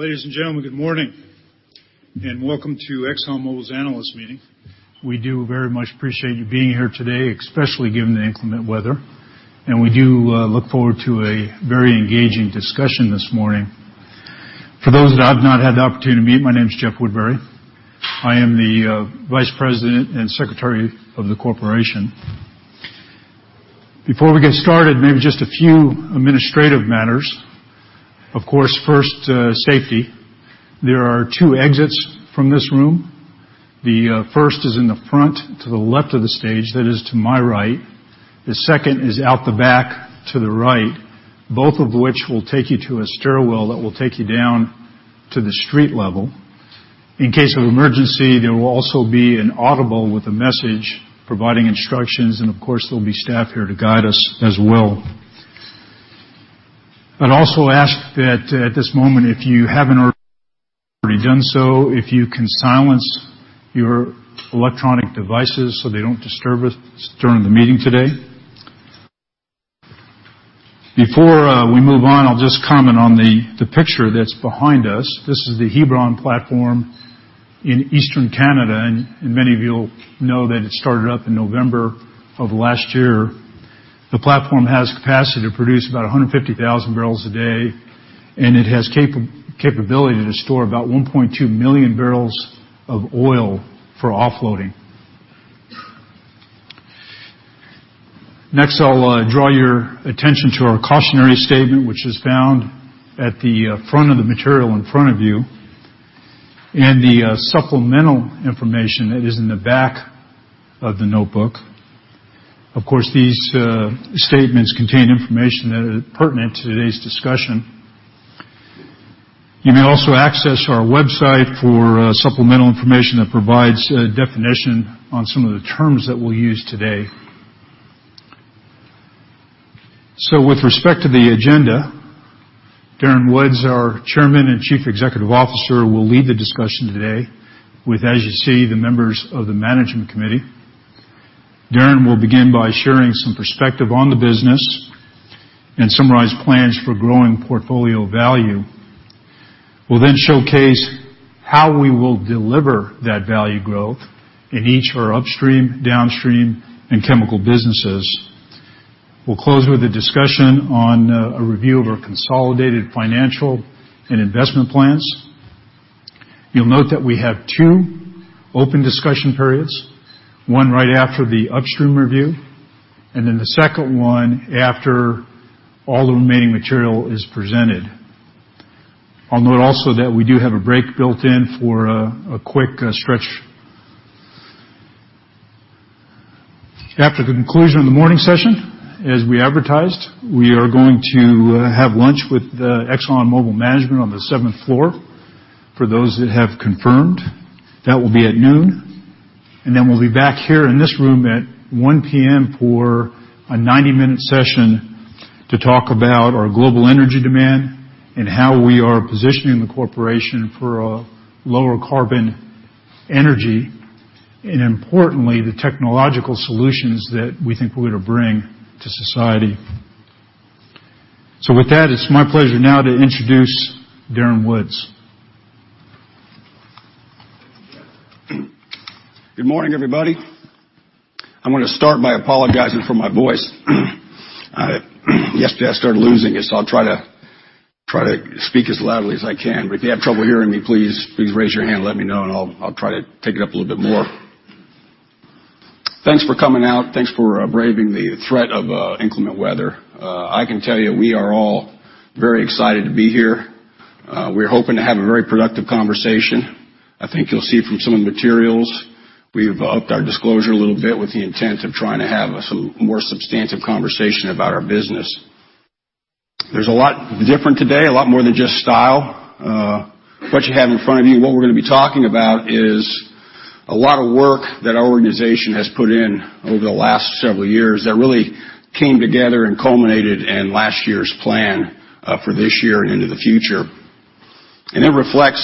Well, ladies and gentlemen, good morning, welcome to ExxonMobil's Analyst Meeting. We do very much appreciate you being here today, especially given the inclement weather, we do look forward to a very engaging discussion this morning. For those that I've not had the opportunity to meet, my name's Jeff Woodbury. I am the Vice President and Secretary of the Corporation. Before we get started, maybe just a few administrative matters. Of course, first, safety. There are two exits from this room. The first is in the front to the left of the stage, that is to my right. The second is out the back to the right, both of which will take you to a stairwell that will take you down to the street level. In case of an emergency, there will also be an audible with a message providing instructions, of course, there'll be staff here to guide us as well. I'd also ask that at this moment, if you haven't already done so, if you can silence your electronic devices so they don't disturb us during the meeting today. Before we move on, I'll just comment on the picture that's behind us. This is the Hebron platform in Eastern Canada, many of you will know that it started up in November of last year. The platform has capacity to produce about 150,000 barrels a day, it has capability to store about 1.2 million barrels of oil for offloading. Next, I'll draw your attention to our cautionary statement, which is found at the front of the material in front of you, the supplemental information that is in the back of the notebook. Of course, these statements contain information that is pertinent to today's discussion. You may also access our website for supplemental information that provides definition on some of the terms that we'll use today. With respect to the agenda, Darren Woods, our Chairman and Chief Executive Officer, will lead the discussion today with, as you see, the members of the Management Committee. Darren will begin by sharing some perspective on the business and summarize plans for growing portfolio value. We'll showcase how we will deliver that value growth in each of our upstream, downstream, and chemical businesses. We'll close with a discussion on a review of our consolidated financial and investment plans. You'll note that we have two open discussion periods, one right after the upstream review, the second one after all the remaining material is presented. I'll note also that we do have a break built in for a quick stretch. After the conclusion of the morning session, as we advertised, we are going to have lunch with the Exxon Mobil management on the seventh floor, for those that have confirmed. That will be at noon, we'll be back here in this room at 1:00 P.M. for a 90-minute session to talk about our global energy demand and how we are positioning the Corporation for a lower carbon energy, importantly, the technological solutions that we think we're going to bring to society. With that, it's my pleasure now to introduce Darren Woods. Thank you, Jeff. Good morning, everybody. I want to start by apologizing for my voice. Yesterday I started losing it, so I'll try to speak as loudly as I can. If you have trouble hearing me, please raise your hand and let me know, and I'll try to take it up a little bit more. Thanks for coming out. Thanks for braving the threat of inclement weather. I can tell you, we are all very excited to be here. We're hoping to have a very productive conversation. I think you'll see from some of the materials, we've upped our disclosure a little bit with the intent of trying to have a more substantive conversation about our business. There's a lot different today, a lot more than just style. What you have in front of you, what we're going to be talking about is a lot of work that our organization has put in over the last several years that really came together and culminated in last year's plan for this year and into the future. It reflects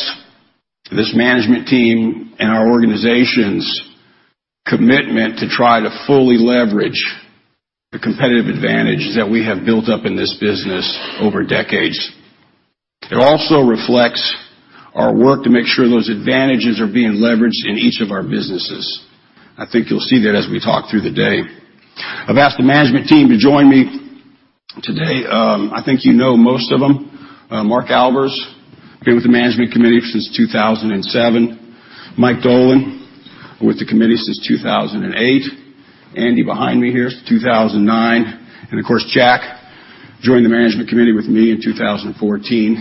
this management team and our organization's commitment to try to fully leverage the competitive advantages that we have built up in this business over decades. It also reflects our work to make sure those advantages are being leveraged in each of our businesses. I think you'll see that as we talk through the day. I've asked the management team to join me today. I think you know most of them. Mark Albers, been with the management committee since 2007. Mike Dolan, with the committee since 2008. Andy behind me here since 2009. Of course, Jack joined the management committee with me in 2014.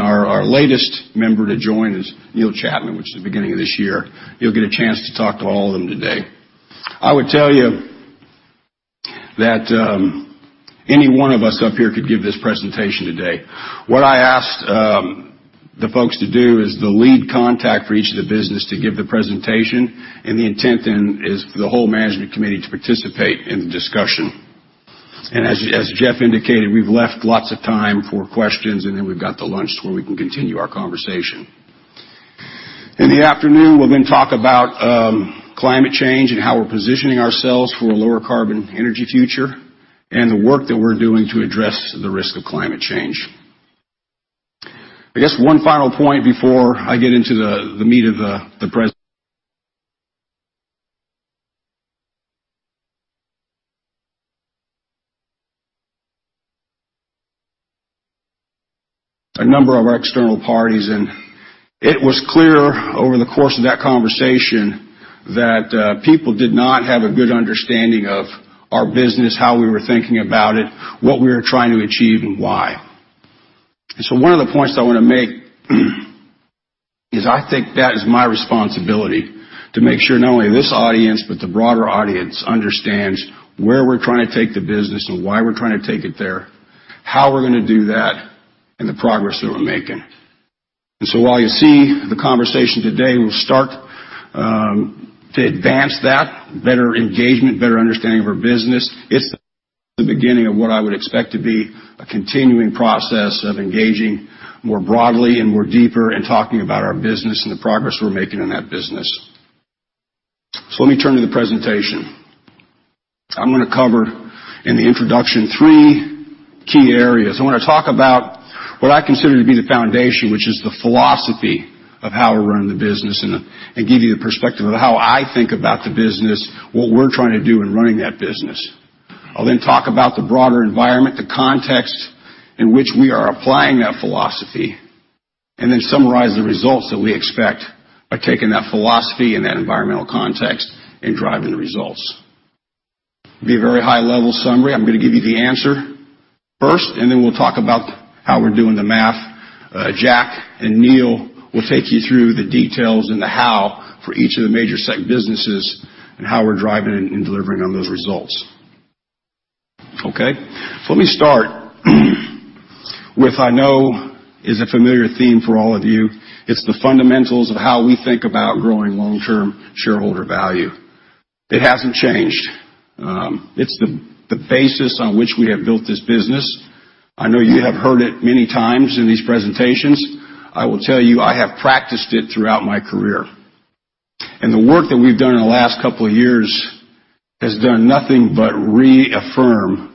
Our latest member to join is Neil Chapman, which was the beginning of this year. You'll get a chance to talk to all of them today. I would tell you that any one of us up here could give this presentation today. What I asked the folks to do is the lead contact for each of the business to give the presentation, and the intent then is for the whole management committee to participate in the discussion. As Jeff indicated, we've left lots of time for questions, and then we've got the lunch where we can continue our conversation. In the afternoon, we'll then talk about climate change and how we're positioning ourselves for a lower carbon energy future, and the work that we're doing to address the risk of climate change. I guess one final point before I get into the meat of the presentation. A number of our external parties, and it was clear over the course of that conversation that people did not have a good understanding of our business, how we were thinking about it, what we were trying to achieve, and why. One of the points that I want to make is I think that is my responsibility, to make sure not only this audience but the broader audience understands where we're trying to take the business and why we're trying to take it there, how we're going to do that, and the progress that we're making. While you see the conversation today will start to advance that better engagement, better understanding of our business. It's the beginning of what I would expect to be a continuing process of engaging more broadly and more deeply in talking about our business and the progress we're making in that business. Let me turn to the presentation. I'm going to cover in the introduction three key areas. I want to talk about what I consider to be the foundation, which is the philosophy of how to run the business and give you the perspective of how I think about the business, what we're trying to do in running that business. I'll talk about the broader environment, the context in which we are applying that philosophy, and then summarize the results that we expect by taking that philosophy and that environmental context and driving the results. It'll be a very high-level summary. I'm going to give you the answer first, and then we'll talk about how we're doing the math. Jack and Neil will take you through the details and the how for each of the major segment businesses and how we're driving and delivering on those results. Okay. Let me start with I know is a familiar theme for all of you. It's the fundamentals of how we think about growing long-term shareholder value. It hasn't changed. It's the basis on which we have built this business. I know you have heard it many times in these presentations. I will tell you, I have practiced it throughout my career. The work that we've done in the last couple of years has done nothing but reaffirm the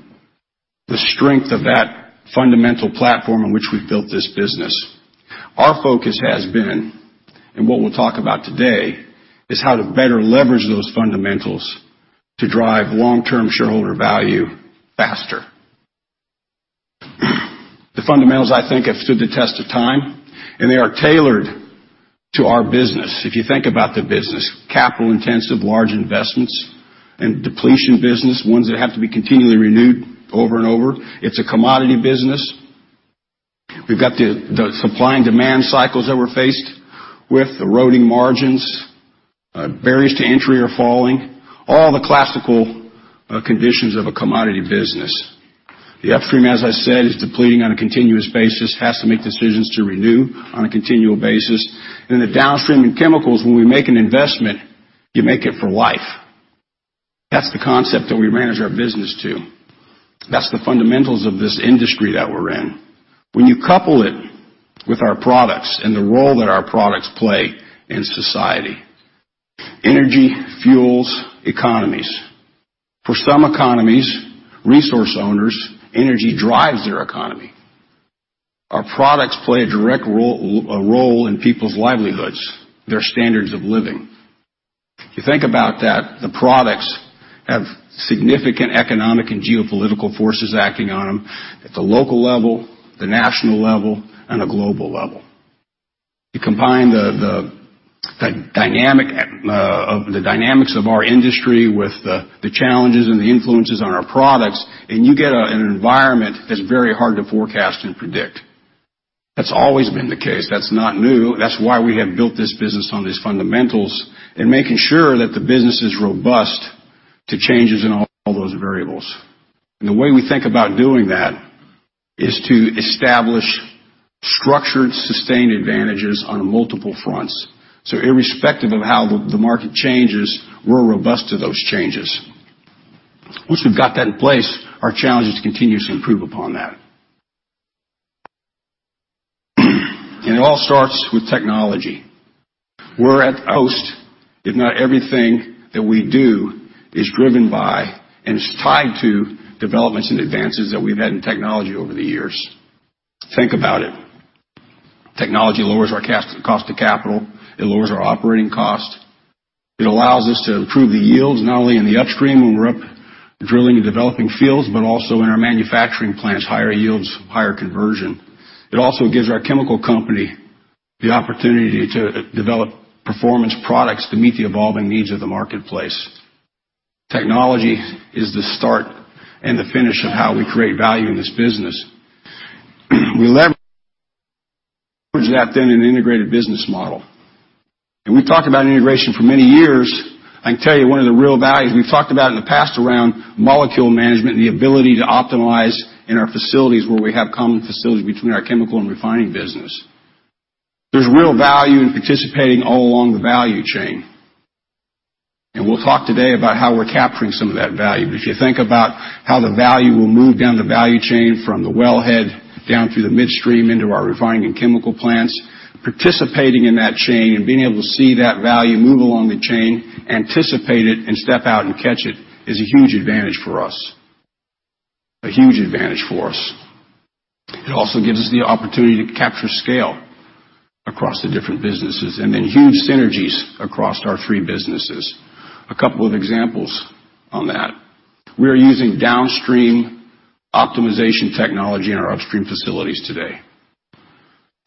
strength of that fundamental platform on which we've built this business. Our focus has been, and what we'll talk about today, is how to better leverage those fundamentals to drive long-term shareholder value faster. The fundamentals, I think, have stood the test of time, and they are tailored to our business. If you think about the business, capital-intensive large investments and depletion business, ones that have to be continually renewed over and over. It's a commodity business. We've got the supply and demand cycles that we're faced with, eroding margins, barriers to entry are falling. All the classical conditions of a commodity business. The upstream, as I said, is depleting on a continuous basis. It has to make decisions to renew on a continual basis. In the downstream, in chemicals, when we make an investment, you make it for life. That's the concept that we manage our business to. That's the fundamentals of this industry that we're in. When you couple it with our products and the role that our products play in society. Energy fuels economies. For some economies, resource owners, energy drives their economy. Our products play a direct role, a role in people's livelihoods, their standards of living. If you think about that, the products have significant economic and geopolitical forces acting on them at the local level, the national level, and a global level. You combine the dynamics of our industry with the challenges and the influences on our products, and you get an environment that's very hard to forecast and predict. That's always been the case. That's not new. That's why we have built this business on these fundamentals and making sure that the business is robust to changes in all those variables. The way we think about doing that is to establish structured, sustained advantages on multiple fronts. Irrespective of how the market changes, we're robust to those changes. Once we've got that in place, our challenge is to continuously improve upon that. It all starts with technology. We're a host, if not everything that we do is driven by and is tied to developments and advances that we've had in technology over the years. Think about it. Technology lowers our cost of capital. It lowers our operating cost. It allows us to improve the yields, not only in the upstream when we're up drilling and developing fields, but also in our manufacturing plants, higher yields, higher conversion. It also gives our chemical company the opportunity to develop performance products to meet the evolving needs of the marketplace. Technology is the start and the finish of how we create value in this business. We leverage that then in an integrated business model. We've talked about integration for many years. I can tell you one of the real values we've talked about in the past around molecule management and the ability to optimize in our facilities where we have common facilities between our chemical and refining business. There's real value in participating all along the value chain. We'll talk today about how we're capturing some of that value. If you think about how the value will move down the value chain from the wellhead down through the midstream into our refining and chemical plants, participating in that chain and being able to see that value move along the chain, anticipate it, and step out and catch it is a huge advantage for us. A huge advantage for us. It also gives us the opportunity to capture scale across the different businesses, then huge synergies across our three businesses. A couple of examples on that. We are using downstream optimization technology in our upstream facilities today.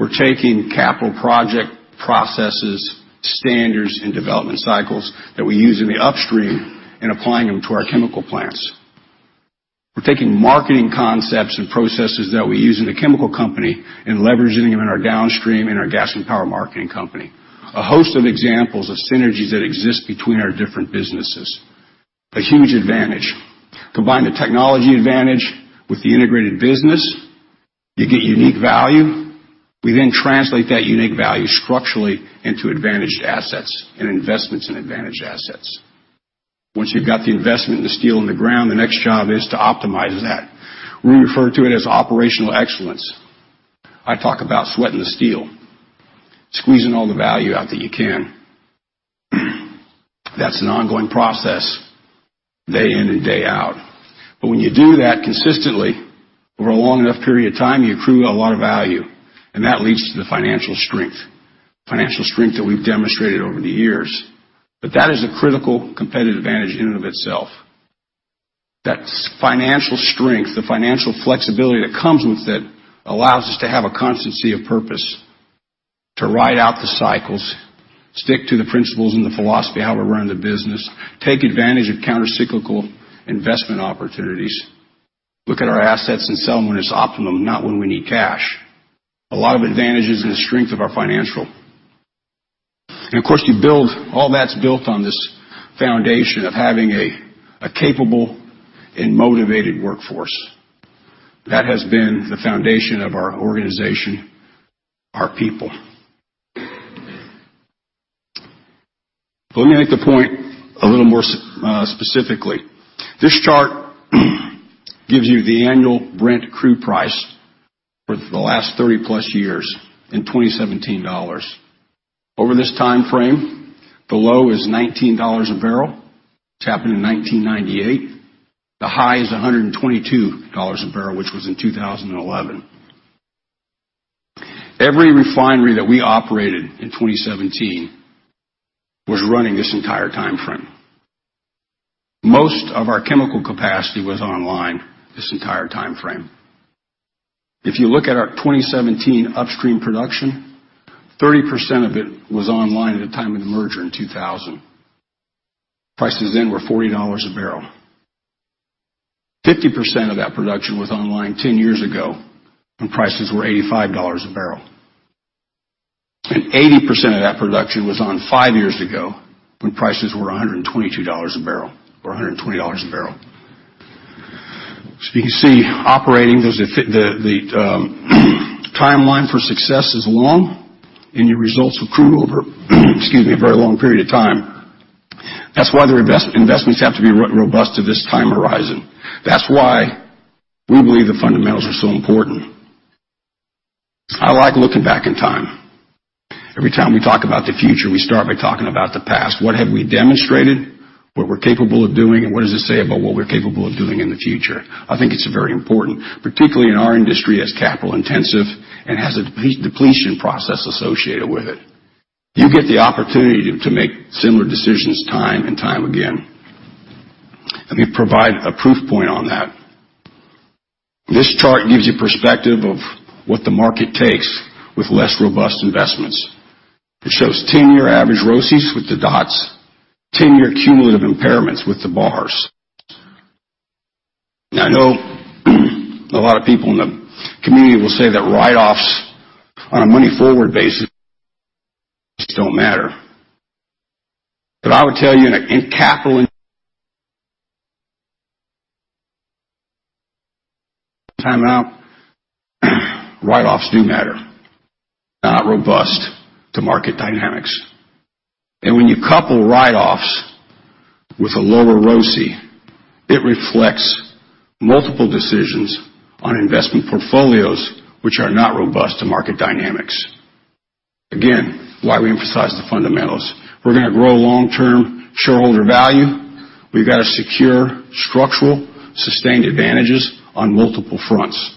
We're taking capital project processes, standards, and development cycles that we use in the upstream and applying them to our chemical plants. We're taking marketing concepts and processes that we use in the chemical company and leveraging them in our downstream, in our gas and power marketing company. A host of examples of synergies that exist between our different businesses. A huge advantage. Combine the technology advantage with the integrated business, you get unique value. We then translate that unique value structurally into advantaged assets and investments in advantaged assets. Once you've got the investment and the steel in the ground, the next job is to optimize that. We refer to it as operational excellence. I talk about sweating the steel, squeezing all the value out that you can. That's an ongoing process day in and day out. When you do that consistently over a long enough period of time, you accrue a lot of value, and that leads to the financial strength. Financial strength that we've demonstrated over the years. That is a critical competitive advantage in and of itself. That financial strength, the financial flexibility that comes with it, allows us to have a constancy of purpose to ride out the cycles, stick to the principles and the philosophy of how we run the business, take advantage of counter-cyclical investment opportunities, look at our assets and sell them when it's optimum, not when we need cash. A lot of advantages in the strength of our financial. Of course, all that's built on this foundation of having a capable and motivated workforce. That has been the foundation of our organization, our people. Let me make the point a little more specifically. This chart gives you the annual Brent crude price for the last 30+ years in 2017 dollars. Over this time frame, the low is $19 a barrel, which happened in 1998. The high is $122 a barrel, which was in 2011. Every refinery that we operated in 2017 was running this entire time frame. Most of our chemical capacity was online this entire time frame. If you look at our 2017 upstream production, 30% of it was online at the time of the merger in 2000. Prices then were $40 a barrel. 50% of that production was online 10 years ago when prices were $85 a barrel. 80% of that production was on five years ago when prices were $122 a barrel or $120 a barrel. You can see operating, the timeline for success is long, and your results accrue over, excuse me, a very long period of time. That's why the investments have to be robust to this time horizon. That's why we believe the fundamentals are so important. I like looking back in time. Every time we talk about the future, we start by talking about the past. What have we demonstrated, what we're capable of doing, and what does it say about what we're capable of doing in the future? I think it's very important, particularly in our industry, as capital-intensive and has a depletion process associated with it. You get the opportunity to make similar decisions time and time again. Let me provide a proof point on that. This chart gives you perspective of what the market takes with less robust investments. It shows 10-year average ROCEs with the dots, 10-year cumulative impairments with the bars. I know a lot of people in the community will say that write-offs on a money-forward basis don't matter. I would tell you in a capital time out, write-offs do matter. They're not robust to market dynamics. When you couple write-offs with a lower ROCE, it reflects multiple decisions on investment portfolios which are not robust to market dynamics. Again, why we emphasize the fundamentals. We're going to grow long-term shareholder value. We've got to secure structural sustained advantages on multiple fronts.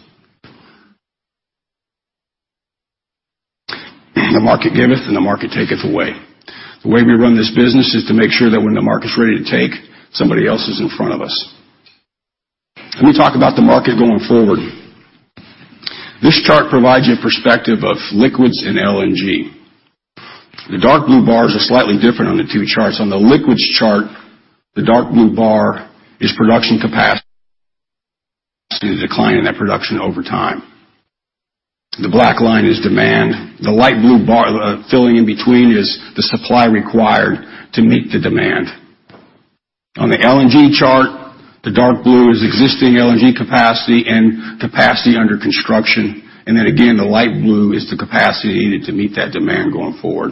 The market giveth, and the market taketh away. The way we run this business is to make sure that when the market's ready to take, somebody else is in front of us. Let me talk about the market going forward. This chart provides you perspective of liquids and LNG. The dark blue bars are slightly different on the two charts. On the liquids chart, the dark blue bar is production capacity decline in that production over time. The black line is demand. The light blue bar filling in between is the supply required to meet the demand. On the LNG chart, the dark blue is existing LNG capacity and capacity under construction. Then again, the light blue is the capacity needed to meet that demand going forward.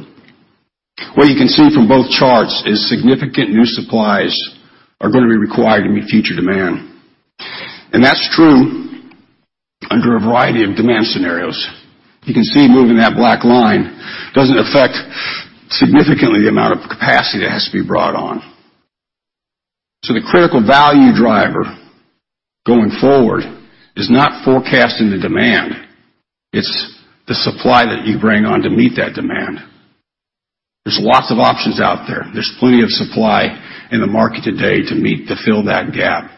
What you can see from both charts is significant new supplies are going to be required to meet future demand. That's true under a variety of demand scenarios. You can see moving that black line doesn't affect significantly the amount of capacity that has to be brought on. The critical value driver going forward is not forecasting the demand, it's the supply that you bring on to meet that demand. There's lots of options out there. There's plenty of supply in the market today to fill that gap.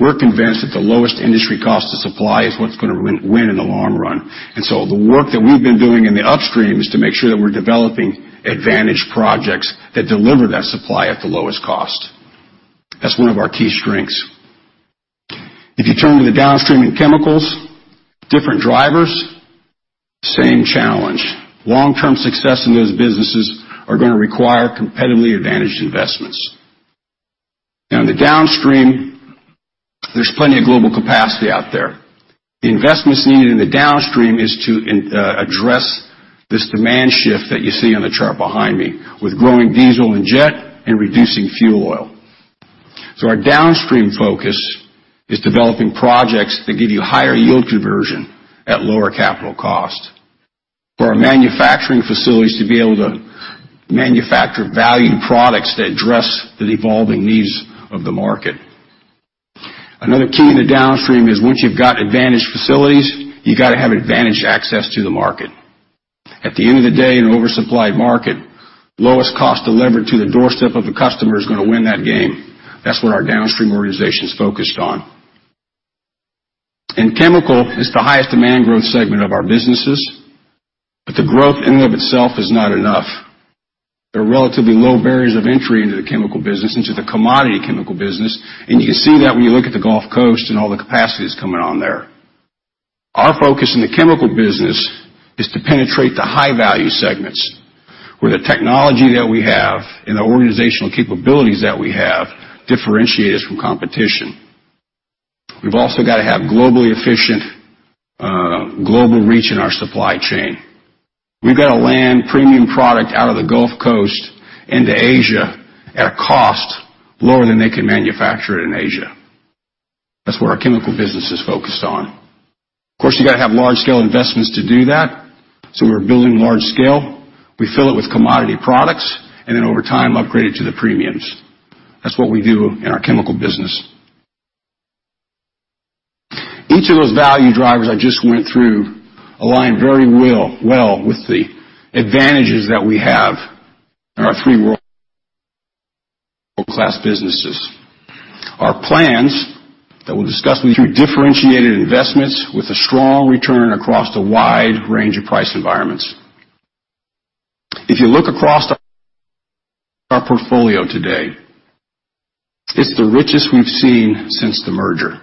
We're convinced that the lowest industry cost of supply is what's going to win in the long run. The work that we've been doing in the upstream is to make sure that we're developing advantage projects that deliver that supply at the lowest cost. That's one of our key strengths. If you turn to the downstream in chemicals, different drivers, same challenge. Long-term success in those businesses are going to require competitively advantaged investments. Now in the downstream, there's plenty of global capacity out there. The investments needed in the downstream is to address this demand shift that you see on the chart behind me with growing diesel and jet and reducing fuel oil. Our downstream focus is developing projects that give you higher yield conversion at lower capital cost. For our manufacturing facilities to be able to manufacture valued products that address the evolving needs of the market. Another key in the downstream is once you've got advantage facilities, you got to have advantage access to the market. At the end of the day, in an oversupplied market, lowest cost delivered to the doorstep of the customer is going to win that game. That's what our downstream organization is focused on. In chemical, it's the highest demand growth segment of our businesses, the growth in and of itself is not enough. There are relatively low barriers of entry into the chemical business, into the commodity chemical business, you can see that when you look at the Gulf Coast and all the capacities coming on there. Our focus in the chemical business is to penetrate the high-value segments where the technology that we have and the organizational capabilities that we have differentiate us from competition. We've also got to have globally efficient global reach in our supply chain. We've got to land premium product out of the Gulf Coast into Asia at a cost lower than they can manufacture it in Asia. That's what our chemical business is focused on. Of course, you got to have large-scale investments to do that. We're building large scale. We fill it with commodity products, over time, upgrade it to the premiums. That's what we do in our chemical business. Each of those value drivers I just went through align very well with the advantages that we have in our three world-class businesses. Our plans that we'll discuss with you, differentiated investments with a strong return across a wide range of price environments. If you look across our portfolio today, it's the richest we've seen since the merger.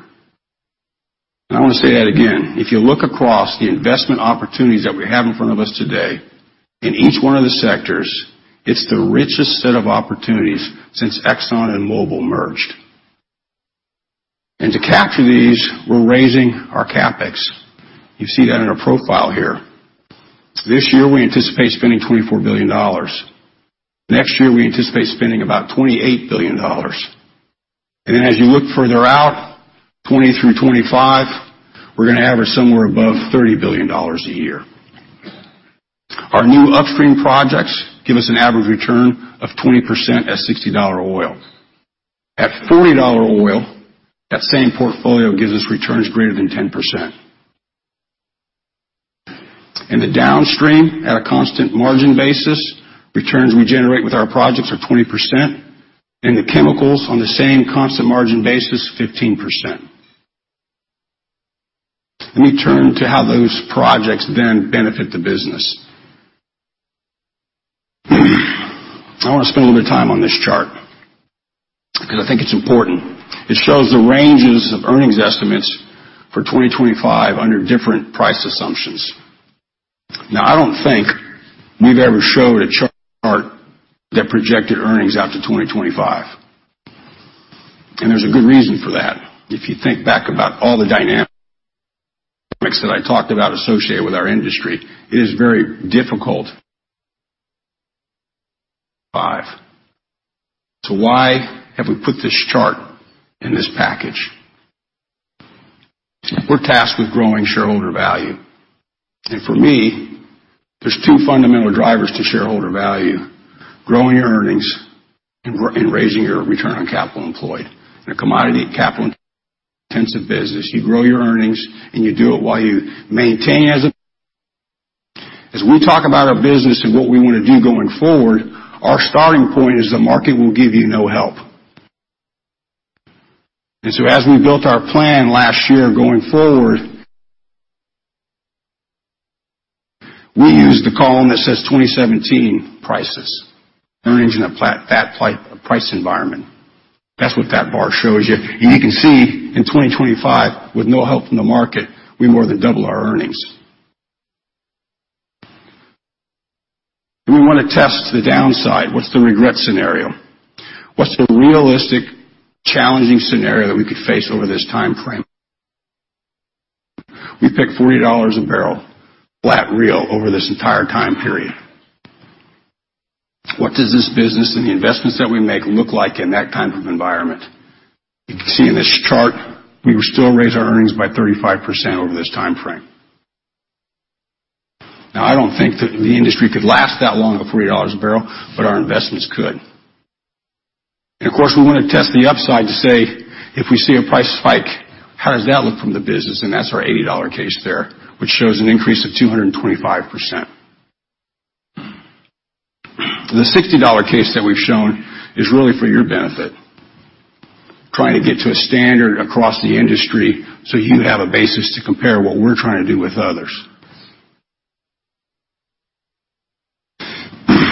I want to say that again. If you look across the investment opportunities that we have in front of us today, in each one of the sectors, it's the richest set of opportunities since Exxon and Mobil merged. To capture these, we're raising our CapEx. You see that in our profile here. This year, we anticipate spending $24 billion. Next year, we anticipate spending about $28 billion. As you look further out, 2020 through 2025, we're going to average somewhere above $30 billion a year. Our new upstream projects give us an average return of 20% at $60 oil. At $40 oil, that same portfolio gives us returns greater than 10%. In the downstream, at a constant margin basis, returns we generate with our projects are 20%, and the chemicals on the same constant margin basis, 15%. Let me turn to how those projects benefit the business. I want to spend a little bit of time on this chart because I think it's important. It shows the ranges of earnings estimates for 2025 under different price assumptions. I don't think we've ever showed a chart that projected earnings out to 2025. There's a good reason for that. If you think back about all the dynamics that I talked about associated with our industry, it is very difficult. Why have we put this chart in this package? We're tasked with growing shareholder value. For me, there's two fundamental drivers to shareholder value, growing your earnings and raising your return on capital employed. In a commodity capital-intensive business, you grow your earnings, and you do it while you maintain. As we talk about our business and what we want to do going forward, our starting point is the market will give you no help. As we built our plan last year going forward, we used the column that says 2017 prices, earnings in that price environment. That's what that bar shows you. You can see in 2025, with no help from the market, we more than double our earnings. We want to test the downside. What's the regret scenario? What's the realistic, challenging scenario that we could face over this timeframe? We picked $40 a barrel, flat real over this entire time period. What does this business and the investments that we make look like in that type of environment? You can see in this chart, we will still raise our earnings by 35% over this timeframe. I don't think that the industry could last that long at $40 a barrel, but our investments could. Of course, we want to test the upside to say, if we see a price spike, how does that look from the business? That's our $80 case there, which shows an increase of 225%. The $60 case that we've shown is really for your benefit, trying to get to a standard across the industry so you have a basis to compare what we're trying to do with others.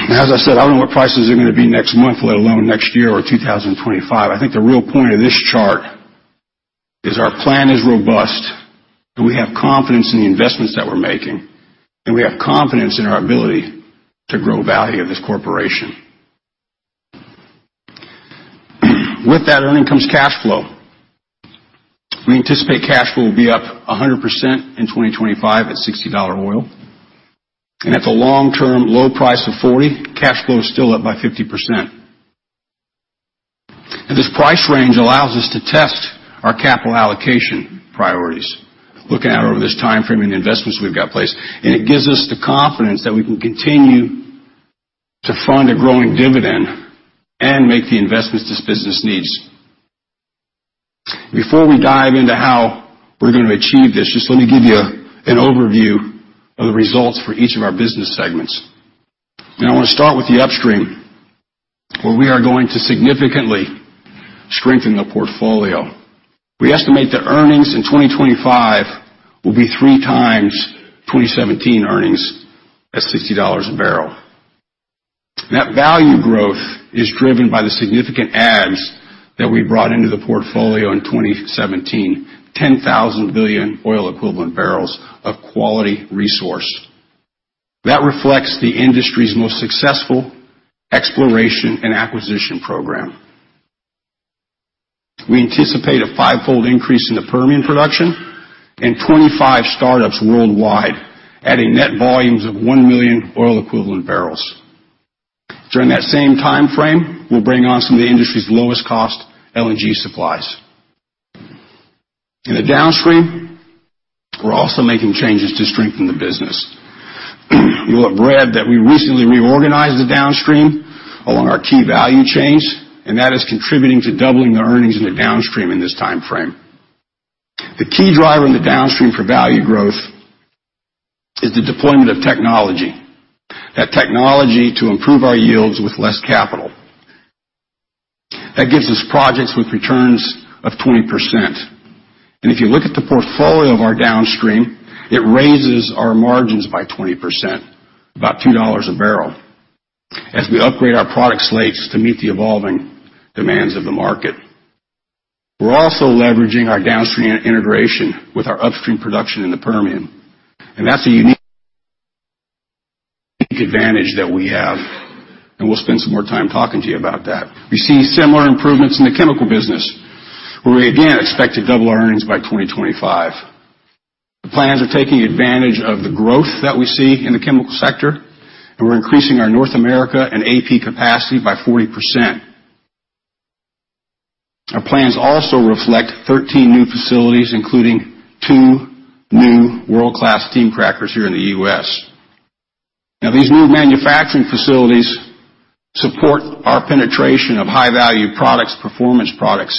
As I said, I don't know what prices are going to be next month, let alone next year or 2025. I think the real point of this chart is our plan is robust, and we have confidence in the investments that we're making, and we have confidence in our ability to grow value of this corporation. With that earnings comes cash flow. We anticipate cash flow will be up 100% in 2025 at $60 oil. At the long-term low price of $40, cash flow is still up by 50%. This price range allows us to test our capital allocation priorities, looking out over this timeframe and the investments we've got placed. It gives us the confidence that we can continue to fund a growing dividend and make the investments this business needs. Before we dive into how we're going to achieve this, just let me give you an overview of the results for each of our business segments. I want to start with the upstream, where we are going to significantly strengthen the portfolio. We estimate that earnings in 2025 will be three times 2017 earnings at $60 a barrel. That value growth is driven by the significant adds that we brought into the portfolio in 2017, 10,000 billion oil equivalent barrels of quality resource. That reflects the industry's most successful exploration and acquisition program. We anticipate a fivefold increase in the Permian production and 25 startups worldwide, adding net volumes of 1 million oil equivalent barrels. During that same timeframe, we'll bring on some of the industry's lowest cost LNG supplies. In the downstream, we're also making changes to strengthen the business. You will have read that we recently reorganized the downstream along our key value chains, that is contributing to doubling the earnings in the downstream in this timeframe. The key driver in the downstream for value growth is the deployment of technology. That technology to improve our yields with less capital. That gives us projects with returns of 20%. If you look at the portfolio of our downstream, it raises our margins by 20%, about $2 a barrel, as we upgrade our product slates to meet the evolving demands of the market. We're also leveraging our downstream integration with our upstream production in the Permian, that's a unique advantage that we have, and we'll spend some more time talking to you about that. We've seen similar improvements in the chemical business, where we again expect to double our earnings by 2025. The plans are taking advantage of the growth that we see in the chemical sector, we're increasing our North America and AP capacity by 40%. Our plans also reflect 13 new facilities, including two new world-class steam crackers here in the U.S. These new manufacturing facilities support our penetration of high-value products, performance products,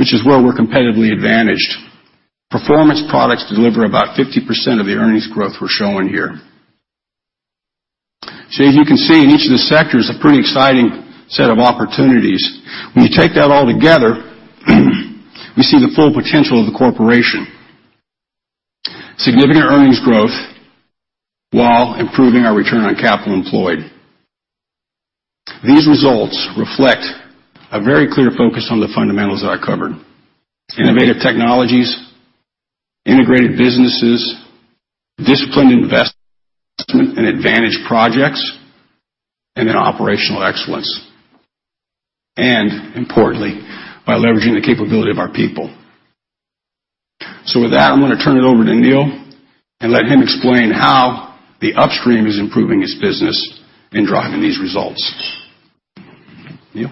which is where we're competitively advantaged. Performance products deliver about 50% of the earnings growth we're showing here. As you can see, in each of the sectors, a pretty exciting set of opportunities. When you take that all together, we see the full potential of the corporation. Significant earnings growth while improving our return on capital employed. These results reflect a very clear focus on the fundamentals that I covered. Innovative technologies, integrated businesses, disciplined investment in advantaged projects, and then operational excellence. Importantly, by leveraging the capability of our people. With that, I'm going to turn it over to Neil and let him explain how the upstream is improving its business in driving these results. Neil?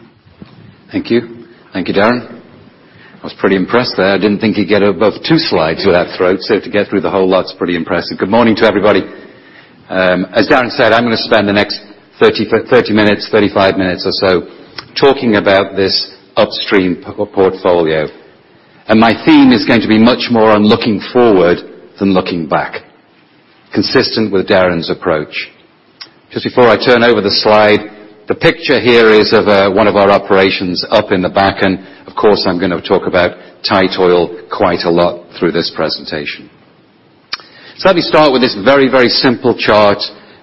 Thank you. Thank you, Darren. I was pretty impressed there. I didn't think you'd get above two slides with that throat, so to get through the whole lot's pretty impressive. Good morning to everybody. As Darren said, I'm going to spend the next 30 minutes, 35 minutes or so talking about this upstream portfolio. My theme is going to be much more on looking forward than looking back, consistent with Darren's approach. Just before I turn over the slide, the picture here is of one of our operations up in the Bakken. Of course, I'm going to talk about tight oil quite a lot through this presentation. Let me start with this very simple chart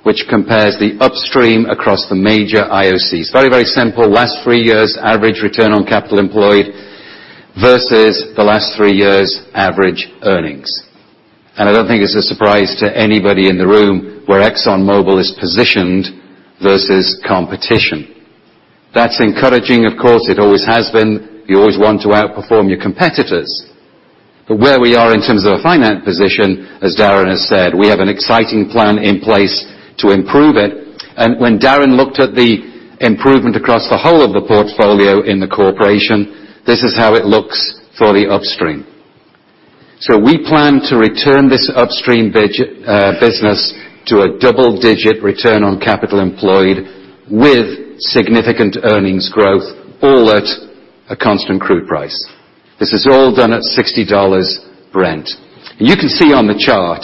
which compares the upstream across the major IOCs. Very simple. Last three years, average return on capital employed versus the last three years' average earnings. I don't think it's a surprise to anybody in the room where ExxonMobil is positioned versus competition. That's encouraging, of course. It always has been. You always want to outperform your competitors. Where we are in terms of a finance position, as Darren has said, we have an exciting plan in place to improve it. When Darren looked at the improvement across the whole of the portfolio in the corporation, this is how it looks for the upstream. We plan to return this upstream business to a double-digit return on capital employed with significant earnings growth, all at a constant crude price. This is all done at $60 Brent. You can see on the chart,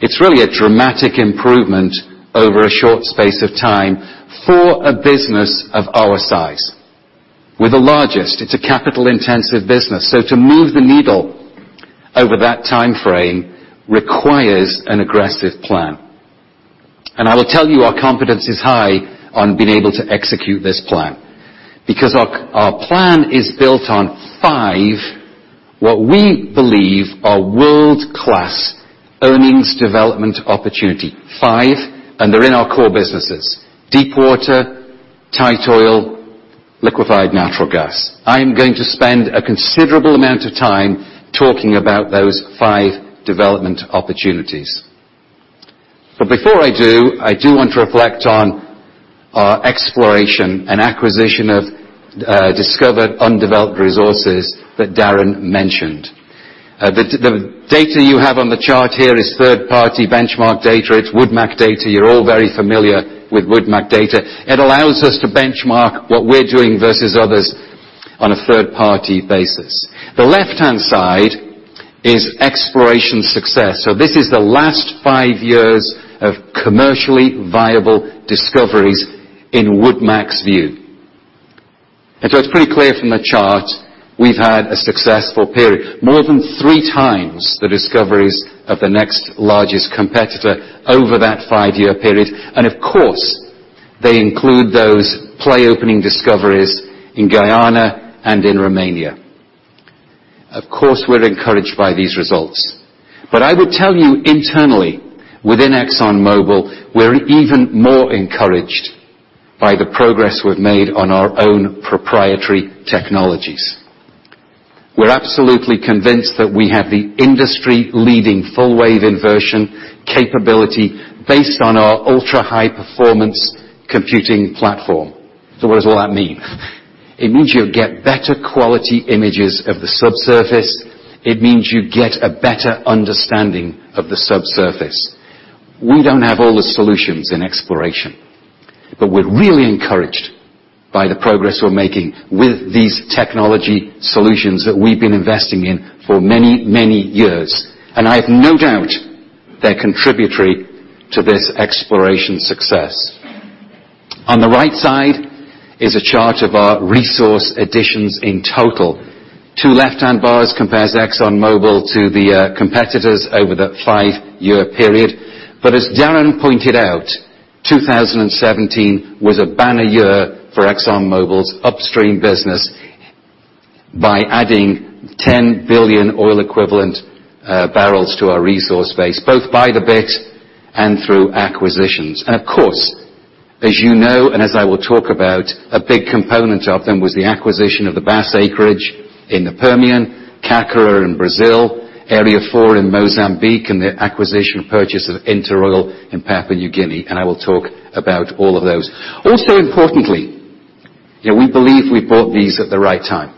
it's really a dramatic improvement over a short space of time for a business of our size. We're the largest. It's a capital-intensive business, to move the needle over that time frame requires an aggressive plan. I will tell you, our confidence is high on being able to execute this plan, because our plan is built on five, what we believe are world-class earnings development opportunity. Five, and they're in our core businesses: deepwater, tight oil, liquefied natural gas. I am going to spend a considerable amount of time talking about those five development opportunities. Before I do, I do want to reflect on our exploration and acquisition of discovered undeveloped resources that Darren mentioned. The data you have on the chart here is third-party benchmark data. It's WoodMac data. You're all very familiar with WoodMac data. It allows us to benchmark what we're doing versus others on a third-party basis. The left-hand side is exploration success. This is the last five years of commercially viable discoveries in WoodMac's view. It's pretty clear from the chart we've had a successful period, more than three times the discoveries of the next largest competitor over that five-year period. Of course, they include those play-opening discoveries in Guyana and in Romania. Of course, we're encouraged by these results, but I would tell you internally within ExxonMobil, we're even more encouraged by the progress we've made on our own proprietary technologies. We're absolutely convinced that we have the industry-leading full-wave inversion capability based on our ultra-high performance computing platform. What does all that mean? It means you'll get better quality images of the subsurface. It means you get a better understanding of the subsurface. We don't have all the solutions in exploration, but we're really encouraged by the progress we're making with these technology solutions that we've been investing in for many, many years. I have no doubt they're contributory to this exploration success. On the right side is a chart of our resource additions in total. Two left-hand bars compare ExxonMobil to the competitors over that five-year period. As Darren Woods pointed out, 2017 was a banner year for ExxonMobil's Upstream business by adding 10 billion oil equivalent barrels to our resource base, both by the bit and through acquisitions. Of course, as you know, and as I will talk about, a big component of them was the acquisition of the Bass acreage in the Permian, Carcara in Brazil, Area 4 in Mozambique, and the acquisition purchase of InterOil in Papua New Guinea, and I will talk about all of those. Importantly, we believe we bought these at the right time.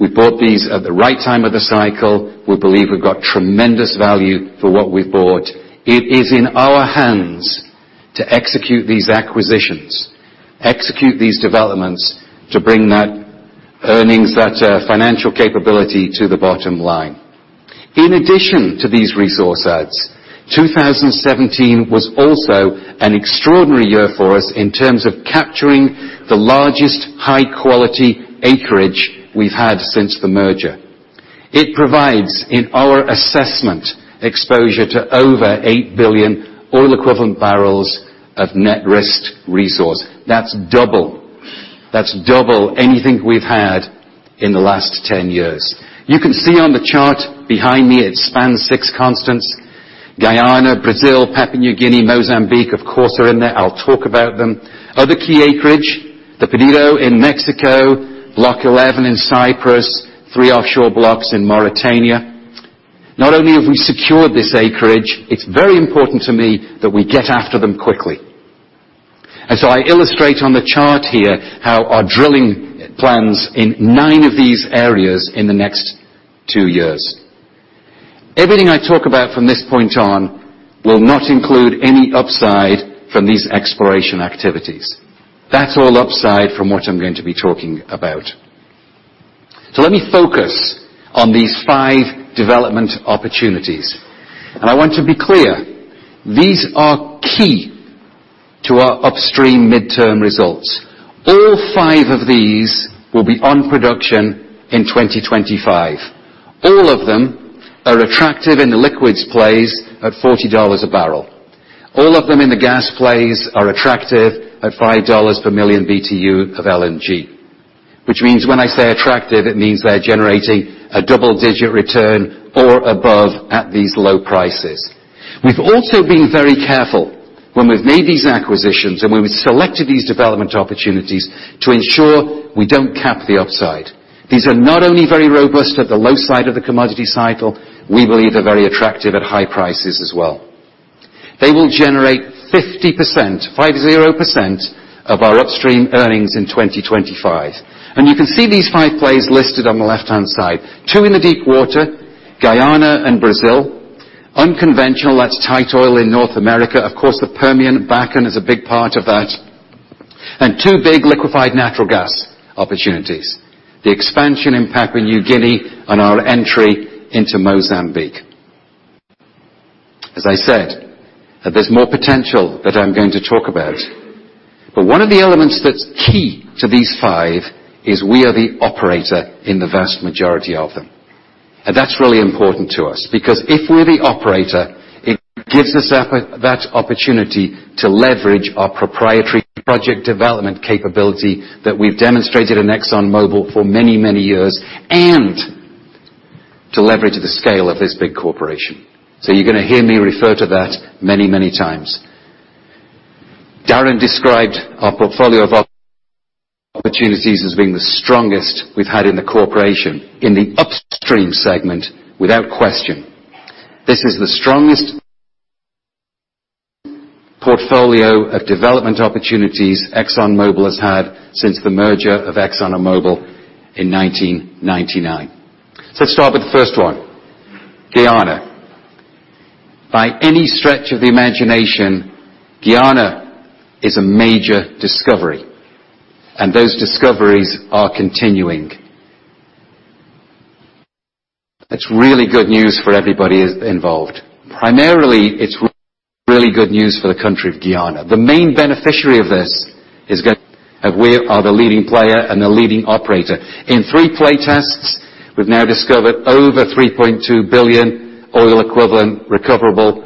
We bought these at the right time of the cycle. We believe we've got tremendous value for what we've bought. It is in our hands to execute these acquisitions, execute these developments, to bring that earnings, that financial capability to the bottom line. In addition to these resource adds, 2017 was also an extraordinary year for us in terms of capturing the largest high-quality acreage we've had since the merger. It provides, in our assessment, exposure to over 8 billion oil equivalent barrels of net risk resource. That's double anything we've had in the last 10 years. You can see on the chart behind me, it spans six continents. Guyana, Brazil, Papua New Guinea, Mozambique, of course, are in there. I'll talk about them. Other key acreage, the Perdido in Mexico, Block 11 in Cyprus, three offshore blocks in Mauritania. Not only have we secured this acreage, it's very important to me that we get after them quickly. I illustrate on the chart here how our drilling plans in nine of these areas in the next two years. Everything I talk about from this point on will not include any upside from these exploration activities. That's all upside from what I'm going to be talking about. Let me focus on these five development opportunities. I want to be clear, these are key to our Upstream midterm results. All five of these will be on production in 2025. All of them are attractive in the liquids plays at $40 a barrel. All of them in the gas plays are attractive at $5 per million BTU of LNG. Which means when I say attractive, it means they're generating a double-digit return or above at these low prices. We've also been very careful when we've made these acquisitions and when we've selected these development opportunities to ensure we don't cap the upside. These are not only very robust at the low side of the commodity cycle, we believe they're very attractive at high prices as well. They will generate 50% of our Upstream earnings in 2025. You can see these five plays listed on the left-hand side. Two in the deepwater, Guyana and Brazil. Unconventional, that's tight oil in North America. Of course, the Permian Basin is a big part of that. Two big liquefied natural gas opportunities, the expansion in Papua New Guinea and our entry into Mozambique. As I said, there's more potential that I'm going to talk about. One of the elements that's key to these 5 is we are the operator in the vast majority of them. That's really important to us, because if we're the operator, it gives us that opportunity to leverage our proprietary project development capability that we've demonstrated in ExxonMobil for many, many years, and to leverage the scale of this big corporation. You're gonna hear me refer to that many, many times. Darren described our portfolio of opportunities as being the strongest we've had in the corporation in the Upstream segment without question. This is the strongest portfolio of development opportunities ExxonMobil has had since the merger of Exxon and Mobil in 1999. Let's start with the first one, Guyana. By any stretch of the imagination, Guyana is a major discovery, and those discoveries are continuing. That's really good news for everybody involved. Primarily it's really good news for the country of Guyana. We are the leading player and the leading operator. In 3 play tests, we've now discovered over 3.2 billion oil equivalent recoverable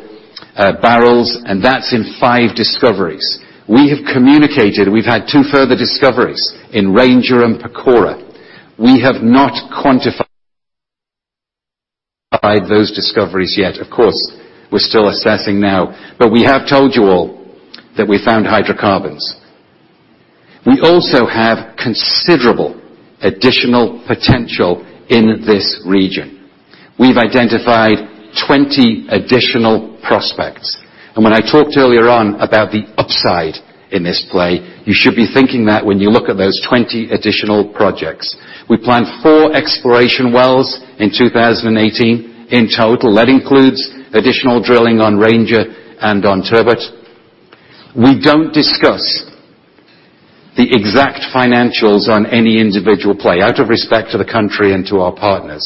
barrels, and that's in 5 discoveries. We have communicated, we've had 2 further discoveries in Ranger and Pacora. We have not quantified those discoveries yet. Of course, we're still assessing now. We have told you all that we found hydrocarbons. We also have considerable additional potential in this region. We've identified 20 additional prospects. When I talked earlier on about the upside in this play, you should be thinking that when you look at those 20 additional projects. We plan 4 exploration wells in 2018 in total. That includes additional drilling on Ranger and on Turbot. We don't discuss the exact financials on any individual play out of respect to the country and to our partners.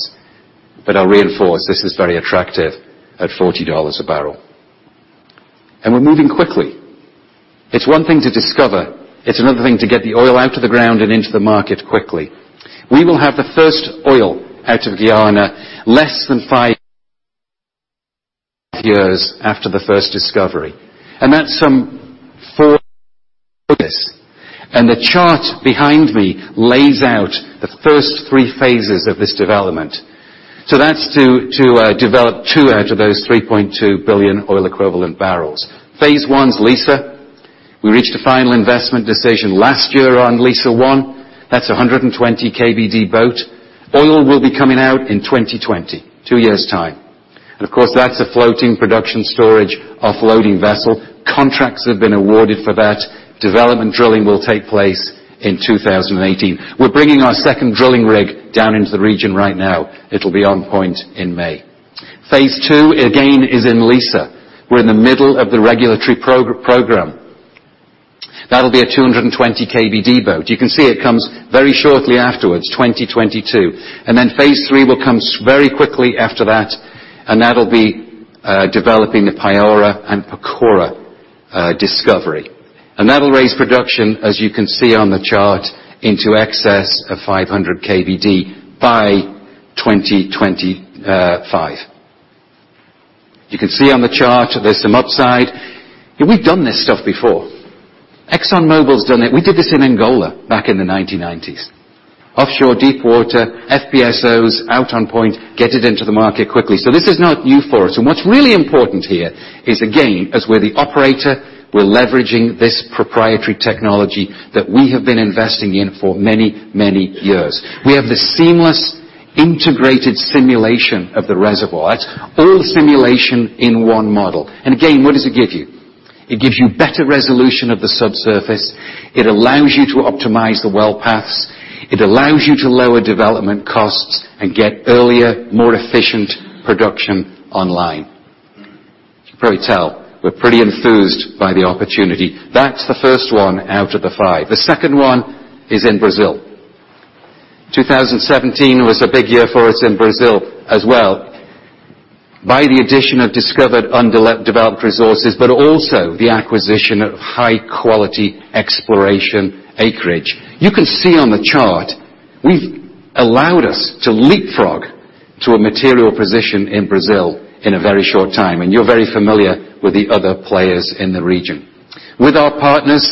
I'll reinforce, this is very attractive at $40 a barrel. We're moving quickly. It's one thing to discover, it's another thing to get the oil out of the ground and into the market quickly. We will have the first oil out of Guyana less than 5 years after the first discovery, and that's some 4 years. The chart behind me lays out the first 3 phases of this development. That's to develop 2 out of those 3.2 billion oil equivalent barrels. Phase 1's Liza. We reached a final investment decision last year on Liza 1. That's 120 KBD boat. Oil will be coming out in 2020, 2 years' time. Of course, that's a floating production storage offloading vessel. Contracts have been awarded for that. Development drilling will take place in 2018. We're bringing our second drilling rig down into the region right now. It'll be on point in May. Phase 2, again, is in Liza. We're in the middle of the regulatory program. That'll be a 220 KBD boat. You can see it comes very shortly afterwards, 2022. Phase 3 will come very quickly after that, and that'll be developing the Payara and Pacora discovery. That'll raise production, as you can see on the chart, into excess of 500 KBD by 2025. You can see on the chart there's some upside. We've done this stuff before. ExxonMobil's done it. We did this in Angola back in the 1990s. Offshore deepwater, FPSOs out on point, get it into the market quickly. This is not new for us. What's really important here is, again, as we're the operator, we're leveraging this proprietary technology that we have been investing in for many, many years. We have the seamless integrated simulation of the reservoir. That's all the simulation in one model. Again, what does it give you? It gives you better resolution of the subsurface. It allows you to optimize the well paths. It allows you to lower development costs and get earlier, more efficient production online. You can probably tell we're pretty enthused by the opportunity. That's the first one out of the five. The second one is in Brazil. 2017 was a big year for us in Brazil as well by the addition of discovered undeveloped resources, but also the acquisition of high-quality exploration acreage. You can see on the chart We've allowed us to leapfrog to a material position in Brazil in a very short time, and you're very familiar with the other players in the region. With our partners,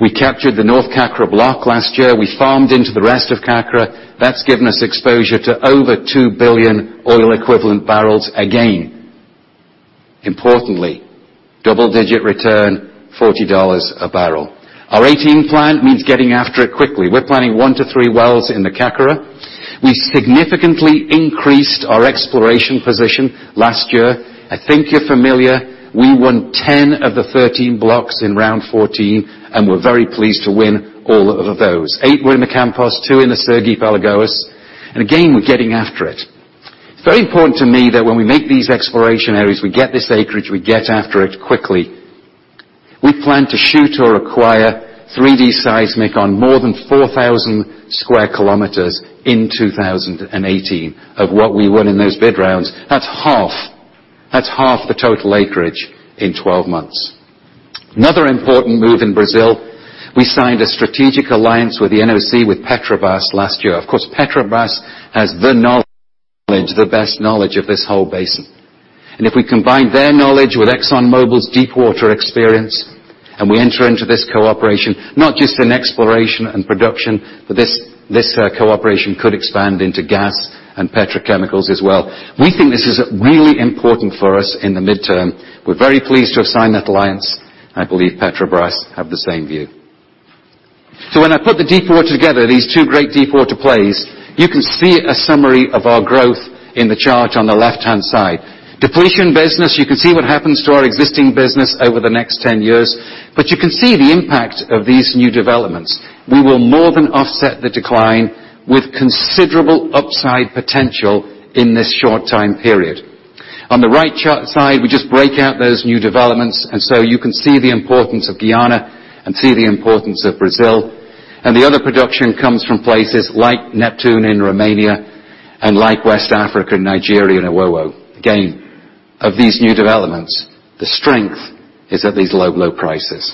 we captured the North Carcara block last year. We farmed into the rest of Carcara. That's given us exposure to over 2 billion oil equivalent barrels. Again, importantly, double-digit return, $40 a barrel. Our 2018 plan means getting after it quickly. We're planning one to three wells in the Carcara. We significantly increased our exploration position last year. I think you're familiar, we won 10 of the 13 blocks in round 14, and we're very pleased to win all of those. Eight were in the Campos, two in the Sergipe-Alagoas. Again, we're getting after it. It's very important to me that when we make these exploration areas, we get this acreage, we get after it quickly. We plan to shoot or acquire 3D seismic on more than 4,000 square kilometers in 2018 of what we won in those bid rounds. That's half the total acreage in 12 months. Another important move in Brazil, we signed a strategic alliance with the NOC with Petrobras last year. Of course, Petrobras has the knowledge, the best knowledge of this whole basin. If we combine their knowledge with Exxon Mobil's deepwater experience, and we enter into this cooperation, not just in exploration and production, but this cooperation could expand into gas and petrochemicals as well. We think this is really important for us in the midterm. We're very pleased to have signed that alliance. I believe Petrobras have the same view. When I put the deepwater together, these two great deepwater plays, you can see a summary of our growth in the chart on the left-hand side. Depletion business, you can see what happens to our existing business over the next 10 years, but you can see the impact of these new developments. We will more than offset the decline with considerable upside potential in this short time period. On the right chart side, we just break out those new developments, you can see the importance of Guyana and see the importance of Brazil. The other production comes from places like Neptune in Romania and like West Africa, Nigeria and Owowo. Again, of these new developments, the strength is at these low prices.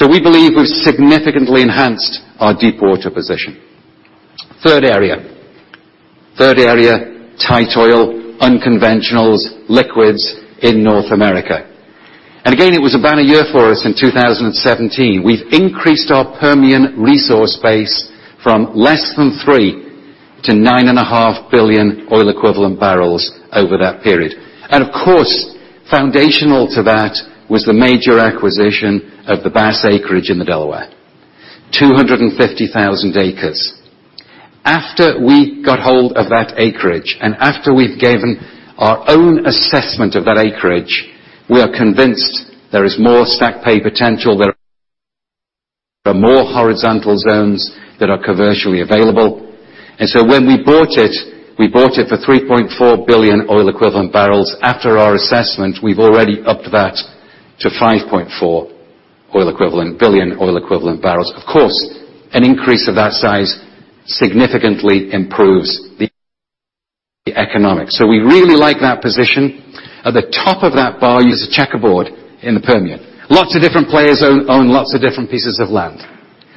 We believe we've significantly enhanced our deepwater position. Third area. Third area, tight oil, unconventionals, liquids in North America. Again, it was a banner year for us in 2017. We've increased our Permian resource base from less than three to 9.5 billion oil equivalent barrels over that period. Of course, foundational to that was the major acquisition of the Bass acreage in the Delaware. 250,000 acres. After we got hold of that acreage, and after we've given our own assessment of that acreage, we are convinced there is more stack pay potential, there are more horizontal zones that are commercially available. When we bought it, we bought it for $3.4 billion oil equivalent barrels. After our assessment, we've already upped that to $5.4 billion oil equivalent barrels. Of course, an increase of that size significantly improves the economics. We really like that position. At the top of that bar is a checkerboard in the Permian. Lots of different players own lots of different pieces of land.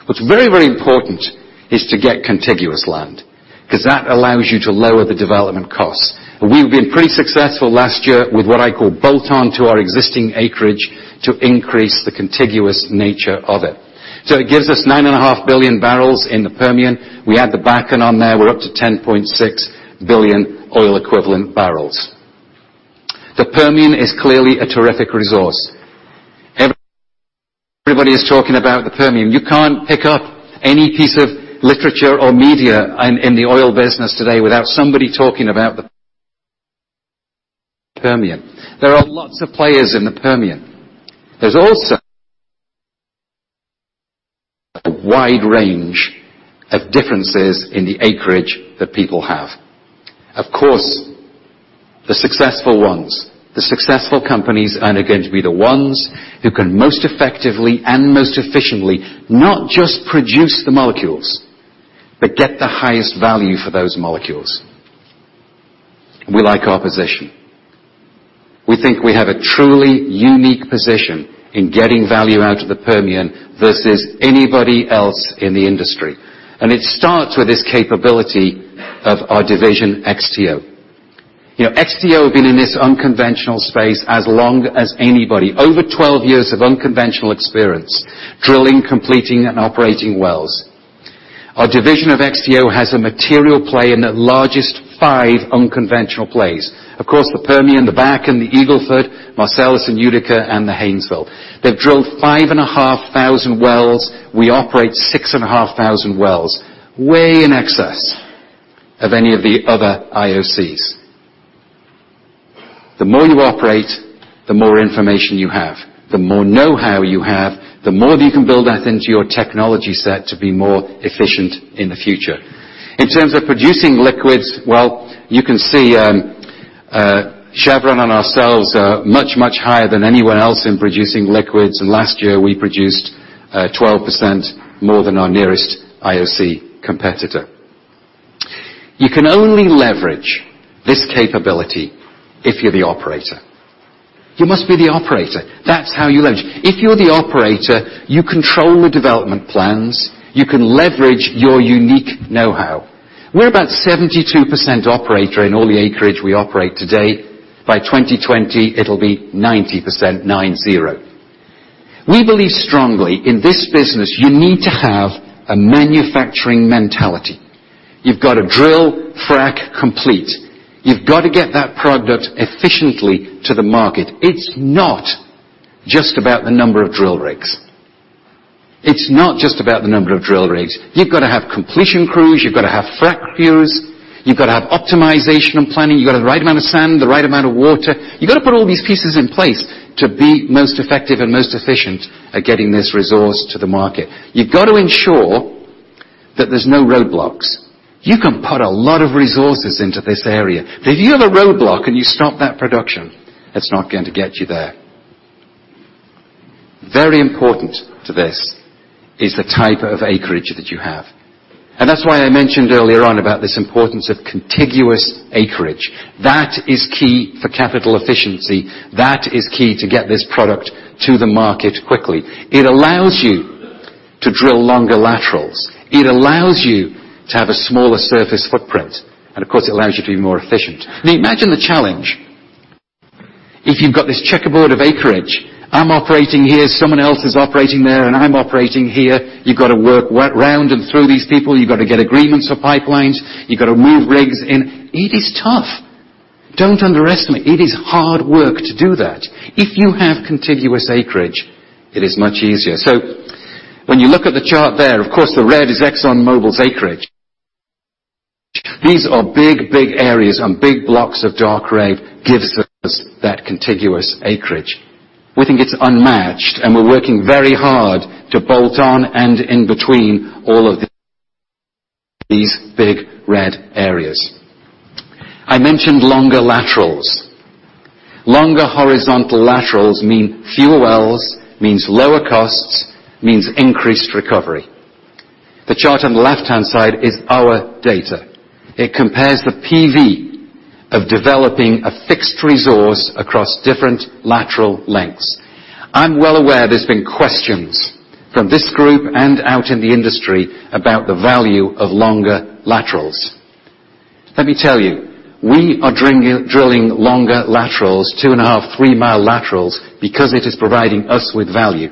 What's very important is to get contiguous land, because that allows you to lower the development costs. We've been pretty successful last year with what I call bolt-on to our existing acreage to increase the contiguous nature of it. It gives us 9.5 billion barrels in the Permian. We add the Bakken on there, we're up to $10.6 billion oil equivalent barrels. The Permian is clearly a terrific resource. Everybody is talking about the Permian. You can't pick up any piece of literature or media in the oil business today without somebody talking about the Permian. There are lots of players in the Permian. There's also a wide range of differences in the acreage that people have. Of course, the successful ones, the successful companies are going to be the ones who can most effectively and most efficiently not just produce the molecules, but get the highest value for those molecules. We like our position. We think we have a truly unique position in getting value out of the Permian versus anybody else in the industry. It starts with this capability of our division, XTO. XTO have been in this unconventional space as long as anybody. Over 12 years of unconventional experience, drilling, completing, and operating wells. Our division of XTO has a material play in the largest five unconventional plays. Of course, the Permian, the Bakken, the Eagle Ford, Marcellus and Utica, and the Haynesville. They've drilled 5,500 wells. We operate 6,500 wells, way in excess of any of the other IOCs. The more you operate, the more information you have. The more know-how you have, the more you can build that into your technology set to be more efficient in the future. In terms of producing liquids, well, you can see Chevron and ourselves are much higher than anyone else in producing liquids, and last year, we produced 12% more than our nearest IOC competitor. You can only leverage this capability if you're the operator. You must be the operator. That's how you leverage. If you're the operator, you control the development plans. You can leverage your unique know-how. We're about 72% operator in all the acreage we operate today. By 2020, it'll be 90%, nine, zero. We believe strongly in this business, you need to have a manufacturing mentality. You've got to drill frack complete. You've got to get that product efficiently to the market. It's not just about the number of drill rigs. You've got to have completion crews. You've got to have frack crews. You've got to have optimization and planning. You've got to have the right amount of sand, the right amount of water. You've got to put all these pieces in place to be most effective and most efficient at getting this resource to the market. You've got to ensure that there's no roadblocks. You can put a lot of resources into this area. If you have a roadblock and you stop that production, it's not going to get you there. Very important to this is the type of acreage that you have. That's why I mentioned earlier on about this importance of contiguous acreage. That is key for capital efficiency. That is key to get this product to the market quickly. It allows you to drill longer laterals. It allows you to have a smaller surface footprint. Of course, it allows you to be more efficient. I mean, imagine the challenge if you've got this checkerboard of acreage. I'm operating here, someone else is operating there, and I'm operating here. You've got to work around and through these people. You've got to get agreements for pipelines. You've got to move rigs in. It is tough. Don't underestimate. It is hard work to do that. If you have contiguous acreage, it is much easier. When you look at the chart there, of course, the red is ExxonMobil's acreage. These are big areas, and big blocks of Dark Rave gives us that contiguous acreage. We think it's unmatched, and we're working very hard to bolt on and in between all of these big red areas. I mentioned longer laterals. Longer horizontal laterals mean fewer wells, means lower costs, means increased recovery. The chart on the left-hand side is our data. It compares the PV of developing a fixed resource across different lateral lengths. I'm well aware there's been questions from this group and out in the industry about the value of longer laterals. Let me tell you, we are drilling longer laterals, two and a half, three-mile laterals because it is providing us with value.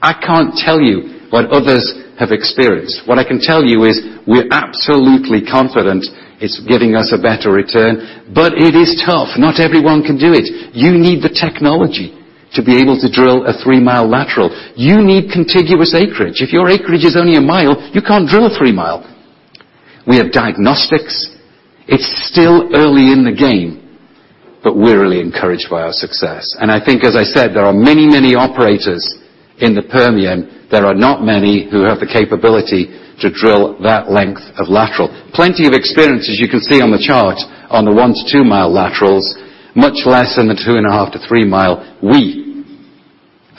I can't tell you what others have experienced. What I can tell you is we're absolutely confident it's giving us a better return, but it is tough. Not everyone can do it. You need the technology to be able to drill a three-mile lateral. You need contiguous acreage. If your acreage is only a mile, you can't drill a three mile. We have diagnostics. It's still early in the game, but we're really encouraged by our success. I think, as I said, there are many, many operators in the Permian. There are not many who have the capability to drill that length of lateral. Plenty of experience, as you can see on the chart, on the one- to two-mile laterals, much less in the two and a half to three mile. We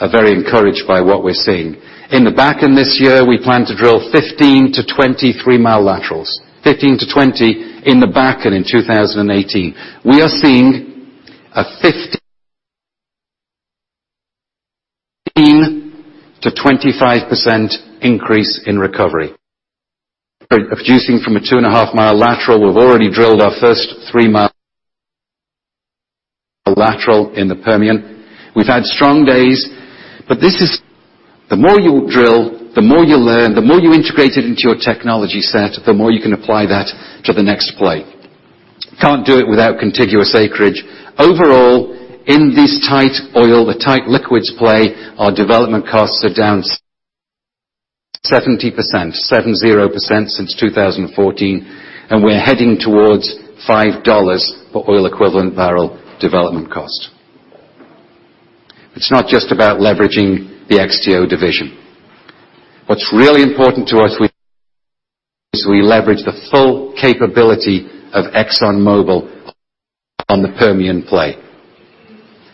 are very encouraged by what we're seeing. In the Bakken this year, we plan to drill 15-20 three-mile laterals. 15-20 in the back and in 2018. We are seeing a 15%-25% increase in recovery. Producing from a two-and-a-half-mile lateral. We've already drilled our first three-mile lateral in the Permian. We've had strong days. The more you drill, the more you learn, the more you integrate it into your technology set, the more you can apply that to the next play. Can't do it without contiguous acreage. Overall, in this tight oil, the tight liquids play, our development costs are down 70% since 2014, and we're heading towards $5 for oil equivalent barrel development cost. It's not just about leveraging the XTO division. What's really important to us is we leverage the full capability of ExxonMobil on the Permian play.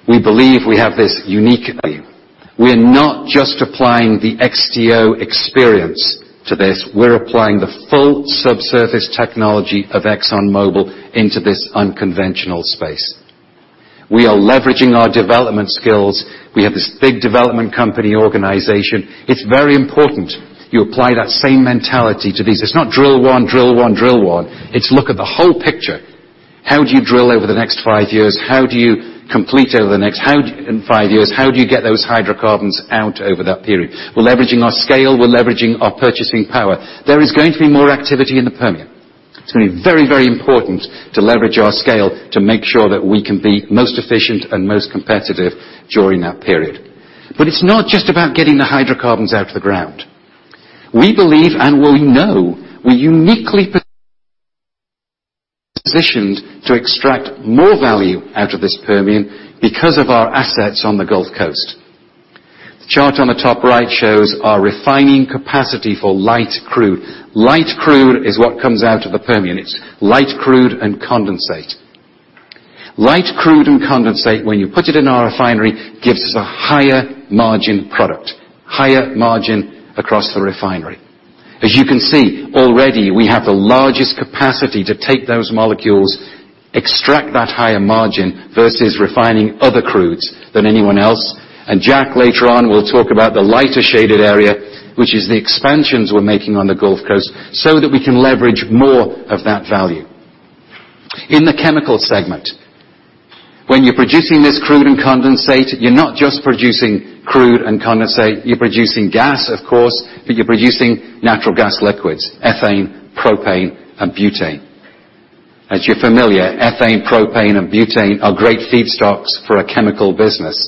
We believe we have this unique value. We are not just applying the XTO experience to this. We're applying the full subsurface technology of ExxonMobil into this unconventional space. We are leveraging our development skills. We have this big development company organization. It's very important you apply that same mentality to these. It's not drill one, drill one, drill one. It's look at the whole picture. How do you drill over the next five years? How do you complete over the next five years? How do you get those hydrocarbons out over that period? We're leveraging our scale. We're leveraging our purchasing power. There is going to be more activity in the Permian. It's going to be very important to leverage our scale to make sure that we can be most efficient and most competitive during that period. It's not just about getting the hydrocarbons out of the ground. We believe, and we know we're uniquely positioned to extract more value out of this Permian because of our assets on the Gulf Coast. The chart on the top right shows our refining capacity for light crude. Light crude is what comes out of the Permian. It's light crude and condensate. Light crude and condensate, when you put it in our refinery, gives us a higher margin product, higher margin across the refinery. As you can see, already we have the largest capacity to take those molecules, extract that higher margin, versus refining other crudes, than anyone else. Jack, later on, will talk about the lighter shaded area, which is the expansions we're making on the Gulf Coast so that we can leverage more of that value. In the chemical segment, when you're producing this crude and condensate, you're not just producing crude and condensate, you're producing gas, of course, but you're producing natural gas liquids, ethane, propane, and butane. As you're familiar, ethane, propane, and butane are great feedstocks for a chemical business.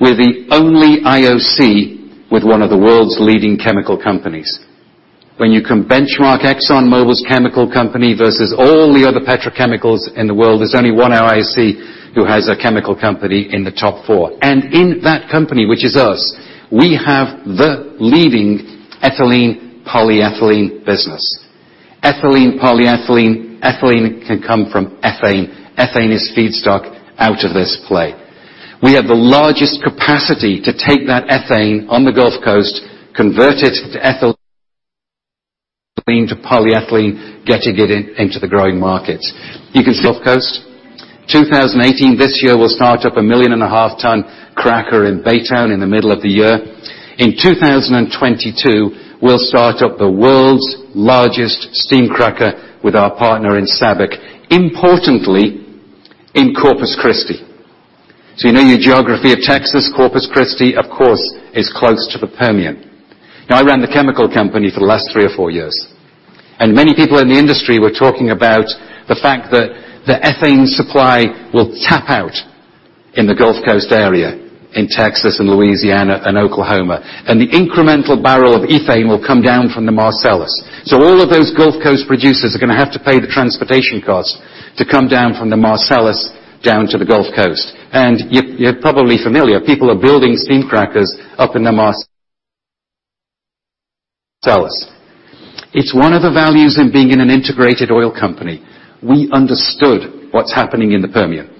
We're the only IOC with one of the world's leading chemical companies. When you can benchmark ExxonMobil's chemical company versus all the other petrochemicals in the world, there's only one IOC who has a chemical company in the top four. In that company, which is us, we have the leading ethylene polyethylene business. Ethylene can come from ethane. Ethane is feedstock out of this play. We have the largest capacity to take that ethane on the Gulf Coast, convert it to ethylene, to polyethylene, getting it into the growing markets. You can see Gulf Coast. 2018, this year, we'll start up a 1.5 million ton cracker in Baytown in the middle of the year. 2022, we'll start up the world's largest steam cracker with our partner in SABIC. Importantly, in Corpus Christi. You know your geography of Texas, Corpus Christi, of course, is close to the Permian. I ran the chemical company for the last three or four years, Many people in the industry were talking about the fact that the ethane supply will tap out in the Gulf Coast area, in Texas and Louisiana and Oklahoma, the incremental barrel of ethane will come down from the Marcellus. All of those Gulf Coast producers are going to have to pay the transportation costs to come down from the Marcellus down to the Gulf Coast. You're probably familiar, people are building steam crackers up in the Marcellus. It's one of the values in being in an integrated oil company. We understood what's happening in the Permian,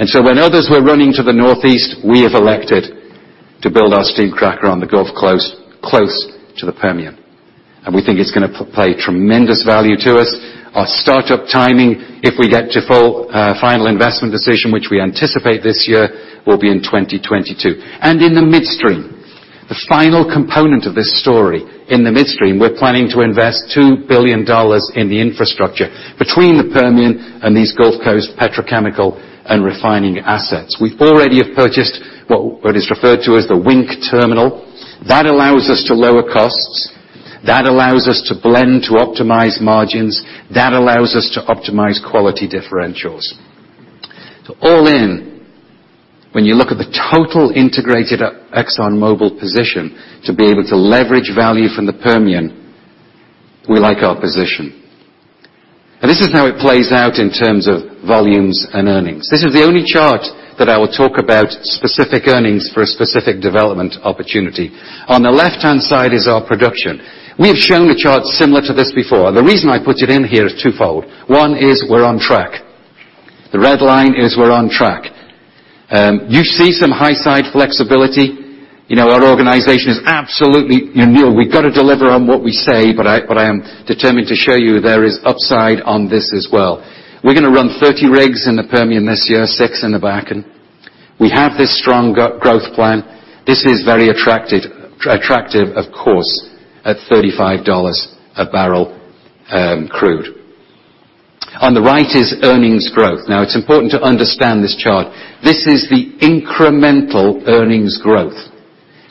when others were running to the northeast, we have elected to build our steam cracker on the Gulf Coast, close to the Permian. We think it's going to play tremendous value to us. Our startup timing, if we get to final investment decision, which we anticipate this year, will be in 2022. In the midstream, the final component of this story. In the midstream, we're planning to invest $2 billion in the infrastructure between the Permian and these Gulf Coast petrochemical and refining assets. We already have purchased what is referred to as the Wink terminal. That allows us to lower costs. That allows us to blend, to optimize margins. That allows us to optimize quality differentials. All in, when you look at the total integrated ExxonMobil position to be able to leverage value from the Permian, we like our position. This is how it plays out in terms of volumes and earnings. This is the only chart that I will talk about specific earnings for a specific development opportunity. On the left-hand side is our production. We have shown a chart similar to this before. The reason I put it in here is twofold. One is we're on track. The red line is we're on track. You see some high side flexibility. Our organization is absolutely [renewed]. We've got to deliver on what we say, but I am determined to show you there is upside on this as well. We're going to run 30 rigs in the Permian this year, six in the Bakken. We have this strong growth plan. This is very attractive, of course, at $35 a barrel crude. On the right is earnings growth. It's important to understand this chart. This is the incremental earnings growth.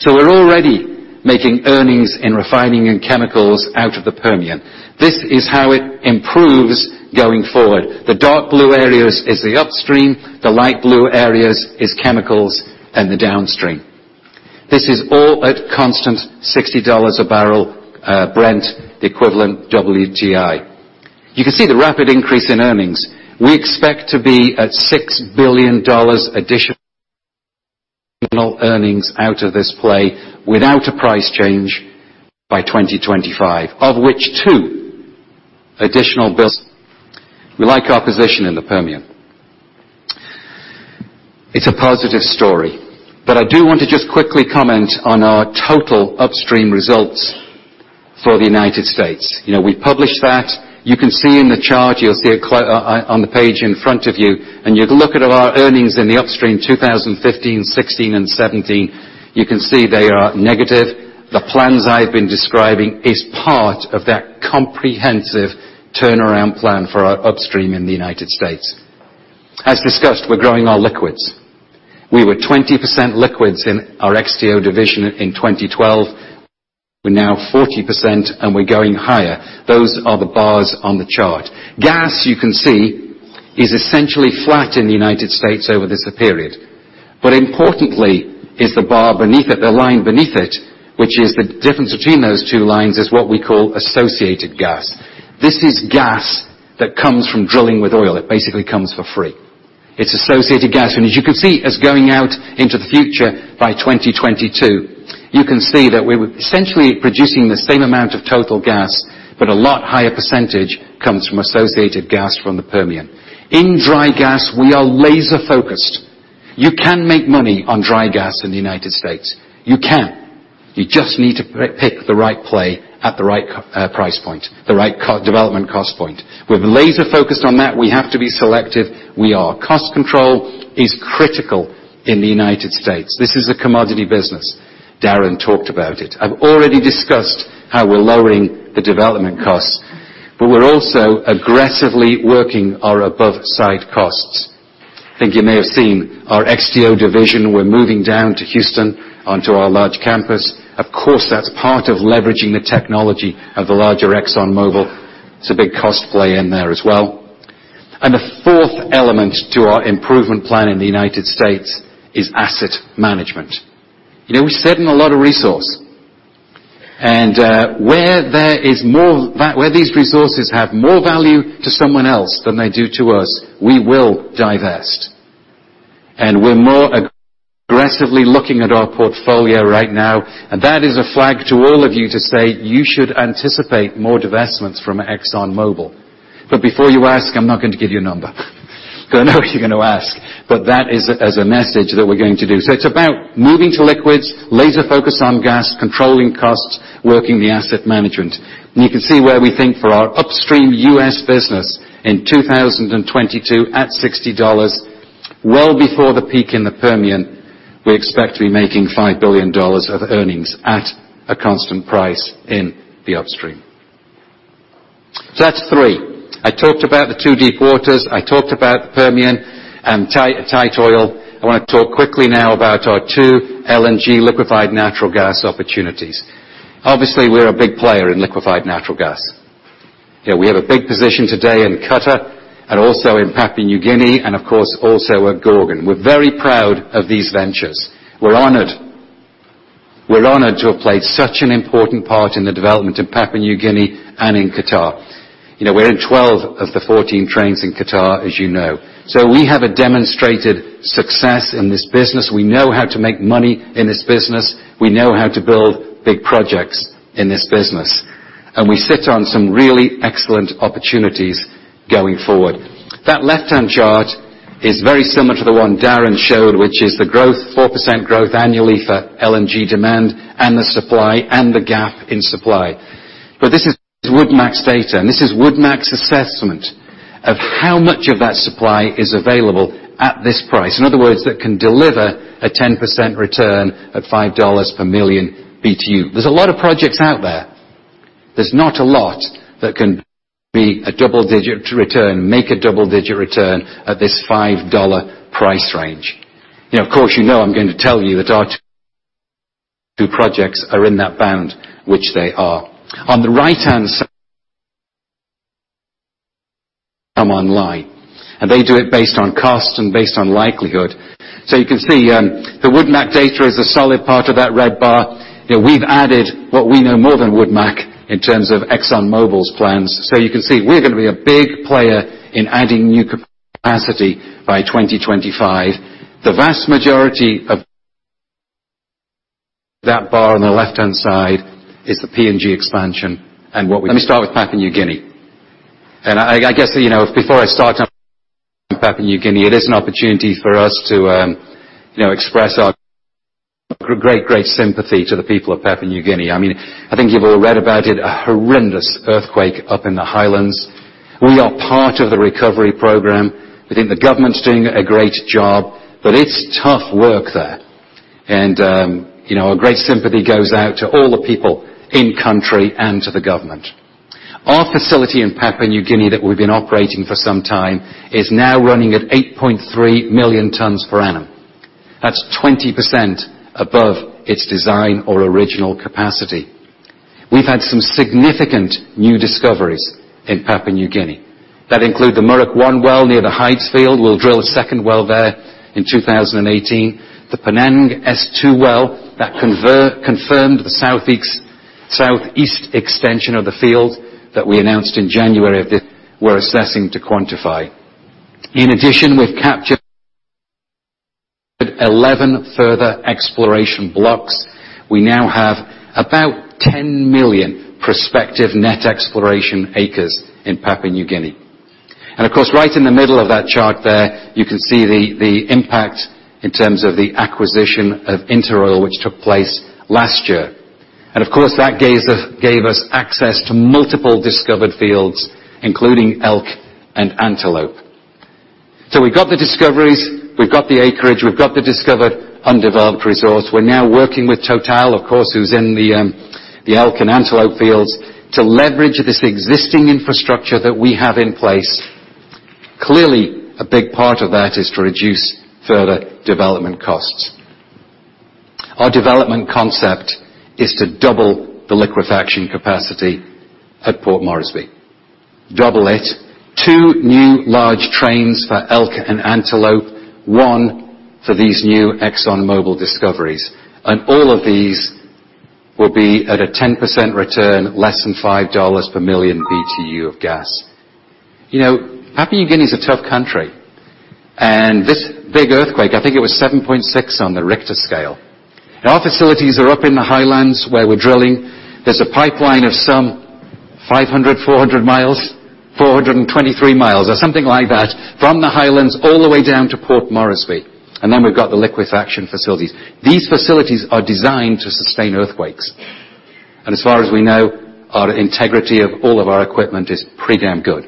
We're already making earnings in refining and chemicals out of the Permian. This is how it improves going forward. The dark blue area is the upstream, the light blue area is chemicals and the downstream. This is all at constant $60 a barrel Brent equivalent WTI. You can see the rapid increase in earnings. We expect to be at $6 billion additional earnings out of this play without a price change by 2025, of which two additional. We like our position in the Permian. It's a positive story, but I do want to just quickly comment on our total upstream results for the U.S. We published that. You can see in the chart, you'll see it on the page in front of you look at our earnings in the upstream 2015, 2016, and 2017, you can see they are negative. The plans I've been describing is part of that comprehensive turnaround plan for our upstream in the U.S. As discussed, we're growing our liquids. We were 20% liquids in our XTO division in 2012. We're now 40%, we're going higher. Those are the bars on the chart. Gas, you can see, is essentially flat in the U.S. over this period. Importantly is the line beneath it, which is the difference between those two lines is what we call associated gas. This is gas that comes from drilling with oil. It basically comes for free. It's associated gas. As you can see, as going out into the future by 2022, you can see that we're essentially producing the same amount of total gas, but a lot higher percent comes from associated gas from the Permian. In dry gas, we are laser-focused. You can make money on dry gas in the U.S. You can. You just need to pick the right play at the right price point, the right development cost point. We're laser-focused on that. We have to be selective. We are. Cost control is critical in the U.S. This is a commodity business. Darren talked about it. I've already discussed how we're lowering the development costs, but we're also aggressively working our above site costs. I think you may have seen our XTO division, we're moving down to Houston onto our large campus. Of course, that's part of leveraging the technology of the larger ExxonMobil. It's a big cost play in there as well. The fourth element to our improvement plan in the U.S. is asset management. We sit on a lot of resource. Where these resources have more value to someone else than they do to us, we will divest. We're more aggressively looking at our portfolio right now. That is a flag to all of you to say you should anticipate more divestments from ExxonMobil. Before you ask, I'm not going to give you a number. Because I know you're going to ask. That is as a message that we're going to do. It's about moving to liquids, laser-focus on gas, controlling costs, working the asset management. You can see where we think for our upstream U.S. business in 2022 at $60, well before the peak in the Permian, we expect to be making $5 billion of earnings at a constant price in the upstream. That's three. I talked about the two deep waters, I talked about the Permian and tight oil. I want to talk quickly now about our two LNG liquefied natural gas opportunities. Obviously, we're a big player in liquefied natural gas. We have a big position today in Qatar and also in Papua New Guinea and, of course, also at Gorgon. We're very proud of these ventures. We're honored to have played such an important part in the development in Papua New Guinea and in Qatar. We're in 12 of the 14 trains in Qatar, as you know. We have a demonstrated success in this business. We know how to make money in this business. We know how to build big projects in this business. We sit on some really excellent opportunities going forward. That left-hand chart is very similar to the one Darren showed, which is the growth, 4% growth annually for LNG demand and the supply and the gap in supply. This is WoodMac's data, and this is WoodMac's assessment of how much of that supply is available at this price. In other words, that can deliver a 10% return at $5 per million Btu. There's a lot of projects out there. There's not a lot that can be a double-digit return, make a double-digit return at this $5 price range. Of course, you know I'm going to tell you that our two projects are in that band, which they are. On the right-hand side come online. They do it based on cost and based on likelihood. You can see, the Wood Mackenzie data is a solid part of that red bar. We've added what we know more than Wood Mackenzie in terms of ExxonMobil's plans. You can see, we're going to be a big player in adding new capacity by 2025. The vast majority of that bar on the left-hand side is the PNG expansion and. Let me start with Papua New Guinea. I guess before I start on Papua New Guinea, it is an opportunity for us to express our great sympathy to the people of Papua New Guinea. I think you've all read about it, a horrendous earthquake up in the Highlands. We are part of the recovery program. We think the government's doing a great job, but it's tough work there. Our great sympathy goes out to all the people in country and to the government. Our facility in Papua New Guinea that we've been operating for some time is now running at 8.3 million tons per annum. That's 20% above its design or original capacity. We've had some significant new discoveries in Papua New Guinea. That include the Muruk-1 well near the Hides field. We'll drill a second well there in 2018. The P'nyang South-2 well that confirmed the southeast extension of the field that we announced in January of this, we're assessing to quantify. In addition, we've captured 11 further exploration blocks. We now have about 10 million prospective net exploration acres in Papua New Guinea. Of course, right in the middle of that chart there, you can see the impact in terms of the acquisition of InterOil, which took place last year. Of course, that gave us access to multiple discovered fields, including Elk and Antelope. We've got the discoveries, we've got the acreage, we've got the discovered undeveloped resource. We're now working with Total, of course, who's in the Elk and Antelope fields, to leverage this existing infrastructure that we have in place. Clearly, a big part of that is to reduce further development costs. Our development concept is to double the liquefaction capacity at Port Moresby. Double it. Two new large trains for Elk and Antelope, one for these new ExxonMobil discoveries. All of these will be at a 10% return, less than $5 per million BTU of gas. Papua New Guinea is a tough country. This big earthquake, I think it was 7.6 on the Richter scale. Our facilities are up in the highlands where we're drilling. There's a pipeline of some 500, 400 miles, 423 miles or something like that from the highlands all the way down to Port Moresby, and then we've got the liquefaction facilities. These facilities are designed to sustain earthquakes. As far as we know, our integrity of all of our equipment is pretty damn good.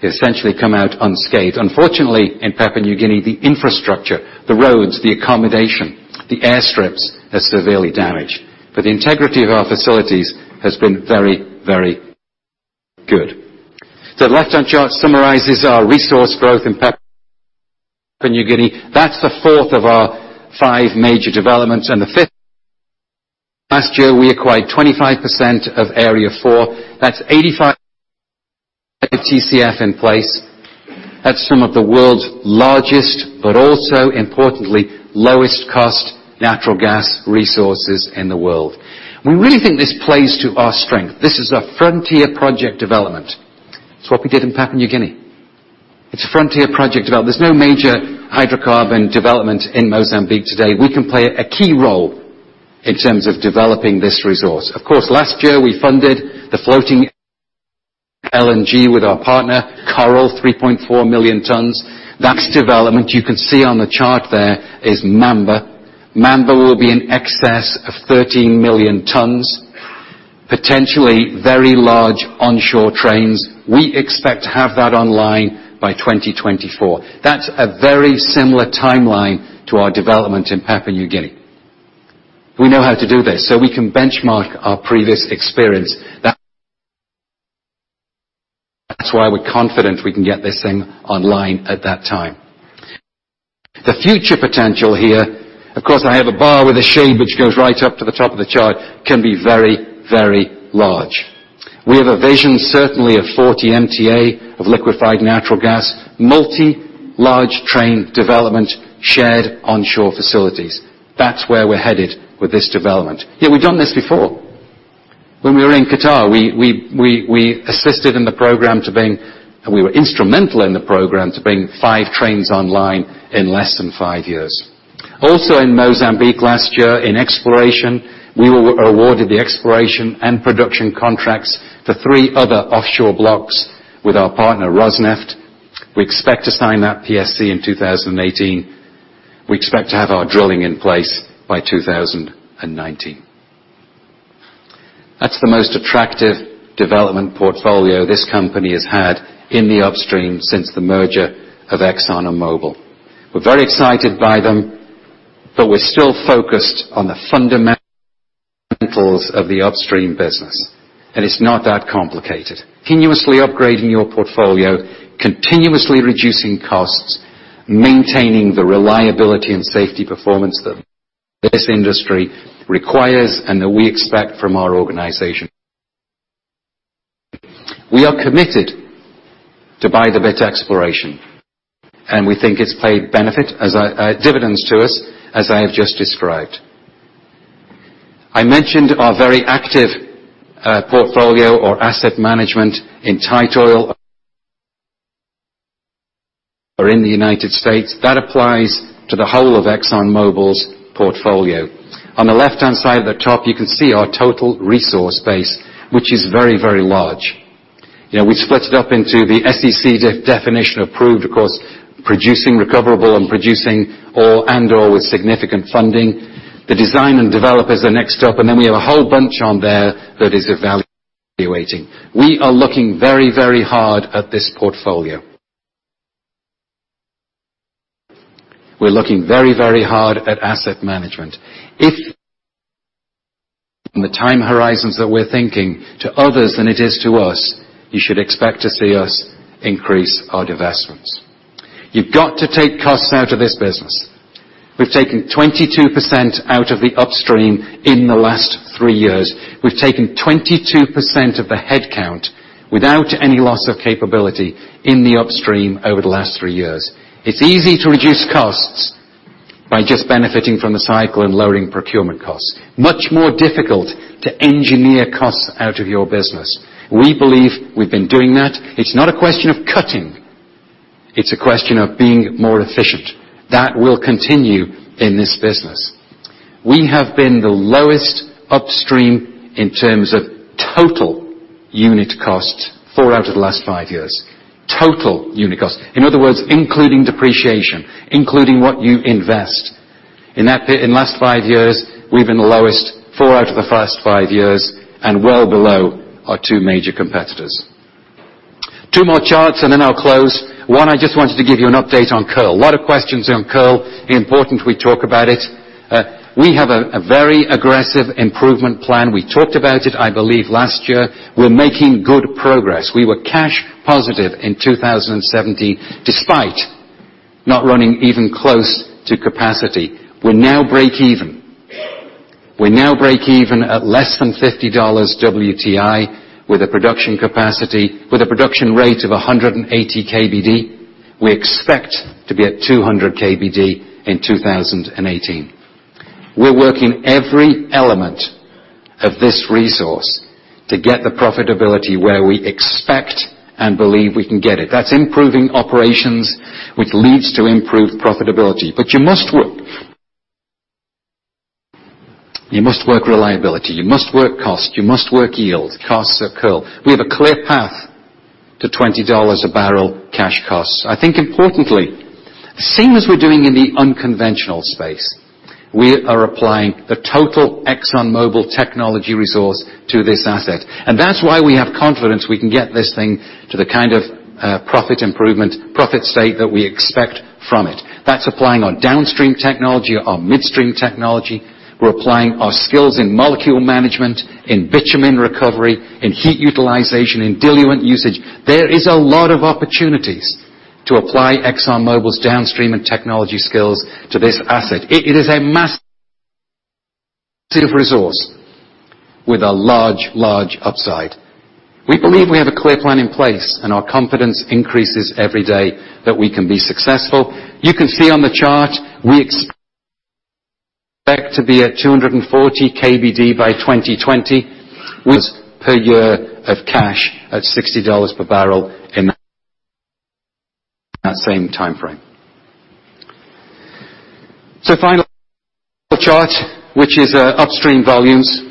They essentially come out unscathed. Unfortunately, in Papua New Guinea, the infrastructure, the roads, the accommodation, the airstrips are severely damaged. The integrity of our facilities has been very, very good. The left-hand chart summarizes our resource growth in Papua New Guinea. That's the fourth of our five major developments. The fifth, last year we acquired 25% of Area 4. That's 85 Tcf in place. That's some of the world's largest, but also importantly, lowest cost natural gas resources in the world. We really think this plays to our strength. This is a frontier project development. It's what we did in Papua New Guinea. It's a frontier project development. There's no major hydrocarbon development in Mozambique today. We can play a key role in terms of developing this resource. Of course, last year we funded the floating LNG with our partner Coral, 3.4 million tons. That development you can see on the chart there is Mamba. Mamba will be in excess of 13 million tons, potentially very large onshore trains. We expect to have that online by 2024. That's a very similar timeline to our development in Papua New Guinea. We know how to do this. We can benchmark our previous experience. That's why we're confident we can get this thing online at that time. The future potential here, of course, I have a bar with a shade which goes right up to the top of the chart, can be very, very large. We have a vision, certainly of 40 MTA of liquefied natural gas, multi large train development, shared onshore facilities. That's where we're headed with this development. We've done this before. When we were in Qatar, we assisted in the program. We were instrumental in the program to bring five trains online in less than five years. Also in Mozambique last year in exploration, we were awarded the exploration and production contracts for three other offshore blocks with our partner, Rosneft. We expect to sign that PSC in 2018. We expect to have our drilling in place by 2019. That's the most attractive development portfolio this company has had in the upstream since the merger of Exxon and Mobil. We're very excited by them. We're still focused on the fundamentals of the upstream business. It's not that complicated. Continuously upgrading your portfolio, continuously reducing costs, maintaining the reliability and safety performance that this industry requires and that we expect from our organization. We are committed to buy the [better] exploration. We think it's paid benefit as dividends to us as I have just described. I mentioned our very active portfolio or asset management in tight oil. Are in the U.S. That applies to the whole of ExxonMobil's portfolio. On the left-hand side at the top, you can see our total resource base, which is very, very large. We split it up into the SEC definition of proved, of course, producing recoverable and producing and/or with significant funding. The design and develop is the next step. We have a whole bunch on there that is evaluating. We are looking very, very hard at this portfolio. We're looking very, very hard at asset management. If the time horizons that we're thinking to others than it is to us, you should expect to see us increase our divestments. You've got to take costs out of this business. We've taken 22% out of the upstream in the last 3 years. We've taken 22% of the headcount without any loss of capability in the upstream over the last 3 years. It's easy to reduce costs by just benefiting from the cycle and lowering procurement costs. Much more difficult to engineer costs out of your business. We believe we've been doing that. It's not a question of cutting. It's a question of being more efficient. That will continue in this business. We have been the lowest upstream in terms of total unit cost 4 out of the last 5 years. Total unit cost. In other words, including depreciation, including what you invest. In last 5 years, we've been the lowest 4 out of the first 5 years and well below our 2 major competitors. 2 more charts, then I'll close. 1, I just wanted to give you an update on Kearl. A lot of questions on Kearl. Important we talk about it. We have a very aggressive improvement plan. We talked about it, I believe, last year. We're making good progress. We were cash positive in 2017 despite not running even close to capacity. We're now break even. We're now break even at less than $50 WTI with a production rate of 180 KBD. We expect to be at 200 KBD in 2018. We're working every element of this resource to get the profitability where we expect and believe we can get it. That's improving operations, which leads to improved profitability. You must work reliability, you must work cost, you must work yield. Costs are Kearl. We have a clear path to $20 a barrel cash costs. I think importantly, the same as we're doing in the unconventional space, we are applying the total ExxonMobil technology resource to this asset. That's why we have confidence we can get this thing to the kind of profit state that we expect from it. That's applying our downstream technology, our midstream technology. We're applying our skills in molecule management, in bitumen recovery, in heat utilization, in diluent usage. There is a lot of opportunities to apply ExxonMobil's downstream and technology skills to this asset. It is a massive resource with a large upside. We believe we have a clear plan in place, and our confidence increases every day that we can be successful. You can see on the chart we expect to be at 240 KBD by 2020 with per year of cash at $60 per barrel in that same timeframe. Final chart, which is upstream volumes.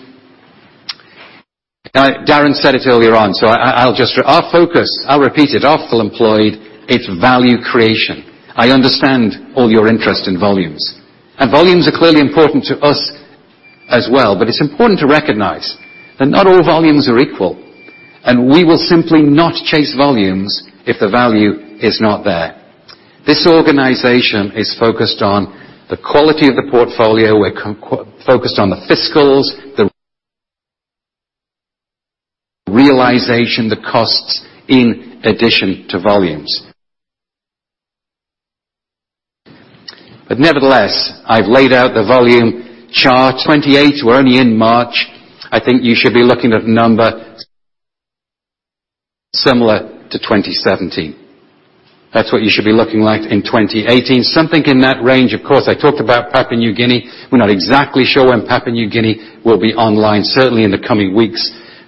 Darren said it earlier on, so I'll just-- Our focus, I'll repeat it's value creation. I understand all your interest in volumes. Volumes are clearly important to us as well. It's important to recognize that not all volumes are equal, and we will simply not chase volumes if the value is not there. This organization is focused on the quality of the portfolio. We're focused on the fiscals, the realization, the costs, in addition to volumes. Nevertheless, I've laid out the volume chart. 28, we're only in March. I think you should be looking at a number similar to 2017. That's what you should be looking like in 2018. Something in that range. Of course, I talked about Papua New Guinea. We're not exactly sure when Papua New Guinea will be online, certainly in the coming weeks,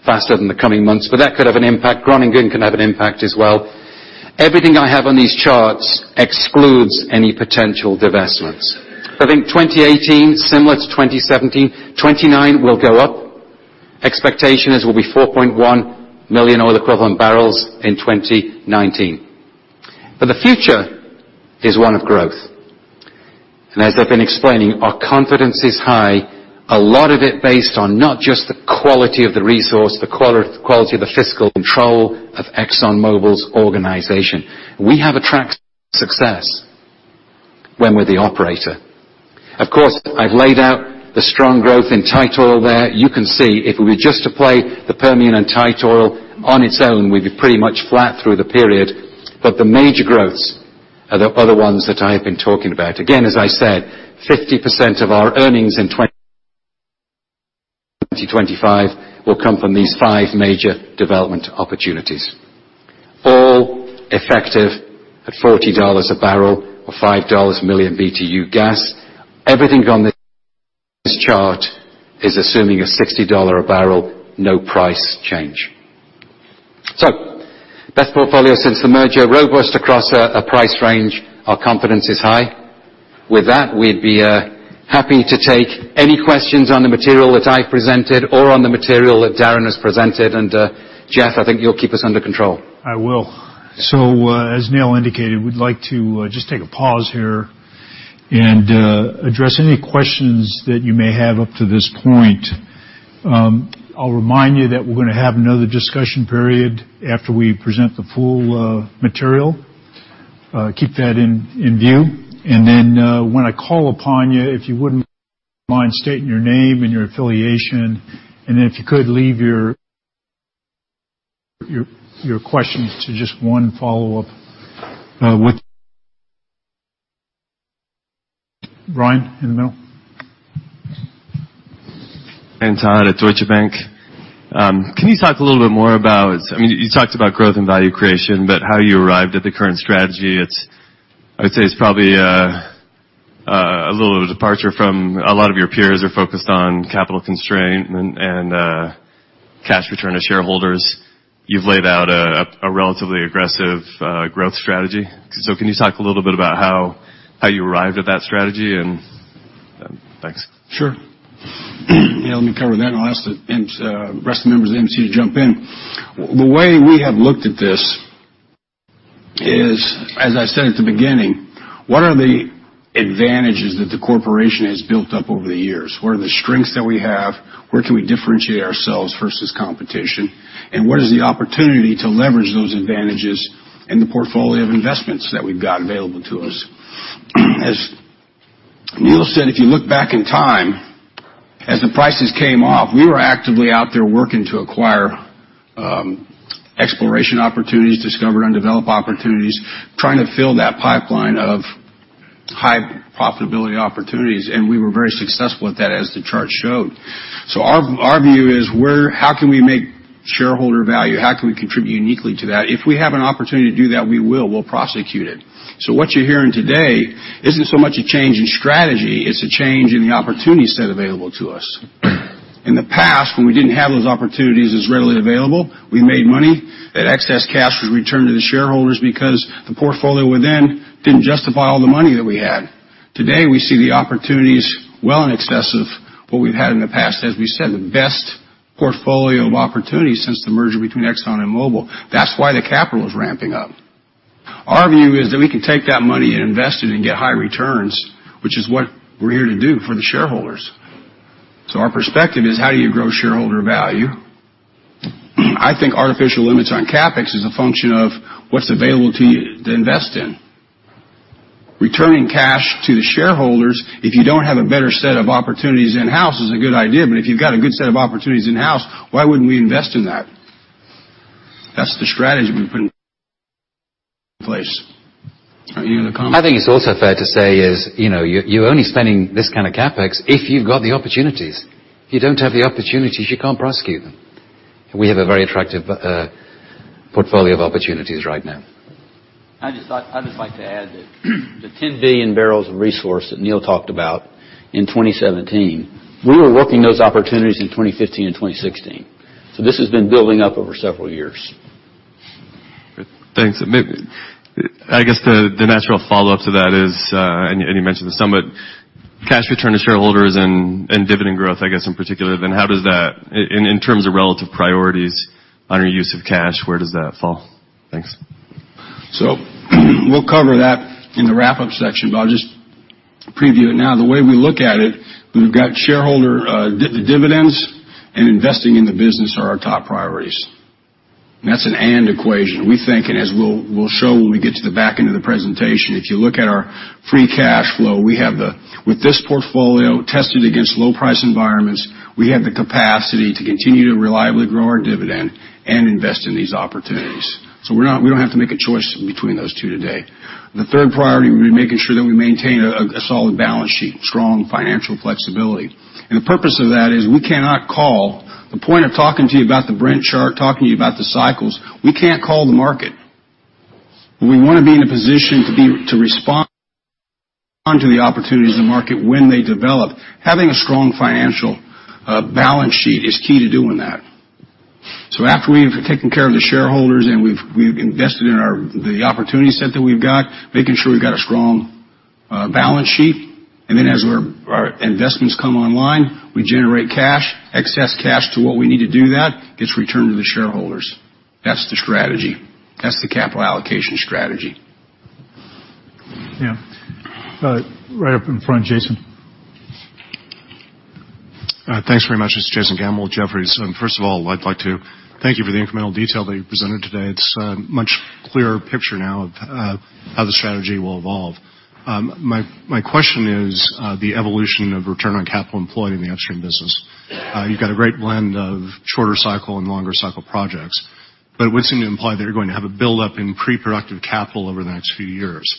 faster than the coming months. That could have an impact. Groningen can have an impact as well. Everything I have on these charts excludes any potential divestments. I think 2018, similar to 2017, 2019 will go up. Expectation is will be 4.1 million oil equivalent barrels in 2019. The future is one of growth. As I've been explaining, our confidence is high, a lot of it based on not just the quality of the resource, the quality of the fiscal control of ExxonMobil's organization. We have a track success when we're the operator. Of course, I've laid out the strong growth in tight oil there. You can see if we were just to play the Permian and tight oil on its own, we'd be pretty much flat through the period. The major growths are the other ones that I have been talking about. Again, as I said, 50% of our earnings in 2025 will come from these 5 major development opportunities, all effective at $40 a barrel or $5 a million BTU gas. Everything on this chart is assuming a $60 a barrel, no price change. Best portfolio since the merger, robust across a price range. Our confidence is high. With that, we'd be happy to take any questions on the material that I presented or on the material that Darren has presented. Jeff, I think you'll keep us under control. I will. As Neil indicated, we'd like to just take a pause here and address any questions that you may have up to this point. I'll remind you that we're going to have another discussion period after we present the full material. Keep that in view. When I call upon you, if you wouldn't mind stating your name and your affiliation, and if you could leave your questions to just one follow-up. Ryan in the middle. Ryan Todd at Deutsche Bank. Can you talk a little bit more about growth and value creation, but how you arrived at the current strategy, I would say it's probably a little of a departure from a lot of your peers are focused on capital constraint and cash return to shareholders. You've laid out a relatively aggressive growth strategy. Can you talk a little bit about how you arrived at that strategy? Thanks. Let me cover that, I'll ask the rest of the members of the MC to jump in. The way we have looked at this is, as I said at the beginning, what are the advantages that the corporation has built up over the years? What are the strengths that we have? Where can we differentiate ourselves versus competition? What is the opportunity to leverage those advantages in the portfolio of investments that we've got available to us? As Neil said, if you look back in time, as the prices came off, we were actively out there working to acquire exploration opportunities, discover undeveloped opportunities, trying to fill that pipeline of high profitability opportunities. We were very successful at that, as the chart showed. Our view is how can we make shareholder value, how can we contribute uniquely to that? If we have an opportunity to do that, we will. We'll prosecute it. What you're hearing today isn't so much a change in strategy, it's a change in the opportunity set available to us. In the past, when we didn't have those opportunities as readily available, we made money. That excess cash was returned to the shareholders because the portfolio within didn't justify all the money that we had. Today, we see the opportunities well in excess of what we've had in the past. As we said, the best portfolio of opportunities since the merger between Exxon and Mobil. That's why the capital is ramping up. Our view is that we can take that money and invest it and get high returns, which is what we're here to do for the shareholders. Our perspective is how do you grow shareholder value? I think artificial limits on CapEx is a function of what's available to you to invest in. Returning cash to the shareholders if you don't have a better set of opportunities in-house is a good idea, if you've got a good set of opportunities in-house, why wouldn't we invest in that? That's the strategy we've put in place. Are you going to comment? I think it's also fair to say is, you're only spending this kind of CapEx if you've got the opportunities. If you don't have the opportunities, you can't prosecute them, we have a very attractive portfolio of opportunities right now. I'd just like to add that the 10 billion barrels of resource that Neil talked about in 2017, we were working those opportunities in 2015 and 2016. This has been building up over several years. Good. Thanks. I guess the natural follow-up to that is, you mentioned this somewhat, cash return to shareholders and dividend growth, I guess, in particular, how does that, in terms of relative priorities on your use of cash, where does that fall? Thanks. We'll cover that in the wrap-up section, but I'll just preview it now. The way we look at it, we've got shareholder the dividends and investing in the business are our top priorities. That's an and equation. We think, and as we'll show when we get to the back end of the presentation, if you look at our free cash flow, with this portfolio tested against low price environments, we have the capacity to continue to reliably grow our dividend and invest in these opportunities. We don't have to make a choice between those two today. The third priority will be making sure that we maintain a solid balance sheet, strong financial flexibility. The purpose of that is we cannot call the point of talking to you about the Brent chart, talking to you about the cycles. We can't call the market. We want to be in a position to respond to the opportunities in the market when they develop. Having a strong financial balance sheet is key to doing that. After we've taken care of the shareholders, and we've invested in the opportunity set that we've got, making sure we've got a strong balance sheet, and then as our investments come online, we generate cash, excess cash to what we need to do that, gets returned to the shareholders. That's the strategy. That's the capital allocation strategy. Yeah. Right up in front. Jason. Thanks very much. This is Jason Gammel, Jefferies. First of all, I'd like to thank you for the incremental detail that you presented today. It's a much clearer picture now of how the strategy will evolve. My question is the evolution of return on capital employed in the upstream business. You've got a great blend of shorter cycle and longer cycle projects, but it would seem to imply that you're going to have a buildup in pre-productive capital over the next few years.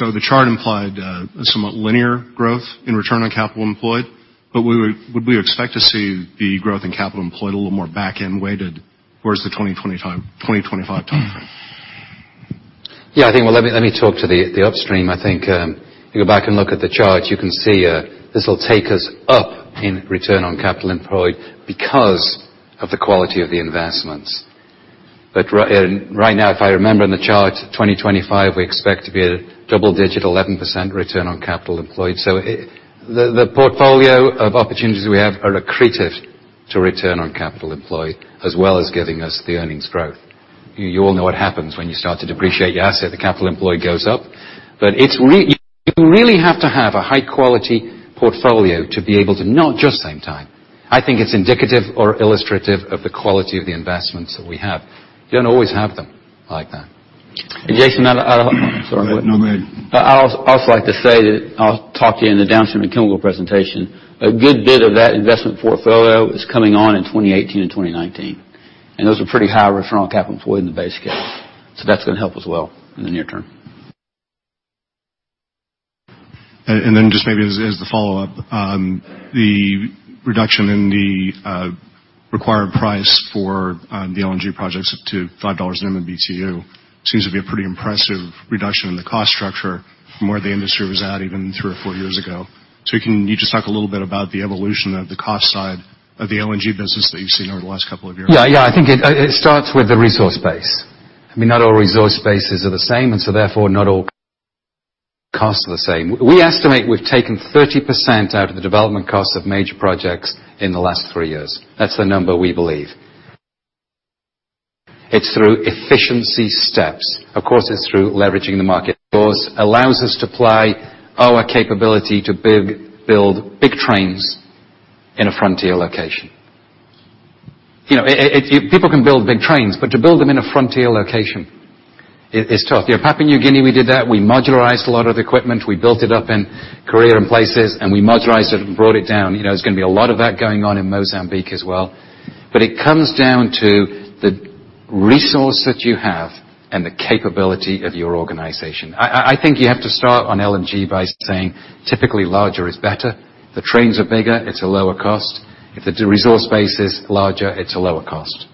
The chart implied a somewhat linear growth in return on capital employed, but would we expect to see the growth in capital employed a little more back-end weighted towards the 2025 timeframe? Yeah, I think, well, let me talk to the upstream. I think if you go back and look at the chart, you can see this will take us up in return on capital employed because of the quality of the investments. Right now, if I remember in the chart, 2025, we expect to be at a double-digit 11% return on capital employed. The portfolio of opportunities we have are accretive to return on capital employed, as well as giving us the earnings growth. You all know what happens when you start to depreciate your asset. The capital employed goes up. You really have to have a high-quality portfolio. I think it's indicative or illustrative of the quality of the investments that we have. You don't always have them like that. Jason, Sorry. No, go ahead. I'd also like to say that I'll talk to you in the downstream and chemical presentation. A good bit of that investment portfolio is coming on in 2018 and 2019, and those are pretty high ROCE in the base case. That's going to help as well in the near term. Just maybe as the follow-up, the reduction in the required price for the LNG projects to $5 MM BTU seems to be a pretty impressive reduction in the cost structure from where the industry was at even three or four years ago. Can you just talk a little bit about the evolution of the cost side of the LNG business that you've seen over the last couple of years? Yeah. I think it starts with the resource base. I mean, not all resource bases are the same, and so therefore, not all costs are the same. We estimate we've taken 30% out of the development costs of major projects in the last three years. That's the number we believe. It's through efficiency steps. Of course, it's through leveraging the market. Of course, allows us to apply our capability to build big trains in a frontier location. People can build big trains, but to build them in a frontier location is tough. Papua New Guinea, we did that. We modularized a lot of equipment. We built it up in Korea and places, and we modularized it and brought it down. There's going to be a lot of that going on in Mozambique as well. -resource that you have and the capability of your organization. I think you have to start on LNG by saying, typically larger is better. The trains are bigger, it's a lower cost. If the resource base is larger, it's a lower cost.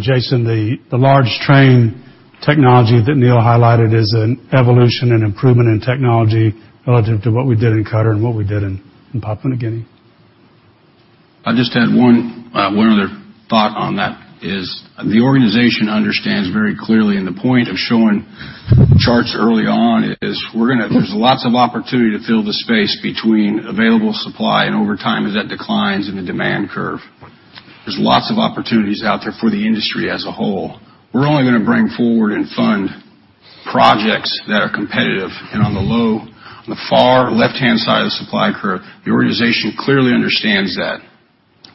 Jason, the large train technology that Neil highlighted is an evolution and improvement in technology relative to what we did in Qatar and what we did in Papua New Guinea. I just had one other thought on that is the organization understands very clearly, the point of showing charts early on is there's lots of opportunity to fill the space between available supply and over time as that declines in the demand curve. There's lots of opportunities out there for the industry as a whole. We're only going to bring forward and fund projects that are competitive and on the low, on the far left-hand side of the supply curve. The organization clearly understands that.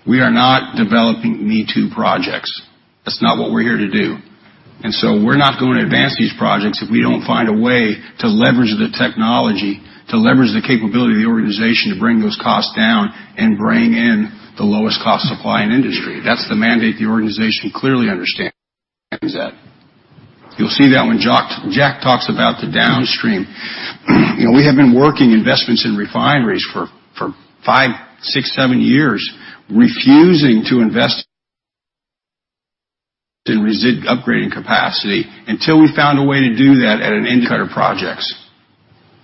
We are not developing me-too projects. That's not what we're here to do. So we're not going to advance these projects if we don't find a way to leverage the technology, to leverage the capability of the organization to bring those costs down and bring in the lowest cost supply in the industry. That's the mandate. The organization clearly understands that. You'll see that when Jack talks about the downstream. We have been working investments in refineries for five, six, seven years, refusing to invest in upgrading capacity until we found a way to do that at an in-Qatar projects.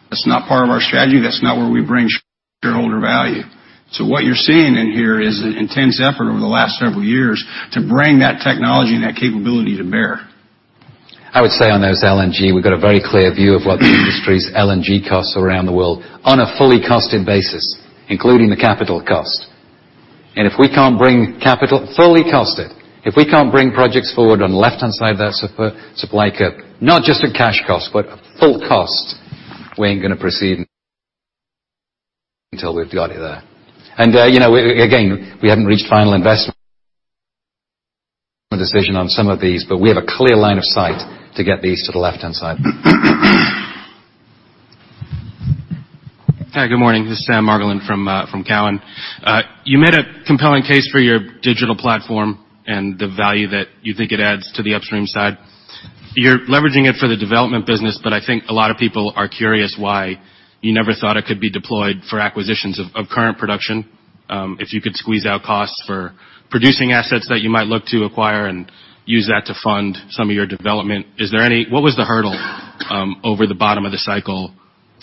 That's not part of our strategy. That's not where we bring shareholder value. What you're seeing in here is an intense effort over the last several years to bring that technology and that capability to bear. I would say on those LNG, we've got a very clear view of what the industry's LNG costs around the world on a fully costed basis, including the capital cost. If we can't bring capital fully costed, if we can't bring projects forward on the left-hand side of that supply curve, not just at cash cost, but full cost, we ain't going to proceed until we've got you there. Again, we haven't reached Final Investment Decision on some of these, but we have a clear line of sight to get these to the left-hand side. Hi, good morning. This is Sam Margolin from Cowen. You made a compelling case for your digital platform and the value that you think it adds to the upstream side. You're leveraging it for the development business, I think a lot of people are curious why you never thought it could be deployed for acquisitions of current production. If you could squeeze out costs for producing assets that you might look to acquire and use that to fund some of your development. What was the hurdle over the bottom of the cycle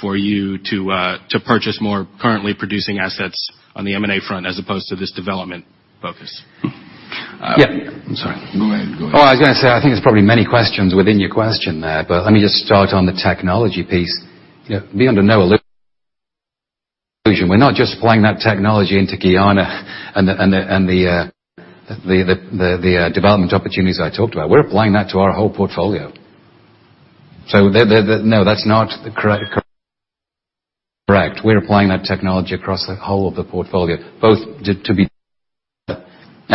for you to purchase more currently producing assets on the M&A front as opposed to this development focus? Yeah. I'm sorry. Go ahead. I was going to say, I think there's probably many questions within your question there. Let me just start on the technology piece. Be under no illusion. We're not just applying that technology into Guyana and the development opportunities I talked about. We're applying that to our whole portfolio. No, that's not correct. We're applying that technology across the whole of the portfolio. That's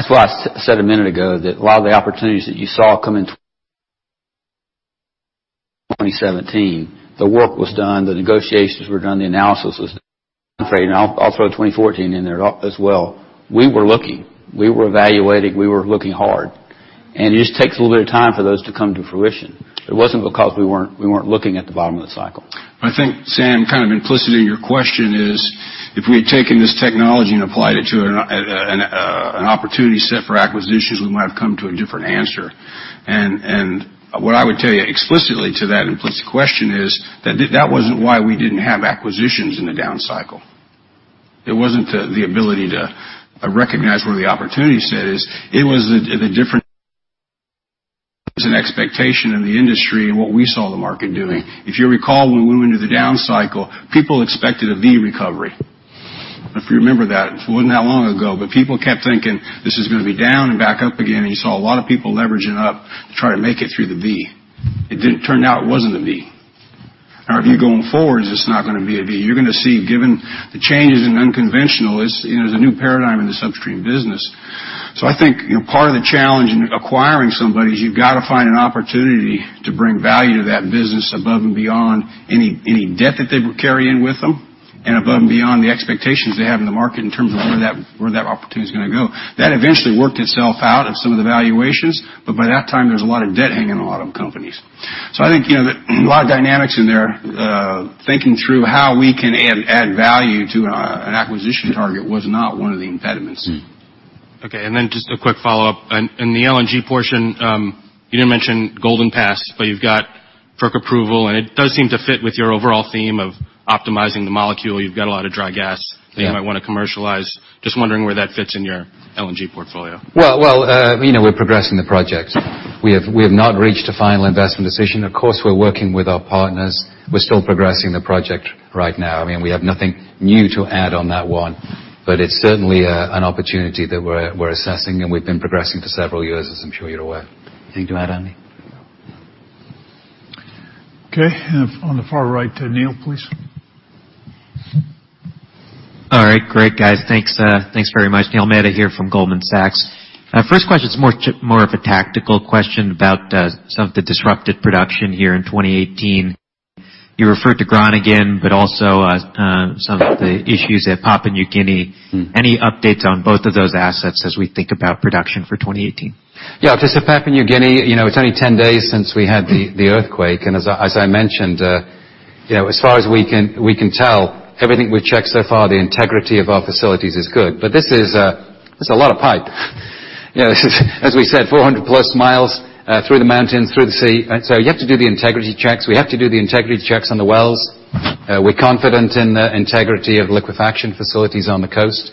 why I said a minute ago that a lot of the opportunities that you saw come in 2017, the work was done, the negotiations were done, the analysis was done. I'll throw 2014 in there as well. We were looking. We were evaluating. We were looking hard, and it just takes a little bit of time for those to come to fruition. It wasn't because we weren't looking at the bottom of the cycle. I think, Sam, kind of implicit in your question is if we had taken this technology and applied it to an opportunity set for acquisitions, we might have come to a different answer. What I would tell you explicitly to that implicit question is that wasn't why we didn't have acquisitions in the down cycle. It wasn't the ability to recognize where the opportunity set is. It was the difference in expectation in the industry and what we saw the market doing. If you recall, when we went into the down cycle, people expected a V recovery. If you remember that, it wasn't that long ago. People kept thinking this is going to be down and back up again, and you saw a lot of people leveraging up to try to make it through the V. It turned out it wasn't a V. Our view going forward is it's not going to be a V. You're going to see, given the changes in unconventional, there's a new paradigm in the upstream business. I think part of the challenge in acquiring somebody is you've got to find an opportunity to bring value to that business above and beyond any debt that they carry in with them and above and beyond the expectations they have in the market in terms of where that opportunity is going to go. That eventually worked itself out of some of the valuations. By that time, there's a lot of debt hanging on a lot of companies. I think there are a lot of dynamics in there. Thinking through how we can add value to an acquisition target was not one of the impediments. Okay. Then just a quick follow-up. In the LNG portion, you didn't mention Golden Pass. You've got FERC approval, and it does seem to fit with your overall theme of optimizing the molecule. You've got a lot of dry gas that you might want to commercialize. Just wondering where that fits in your LNG portfolio. Well, we're progressing the project. We have not reached a Final Investment Decision. Of course, we're working with our partners. We're still progressing the project right now. I mean, we have nothing new to add on that one. It's certainly an opportunity that we're assessing, and we've been progressing for several years, as I'm sure you're aware. Anything to add, Andy? No. Okay. On the far right, Neil, please. All right. Great, guys. Thanks very much. Neil Mehta here from Goldman Sachs. First question is more of a tactical question about some of the disrupted production here in 2018. You referred to Groningen, also some of the issues at Papua New Guinea. Any updates on both of those assets as we think about production for 2018? Yeah. Just in Papua New Guinea, it's only 10 days since we had the earthquake. As I mentioned, as far as we can tell, everything we've checked so far, the integrity of our facilities is good. This is a lot of pipe. As we said, 400-plus miles through the mountains, through the sea. You have to do the integrity checks. We have to do the integrity checks on the wells. We're confident in the integrity of the liquefaction facilities on the coast.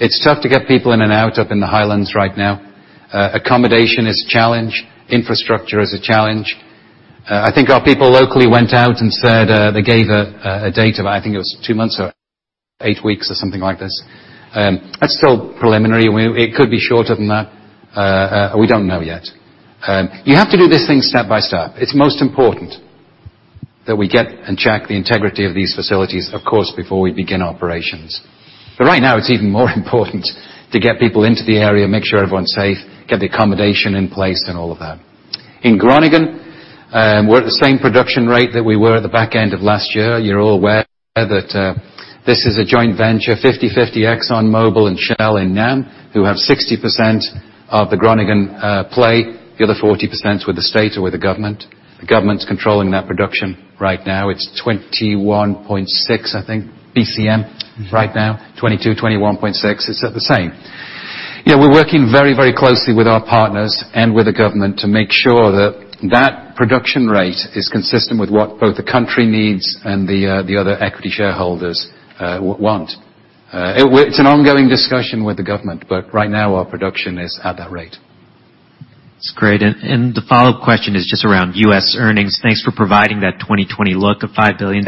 It's tough to get people in and out up in the Highlands right now. Accommodation is a challenge. Infrastructure is a challenge. I think our people locally went out and said, they gave a date of, I think it was two months or eight weeks or something like this. That's still preliminary. It could be shorter than that. We don't know yet. You have to do this thing step by step. It's most important that we get and check the integrity of these facilities, of course, before we begin operations. Right now, it's even more important to get people into the area, make sure everyone's safe, get the accommodation in place, and all of that. In Groningen, we're at the same production rate that we were at the back end of last year. You're all aware that this is a joint venture, 50/50 ExxonMobil and Shell in NAM, who have 60% of the Groningen play. The other 40% is with the state or with the government. The government's controlling that production right now. It's 21.6, I think, BCM right now, 22, 21.6. It's at the same. We're working very closely with our partners and with the government to make sure that that production rate is consistent with what both the country needs and the other equity shareholders want. It's an ongoing discussion with the government, right now our production is at that rate. That's great. The follow-up question is just around U.S. earnings. Thanks for providing that 2020 look of $5 billion.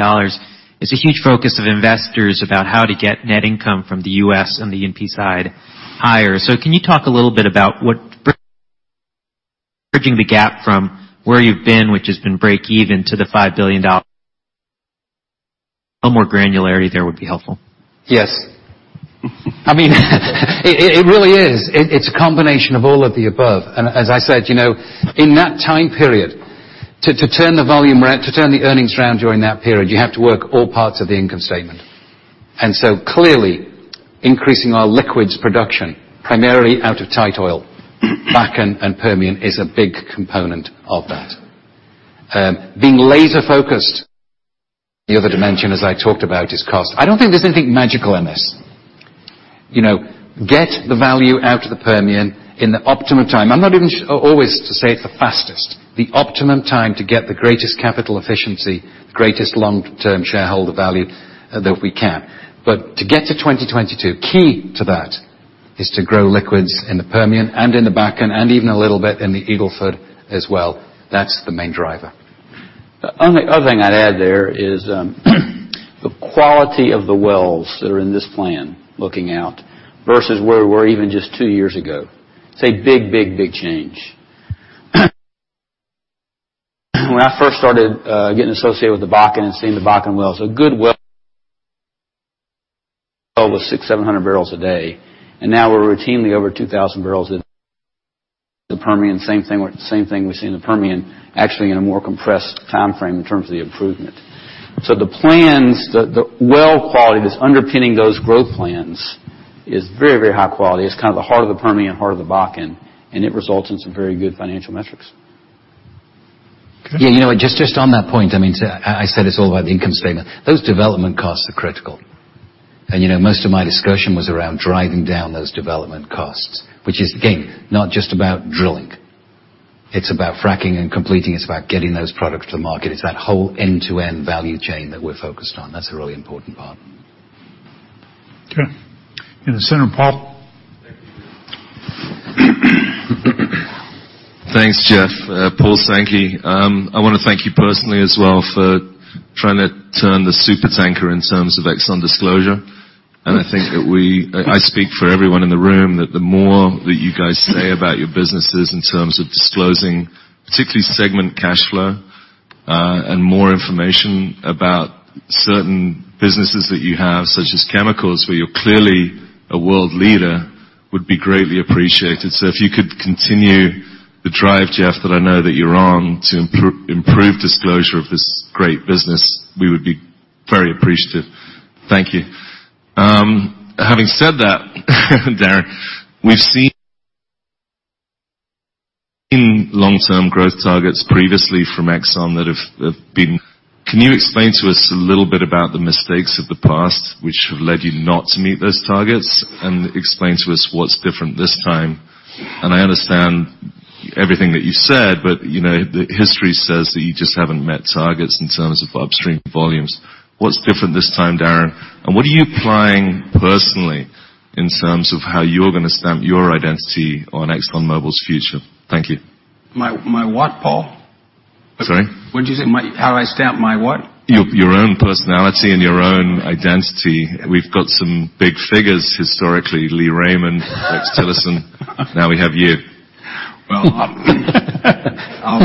It's a huge focus of investors about how to get net income from the U.S. and the E&P side higher. Can you talk a little bit about what bridging the gap from where you've been, which has been breakeven, to the $5 billion? A little more granularity there would be helpful. Yes. It really is. It's a combination of all of the above. As I said, in that time period, to turn the earnings around during that period, you have to work all parts of the income statement. Clearly, increasing our liquids production, primarily out of tight oil, Bakken and Permian, is a big component of that. Being laser focused. The other dimension, as I talked about, is cost. I don't think there's anything magical in this. Get the value out of the Permian in the optimum time. I'm not even always to say it's the fastest. The optimum time to get the greatest capital efficiency, the greatest long-term shareholder value that we can. To get to 2022, key to that is to grow liquids in the Permian and in the Bakken and even a little bit in the Eagle Ford as well. That's the main driver. The only other thing I'd add there is the quality of the wells that are in this plan looking out versus where we were even just two years ago. It's a big change. When I first started getting associated with the Bakken and seeing the Bakken wells, a good well was 600, 700 barrels a day. Now we're routinely over 2,000 barrels in the Permian. Same thing we're seeing in the Permian, actually in a more compressed timeframe in terms of the improvement. The plans, the well quality that's underpinning those growth plans is very high quality. It's the heart of the Permian, heart of the Bakken, and it results in some very good financial metrics. Yeah. Just on that point, I said it's all about the income statement. Those development costs are critical. Most of my discussion was around driving down those development costs, which is, again, not just about drilling. It's about fracking and completing. It's about getting those products to the market. It's that whole end-to-end value chain that we're focused on. That's the really important part. Okay. In the center, Paul. Thank you. Thanks, Jeff. Paul Sankey. I want to thank you personally as well for trying to turn the supertanker in terms of Exxon disclosure. I think that I speak for everyone in the room that the more that you guys say about your businesses in terms of disclosing, particularly segment cash flow, and more information about certain businesses that you have, such as chemicals, where you're clearly a world leader, would be greatly appreciated. If you could continue the drive, Jeff, that I know that you're on to improve disclosure of this great business, we would be very appreciative. Thank you. Having said that, Darren, we've seen long-term growth targets previously from Exxon. Can you explain to us a little bit about the mistakes of the past which have led you not to meet those targets? Explain to us what's different this time. I understand everything that you said, but the history says that you just haven't met targets in terms of upstream volumes. What's different this time, Darren? What are you planning personally in terms of how you're going to stamp your identity on ExxonMobil's future? Thank you. My what, Paul? Sorry? What'd you say? How I stamp my what? Your own personality and your own identity. We've got some big figures historically. Lee Raymond, Rex Tillerson. Now we have you. Well, I'll.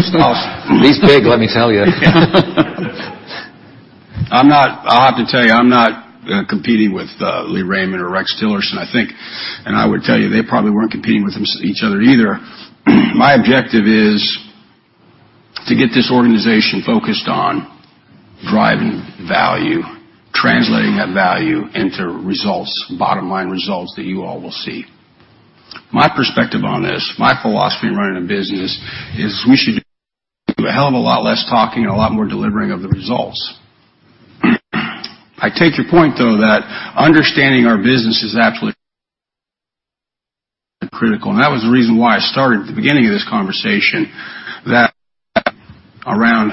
He's big, let me tell you. I have to tell you, I'm not competing with Lee Raymond or Rex Tillerson, I think, and I would tell you, they probably weren't competing with each other either. My objective is to get this organization focused on driving value, translating that value into results, bottom line results that you all will see. My perspective on this, my philosophy in running a business is we should do a hell of a lot less talking and a lot more delivering of the results. I take your point, though, that understanding our business is absolutely critical, and that was the reason why I started at the beginning of this conversation that around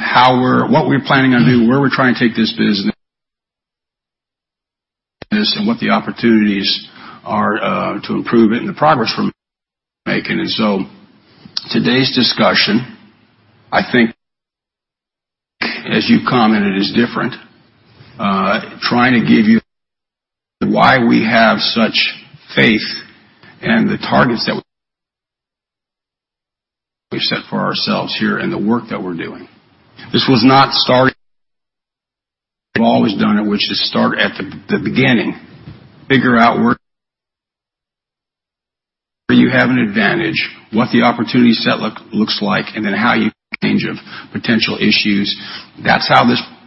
what we're planning on doing, where we're trying to take this business, and what the opportunities are to improve it and the progress we're making. Today's discussion, I think as you commented, is different. Trying to give you why we have such faith and the targets that we set for ourselves here and the work that we're doing. This was not started. We've always done it, which is start at the beginning, figure out where you have an advantage, what the opportunity set looks like, then how you change potential issues. That's how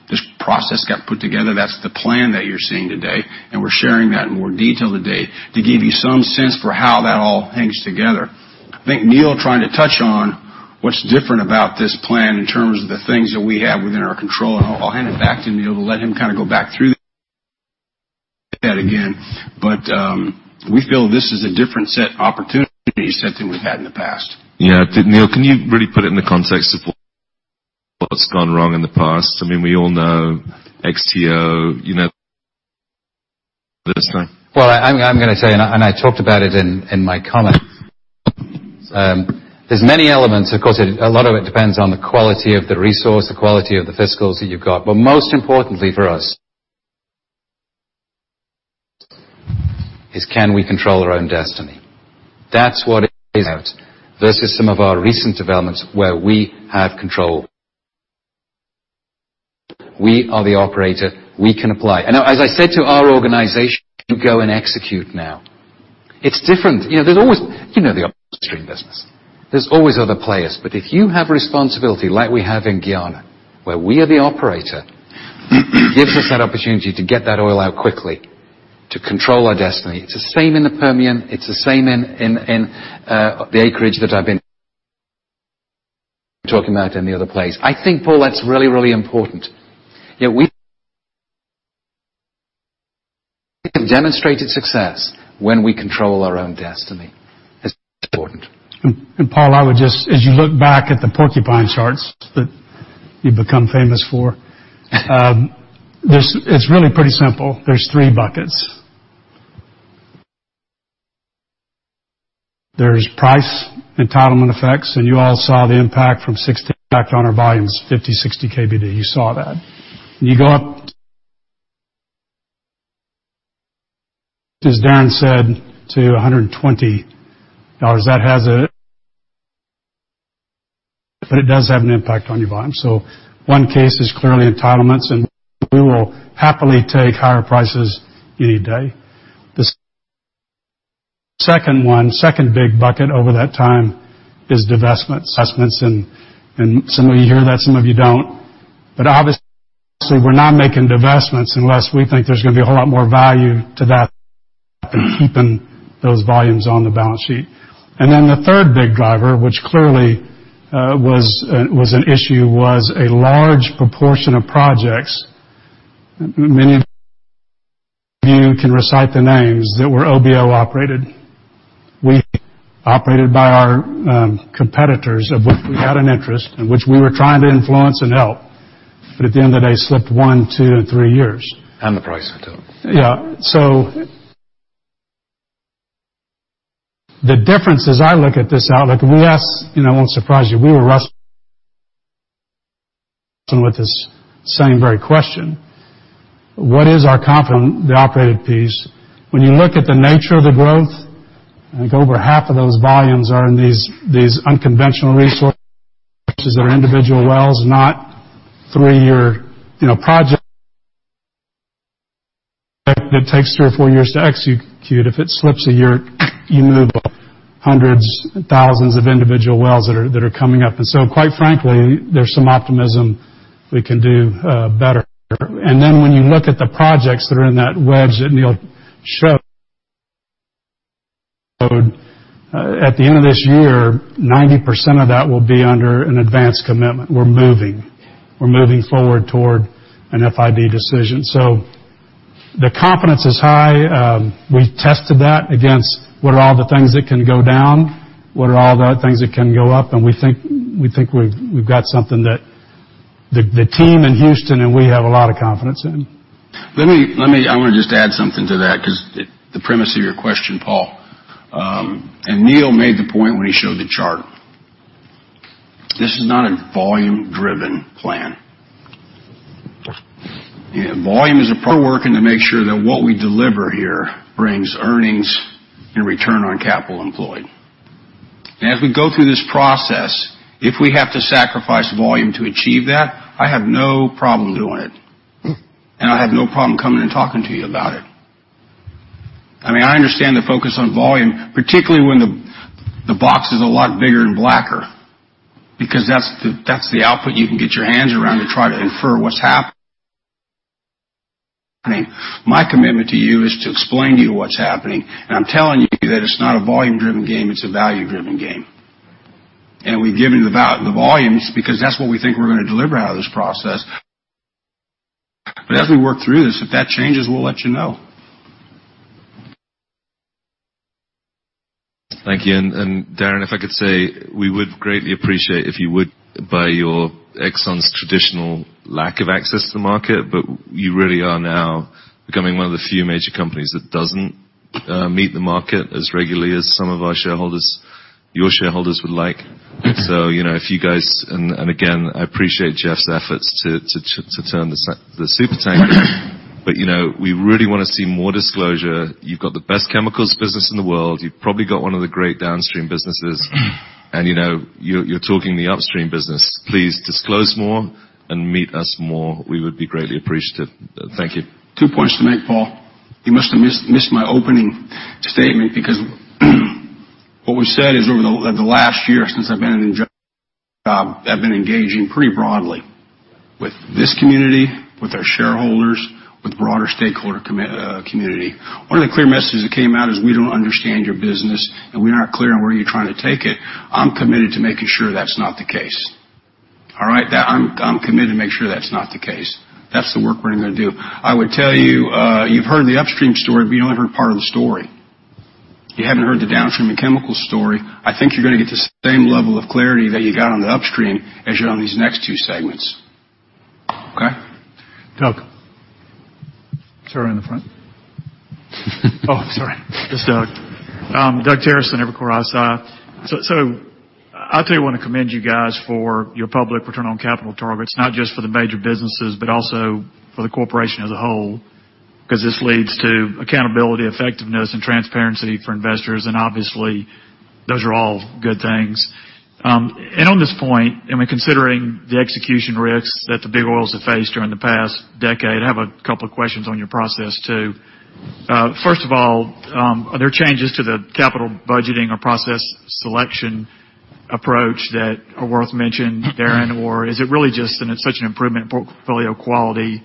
this process got put together. That's the plan that you're seeing today, we're sharing that in more detail today to give you some sense for how that all hangs together. I think Neil trying to touch on what's different about this plan in terms of the things that we have within our control, I'll hand it back to Neil to let him go back through that again. We feel this is a different set opportunity set than we've had in the past. Yeah. Neil, can you really put it in the context of what's gone wrong in the past? We all know XTO. Well, I'm going to tell you, I talked about it in my comments. There's many elements. Of course, a lot of it depends on the quality of the resource, the quality of the fiscals that you've got. Most importantly for us is can we control our own destiny? That's what it is versus some of our recent developments where we have control. We are the operator. We can apply. As I said to our organization, go and execute now. It's different. There's always the upstream business. There's always other players. If you have responsibility like we have in Guyana, where we are the operator, gives us that opportunity to get that oil out quickly, to control our destiny. It's the same in the Permian. It's the same in the acreage that I've been talking about in the other place. I think, Paul, that's really important. We have demonstrated success when we control our own destiny. That's important. Paul, as you look back at the porcupine charts that you've become famous for, it's really pretty simple. There's three buckets. There's price entitlement effects, you all saw the impact from 2016 back on our volumes, 50, 60 KBD. You saw that. You go up, as Darren said, to $120. That does have an impact on your volume. One case is clearly entitlements, and we will happily take higher prices any day. The second big bucket over that time is divestments. Some of you hear that, some of you don't. Obviously, we're not making divestments unless we think there's going to be a whole lot more value to that than keeping those volumes on the balance sheet. The third big driver, which clearly was an issue, was a large proportion of projects. Many of you can recite the names that were OBO operated by our competitors of which we had an interest, in which we were trying to influence and help. At the end of the day, slipped one, two, and three years. The price went up. Yeah. The difference as I look at this outlook, it won't surprise you, we were wrestling with this same very question. What is our complement, the operated piece? When you look at the nature of the growth, I think over half of those volumes are in these unconventional resources that are individual wells, not three-year projects that takes three or four years to execute. If it slips a year, you move hundreds and thousands of individual wells that are coming up. Quite frankly, there's some optimism we can do better. When you look at the projects that are in that wedge that Neil showed, at the end of this year, 90% of that will be under an advanced commitment. We're moving. We're moving forward toward an FID decision. The confidence is high. We've tested that against what are all the things that can go down, what are all the things that can go up, and we think we've got something that the team in Houston and we have a lot of confidence in. I want to just add something to that because the premise of your question, Paul, Neil made the point when he showed the chart. This is not a volume-driven plan. Volume is a part working to make sure that what we deliver here brings earnings and return on capital employed. As we go through this process, if we have to sacrifice volume to achieve that, I have no problem doing it. I have no problem coming and talking to you about it. I understand the focus on volume, particularly when the box is a lot bigger and blacker, because that's the output you can get your hands around to try to infer what's happening. My commitment to you is to explain to you what's happening, I'm telling you that it's not a volume-driven game, it's a value-driven game. We've given you the volumes because that's what we think we're going to deliver out of this process. As we work through this, if that changes, we'll let you know. Thank you. Darren, if I could say, we would greatly appreciate if you would, by your Exxon's traditional lack of access to the market, you really are now becoming one of the few major companies that doesn't meet the market as regularly as some of our shareholders, your shareholders would like. If you guys, again, I appreciate Jeff's efforts to turn the supertanker, we really want to see more disclosure. You've got the best chemicals business in the world. You've probably got one of the great downstream businesses, you're talking the upstream business. Please disclose more and meet us more. We would be greatly appreciative. Thank you. Two points tonight, Paul. You must have missed my opening statement because what we've said is over the last year, since I've been in job, I've been engaging pretty broadly with this community, with our shareholders, with the broader stakeholder community. One of the clear messages that came out is we don't understand your business, and we're not clear on where you're trying to take it. I'm committed to making sure that's not the case. All right. I'm committed to make sure that's not the case. That's the work we're going to do. I would tell you've heard the upstream story, but you only heard part of the story. You haven't heard the downstream and chemical story. I think you're going to get the same level of clarity that you got on the upstream as you're on these next two segments. Okay? Doug. Sir, in the front. Oh, sorry. Just Doug. Doug Terreson, Evercore ISI. I'll tell you, I want to commend you guys for your public return on capital targets, not just for the major businesses, but also for the corporation as a whole, because this leads to accountability, effectiveness, and transparency for investors, and obviously, those are all good things. On this point, considering the execution risks that the big oils have faced during the past decade, I have a couple questions on your process, too. First of all, are there changes to the capital budgeting or process selection approach that are worth mention, Darren? Is it really just such an improvement in portfolio quality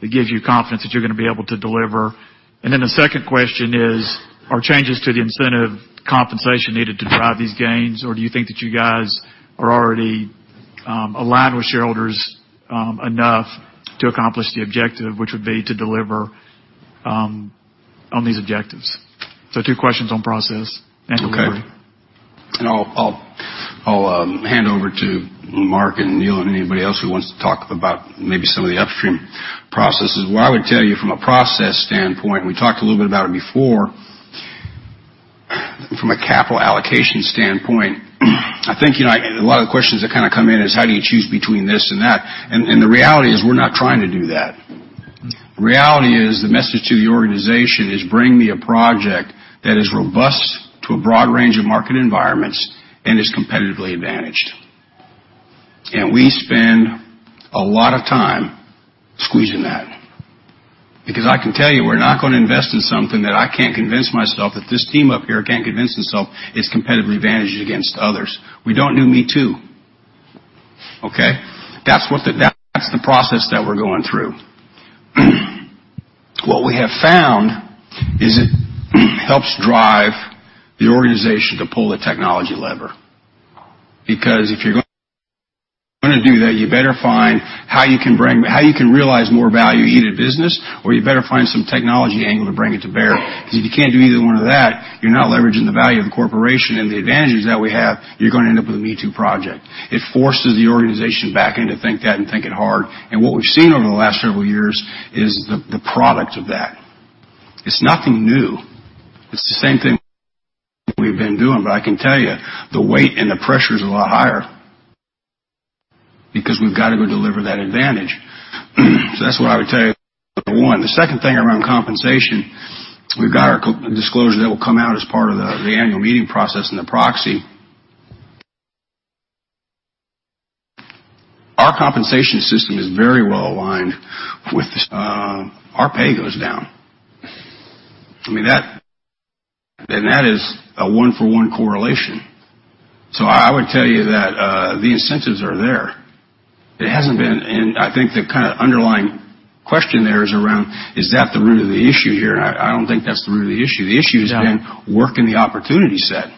that gives you confidence that you're going to be able to deliver? The second question is, are changes to the incentive compensation needed to drive these gains, or do you think that you guys are already aligned with shareholders enough to accomplish the objective, which would be to deliver on these objectives? Two questions on process and delivery. Okay. I'll hand over to Mark and Neil and anybody else who wants to talk about maybe some of the upstream processes. What I would tell you from a process standpoint, we talked a little bit about it before, from a capital allocation standpoint, I think a lot of the questions that come in is how do you choose between this and that? The reality is, we're not trying to do that. The reality is the message to the organization is bring me a project that is robust to a broad range of market environments and is competitively advantaged. We spend a lot of time squeezing that because I can tell you we're not going to invest in something that I can't convince myself, that this team up here can't convince themselves is competitively advantaged against others. We don't do me too. Okay? That's the process that we're going through. What we have found is it helps drive the organization to pull the technology lever. If you're going to do that, you better find how you can realize more value in your business, or you better find some technology angle to bring it to bear. If you can't do either one of that, you're not leveraging the value of the corporation and the advantages that we have, you're going to end up with a me too project. It forces the organization back in to think that and think it hard. What we've seen over the last several years is the product of that. It's nothing new. It's the same thing we've been doing. I can tell you the weight and the pressure is a lot higher because we've got to go deliver that advantage. That's what I would tell you, number 1. The second thing around compensation, we've got our disclosure that will come out as part of the annual meeting process and the proxy. Our compensation system is very well aligned with our pay goes down. That is a 1 for 1 correlation. I would tell you that the incentives are there. It hasn't been, and I think the underlying question there is around, is that the root of the issue here? I don't think that's the root of the issue. The issue has been working the opportunity set.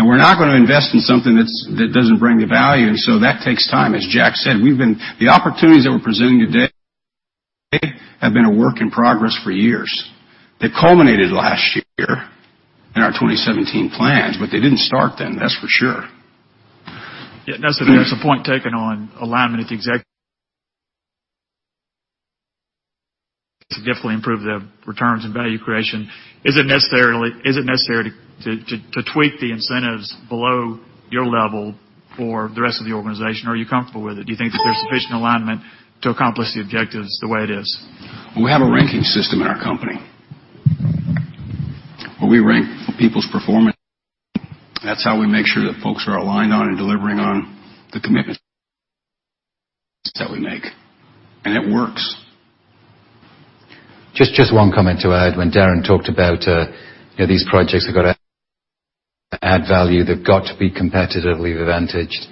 We're not going to invest in something that doesn't bring the value, and so that takes time. As Jack said, the opportunities that we're presenting today have been a work in progress for years. They culminated last year in our 2017 plans, but they didn't start then, that's for sure. Yeah, that's a point taken on alignment at the exec to definitely improve the returns and value creation. Is it necessary to tweak the incentives below your level for the rest of the organization? Are you comfortable with it? Do you think that there's sufficient alignment to accomplish the objectives the way it is? We have a ranking system in our company. Well, we rank people's performance. That's how we make sure that folks are aligned on and delivering on the commitments that we make. It works. Just one comment to add. When Darren talked about these projects have got to add value. They've got to be competitively advantaged.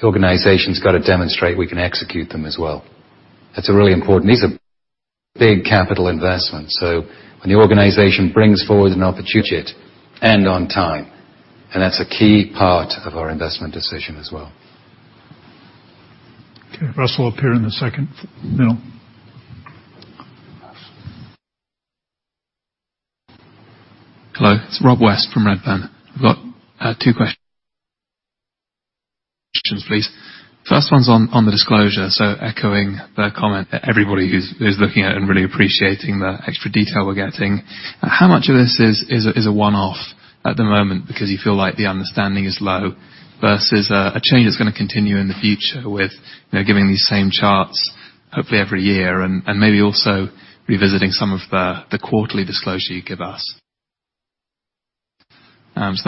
The organization's got to demonstrate we can execute them as well. That's a really important. These are big capital investments. When the organization brings forward an opportunity, on time, that's a key part of our investment decision as well. Okay. Russell up here in the second middle. Hello. It's Rob West from Redburn. I've got two questions, please. First one's on the disclosure. Echoing the comment that everybody who's looking at it and really appreciating the extra detail we're getting. How much of this is a one-off at the moment because you feel like the understanding is low, versus a change that's going to continue in the future with giving these same charts hopefully every year and maybe also revisiting some of the quarterly disclosure you give us? That's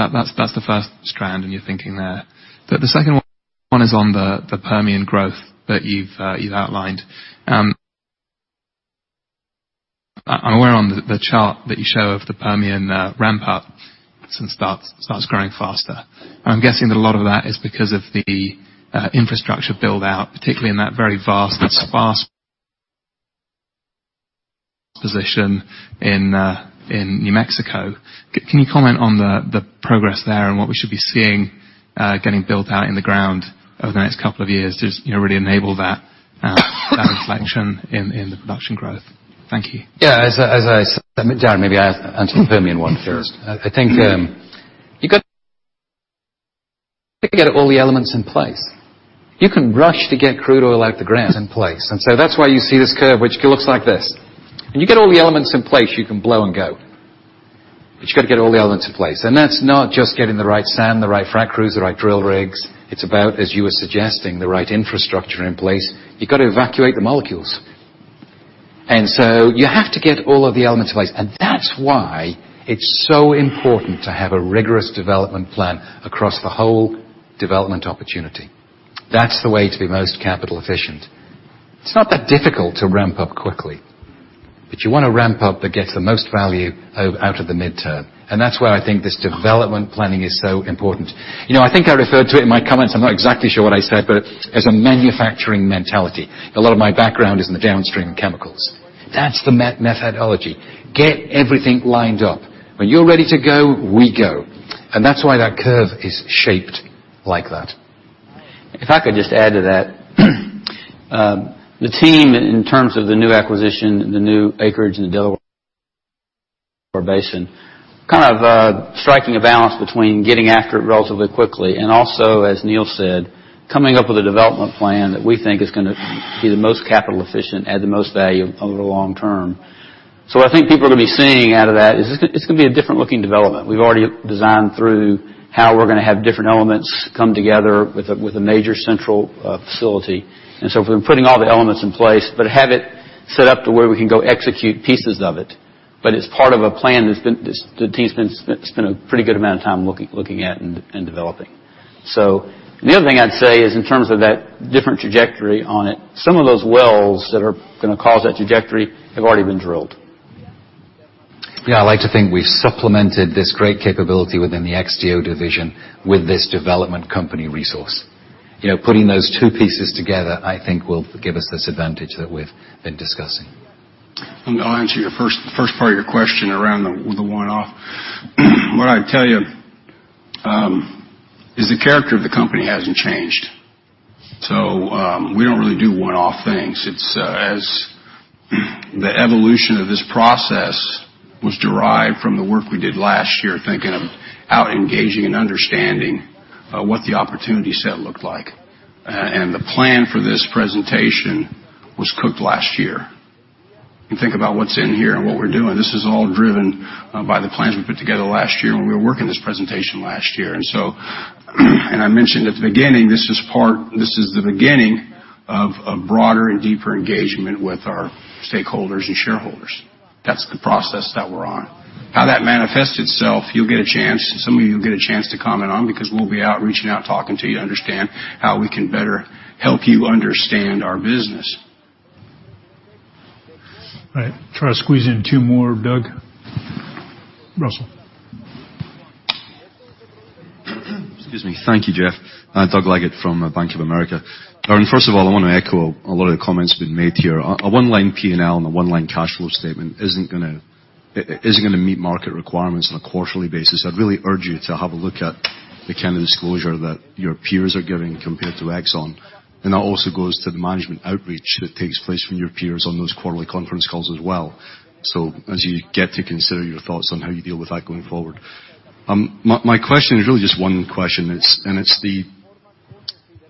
the first strand in your thinking there. The second one is on the Permian growth that you've outlined. I'm aware on the chart that you show of the Permian ramp up since starts growing faster. I'm guessing that a lot of that is because of the infrastructure build-out, particularly in that very vast and sparse position in New Mexico. Can you comment on the progress there and what we should be seeing getting built out in the ground over the next couple of years to just really enable that inflection in the production growth? Thank you. Yeah. Darren, maybe I answer the Permian one first. I think you got to get all the elements in place. You can rush to get crude oil out the ground in place, so that's why you see this curve, which looks like this. When you get all the elements in place, you can blow and go. You got to get all the elements in place. That's not just getting the right sand, the right frac crews, the right drill rigs. It's about, as you were suggesting, the right infrastructure in place. You got to evacuate the molecules. So you have to get all of the elements in place, and that's why it's so important to have a rigorous development plan across the whole development opportunity. That's the way to be most capital efficient. It's not that difficult to ramp up quickly. You want to ramp up that gets the most value out of the midterm, and that's why I think this development planning is so important. I think I referred to it in my comments. I'm not exactly sure what I said, but as a manufacturing mentality. A lot of my background is in the downstream and chemicals. That's the methodology. Get everything lined up. When you're ready to go, we go. That's why that curve is shaped like that. If I could just add to that. The team, in terms of the new acquisition, the new acreage in the Delaware Basin, kind of striking a balance between getting after it relatively quickly and also, as Neil said, coming up with a development plan that we think is going to be the most capital efficient and the most value over the long term. So I think people are going to be seeing out of that is it's going to be a different looking development. We've already designed through how we're going to have different elements come together with a major central facility. So if we've been putting all the elements in place, but have it set up to where we can go execute pieces of it. It's part of a plan the team spent a pretty good amount of time looking at and developing. The other thing I'd say is in terms of that different trajectory on it, some of those wells that are going to cause that trajectory have already been drilled. Yeah, I like to think we've supplemented this great capability within the XTO division with this Development Company resource. Putting those two pieces together, I think, will give us this advantage that we've been discussing. I'll answer your first part of your question around the one-off. What I'd tell you is the character of the company hasn't changed. We don't really do one-off things. It's as the evolution of this process was derived from the work we did last year, thinking of how engaging and understanding what the opportunity set looked like. The plan for this presentation was cooked last year. You think about what's in here and what we're doing, this is all driven by the plans we put together last year when we were working this presentation last year. I mentioned at the beginning, this is the beginning of a broader and deeper engagement with our stakeholders and shareholders. That's the process that we're on. How that manifests itself, you'll get a chance, some of you will get a chance to comment on because we'll be out reaching out, talking to you to understand how we can better help you understand our business. All right. Try to squeeze in two more, Doug. Russell. Excuse me. Thank you, Jeff. Doug Leggate from Bank of America. Darren, first of all, I want to echo a lot of the comments been made here. A one-line P&L and a one-line cash flow statement isn't going to meet market requirements on a quarterly basis. I'd really urge you to have a look at the kind of disclosure that your peers are giving compared to Exxon. That also goes to the management outreach that takes place from your peers on those quarterly conference calls as well. As you get to consider your thoughts on how you deal with that going forward. My question is really just one question, and it's the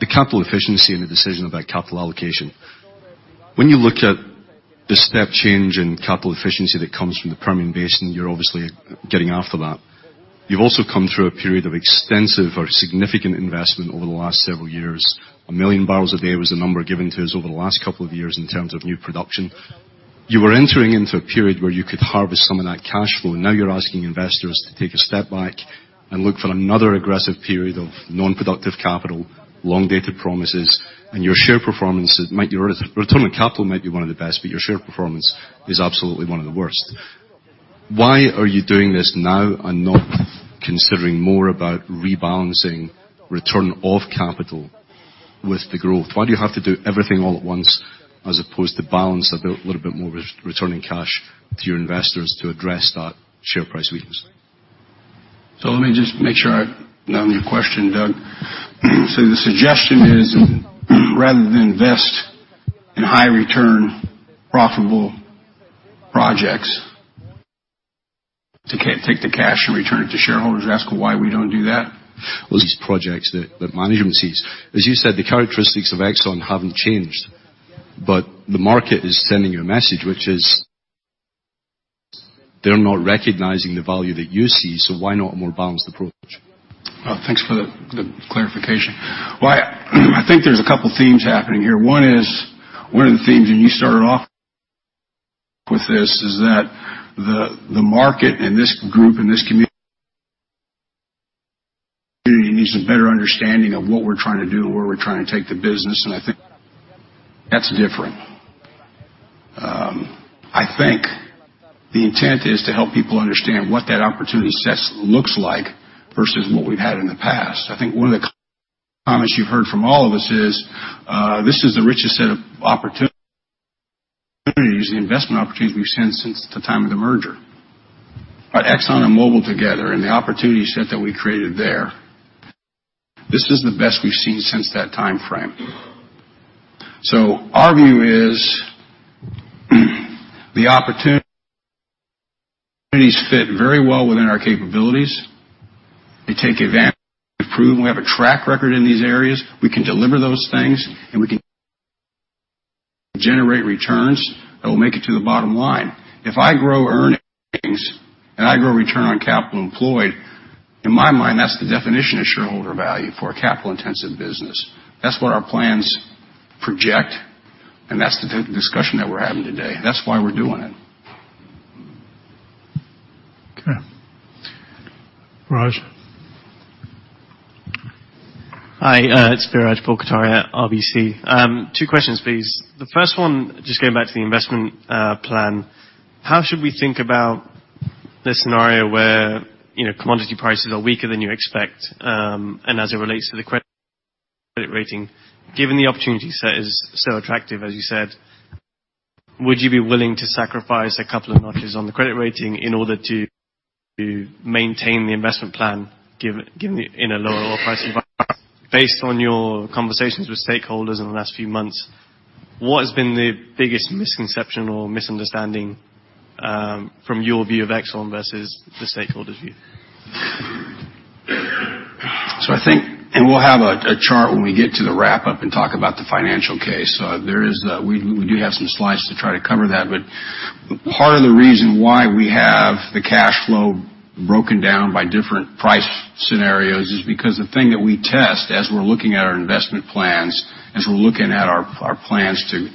capital efficiency and the decision about capital allocation. When you look at the step change in capital efficiency that comes from the Permian Basin, you're obviously getting after that You've also come through a period of extensive or significant investment over the last several years. 1 million barrels a day was the number given to us over the last couple of years in terms of new production. You were entering into a period where you could harvest some of that cash flow. Now you're asking investors to take a step back and look for another aggressive period of non-productive capital, long-dated promises, and your return on capital might be one of the best, but your share performance is absolutely one of the worst. Why are you doing this now and not considering more about rebalancing return of capital with the growth? Why do you have to do everything all at once, as opposed to balance a little bit more returning cash to your investors to address that share price weakness? Let me just make sure I know your question, Doug. The suggestion is rather than invest in high-return, profitable projects, to take the cash and return it to shareholders. You're asking why we don't do that? Well, these projects that management sees. As you said, the characteristics of Exxon haven't changed, but the market is sending you a message, which is they're not recognizing the value that you see, so why not a more balanced approach? Thanks for the clarification. I think there's a couple themes happening here. One of the themes, and you started off with this, is that the market and this group and this community needs a better understanding of what we're trying to do and where we're trying to take the business. I think that's different. I think the intent is to help people understand what that opportunity set looks like versus what we've had in the past. I think one of the comments you've heard from all of us is, this is the richest set of opportunities, the investment opportunities we've seen since the time of the merger. Exxon and Mobil together, and the opportunity set that we created there, this is the best we've seen since that timeframe. Our view is the opportunities fit very well within our capabilities. They take advantage of what we've proven. We have a track record in these areas. We can deliver those things, and we can generate returns that will make it to the bottom line. If I grow earnings and I grow return on capital employed, in my mind, that's the definition of shareholder value for a capital-intensive business. That's what our plans project, and that's the discussion that we're having today. That's why we're doing it. Okay. Biraj. Hi, it's Biraj Borkhataria, RBC. Two questions, please. The first one, just going back to the investment plan, how should we think about the scenario where commodity prices are weaker than you expect, and as it relates to the credit rating? Given the opportunity set is so attractive, as you said, would you be willing to sacrifice a couple of notches on the credit rating in order to maintain the investment plan given in a lower oil price environment? Based on your conversations with stakeholders in the last few months, what has been the biggest misconception or misunderstanding from your view of Exxon versus the stakeholder's view? We'll have a chart when we get to the wrap-up and talk about the financial case. We do have some slides to try to cover that. Part of the reason why we have the cash flow broken down by different price scenarios is because the thing that we test as we're looking at our investment plans, as we're looking at our plans to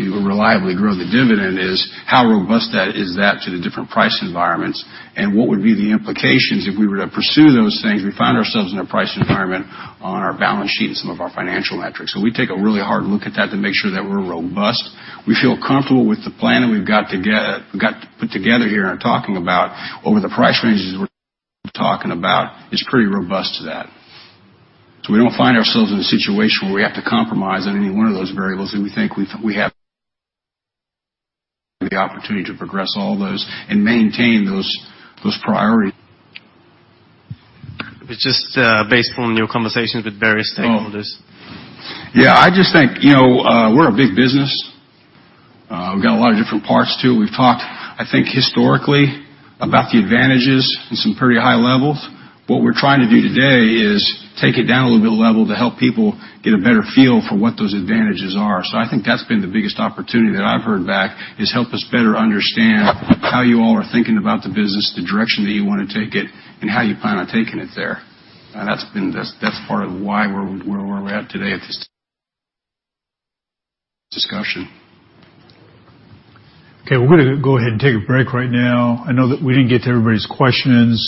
reliably grow the dividend is how robust is that to the different price environments, and what would be the implications if we were to pursue those things, we find ourselves in a price environment on our balance sheet and some of our financial metrics. We take a really hard look at that to make sure that we're robust. We feel comfortable with the plan that we've got put together here and talking about over the price ranges we're talking about is pretty robust to that. We don't find ourselves in a situation where we have to compromise on any one of those variables, and we think we have the opportunity to progress all those and maintain those priorities. It was just based on your conversations with various stakeholders. We're a big business. We've got a lot of different parts, too. We've talked, I think, historically about the advantages in some pretty high levels. What we're trying to do today is take it down a little bit of level to help people get a better feel for what those advantages are. I think that's been the biggest opportunity that I've heard back, is help us better understand how you all are thinking about the business, the direction that you want to take it, and how you plan on taking it there. That's part of why we're where we're at today at this discussion. We're going to go ahead and take a break right now. I know that we didn't get to everybody's questions.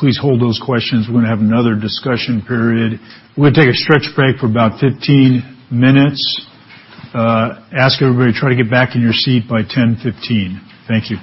Please hold those questions. We're going to have another discussion period. We're going to take a stretch break for about 15 minutes. Ask everybody to try to get back in your seat by 10:15 A.M. Thank you.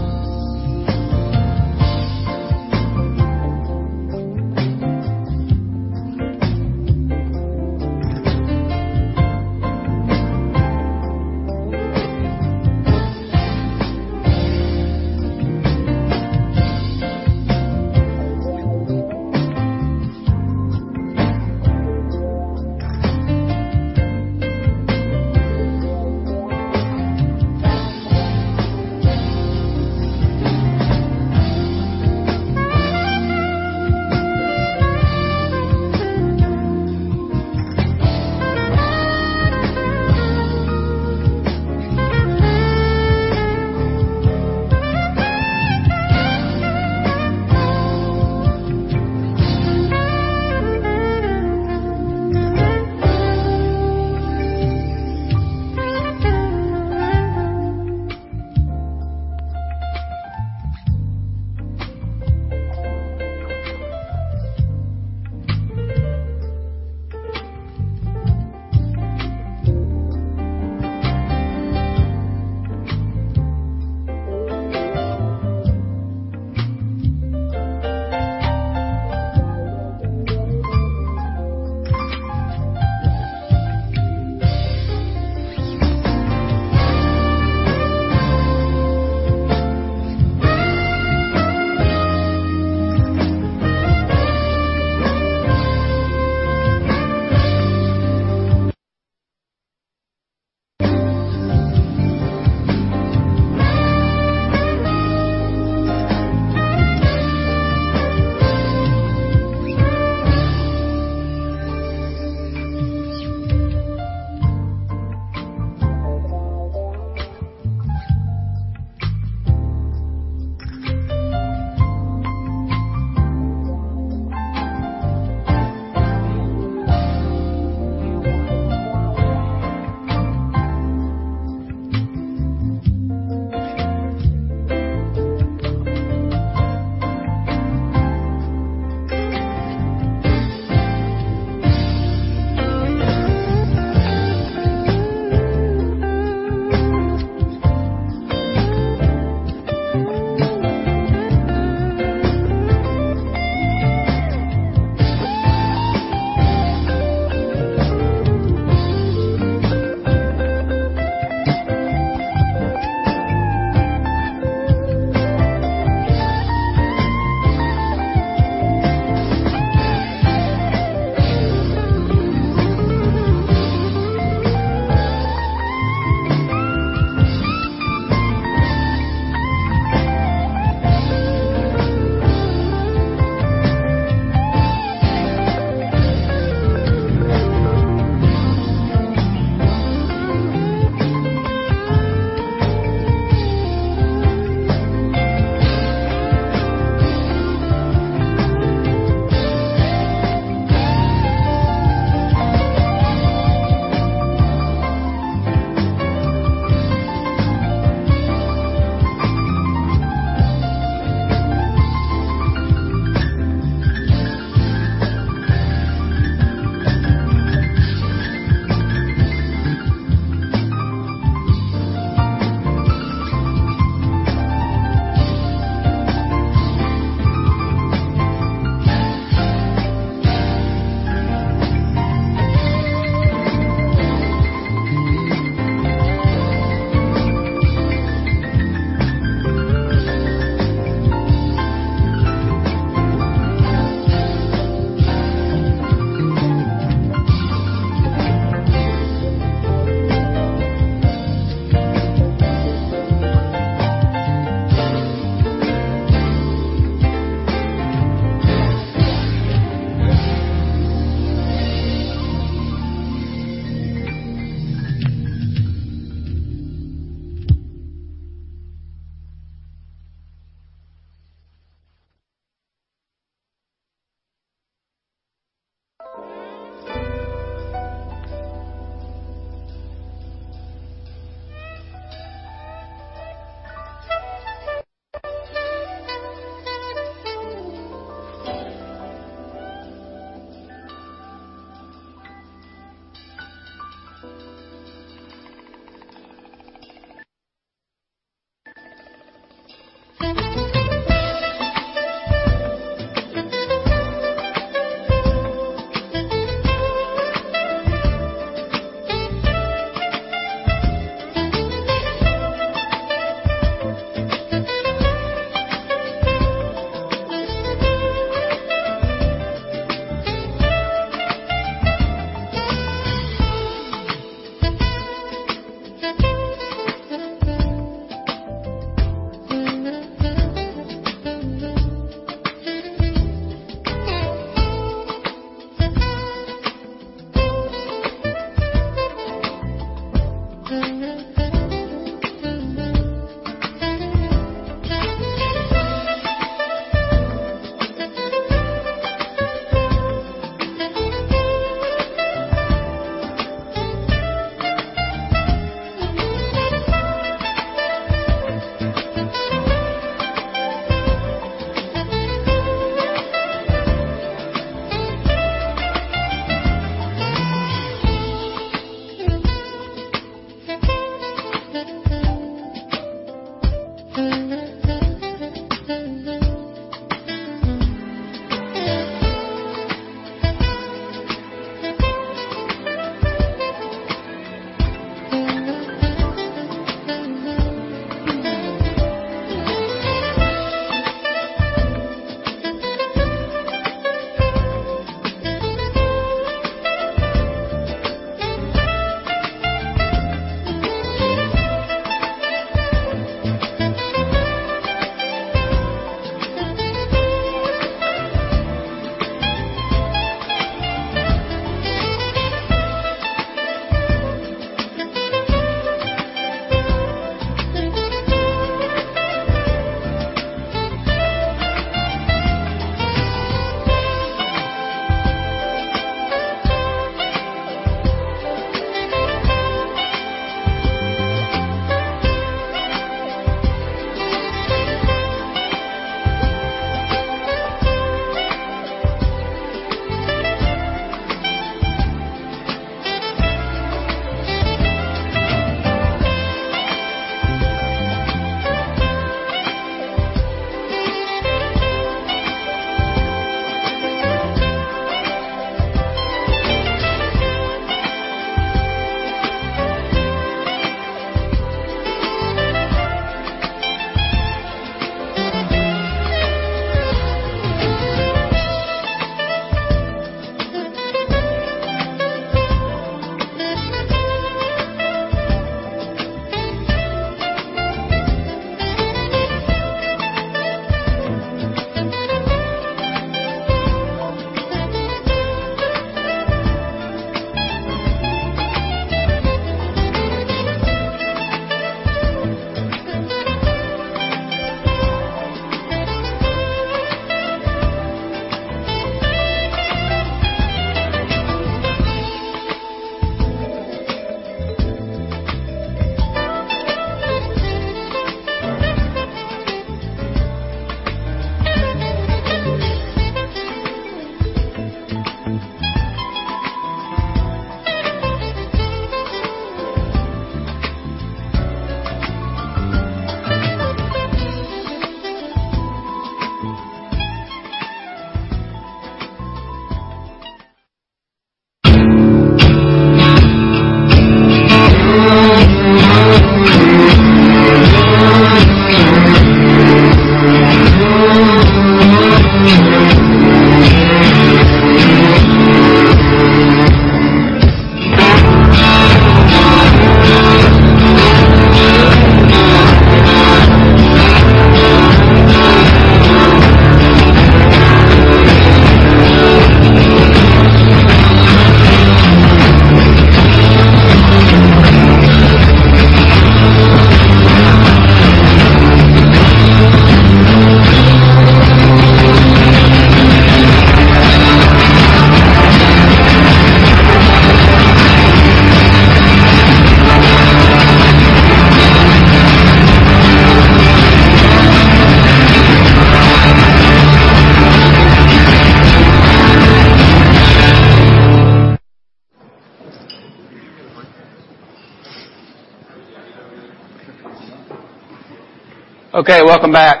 Welcome back.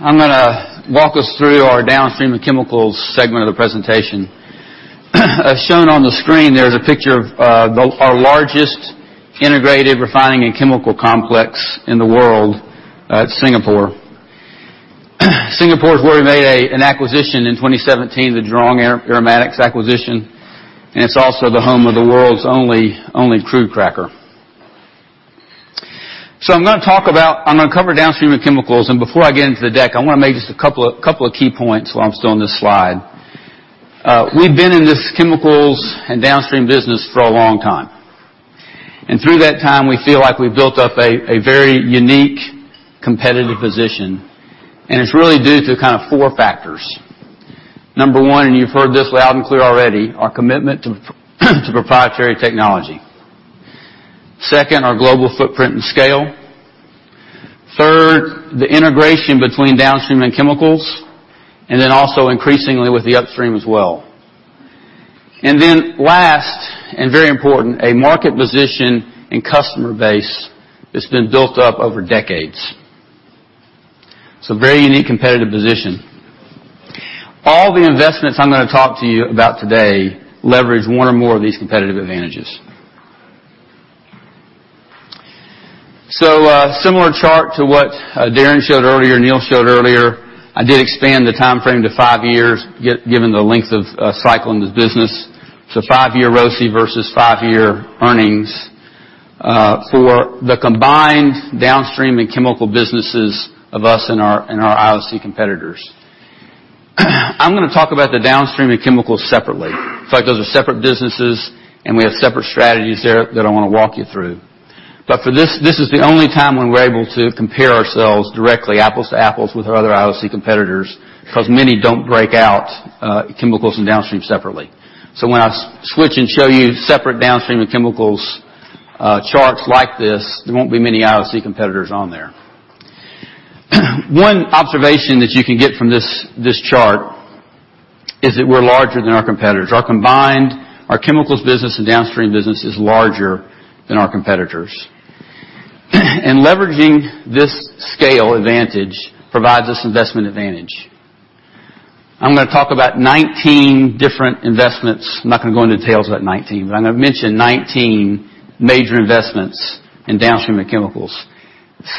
I'm going to walk us through our Downstream and Chemicals segment of the presentation. As shown on the screen, there is a picture of our largest integrated refining and chemical complex in the world at Singapore. Singapore is where we made an acquisition in 2017, the Jurong Aromatics acquisition, and it's also the home of the world's only crude cracker. I'm going to cover Downstream and Chemicals, and before I get into the deck, I want to make just a couple of key points while I'm still on this slide. We've been in this chemicals and downstream business for a long time, and through that time, we feel like we've built up a very unique, competitive position, and it's really due to four factors. Number one, and you've heard this loud and clear already, our commitment to proprietary technology. Second, our global footprint and scale. Third, the integration between downstream and chemicals, also increasingly with the upstream as well. Last, and very important, a market position and customer base that's been built up over decades. It's a very unique competitive position. All the investments I'm going to talk to you about today leverage one or more of these competitive advantages. A similar chart to what Darren showed earlier, Neil showed earlier. I did expand the timeframe to 5 years, given the length of cycle in this business. It's a 5-year ROCE versus 5-year earnings for the combined downstream and chemical businesses of us and our IOC competitors. I'm going to talk about the downstream and chemicals separately. In fact, those are separate businesses, and we have separate strategies there that I want to walk you through. For this is the only time when we're able to compare ourselves directly, apples to apples, with our other IOC competitors, because many don't break out chemicals and downstream separately. When I switch and show you separate downstream and chemicals charts like this, there won't be many IOC competitors on there. One observation that you can get from this chart is that we're larger than our competitors. Our combined, our chemicals business and downstream business is larger than our competitors. Leveraging this scale advantage provides us investment advantage. I'm going to talk about 19 different investments. I'm not going to go into details about 19, but I'm going to mention 19 major investments in downstream and chemicals.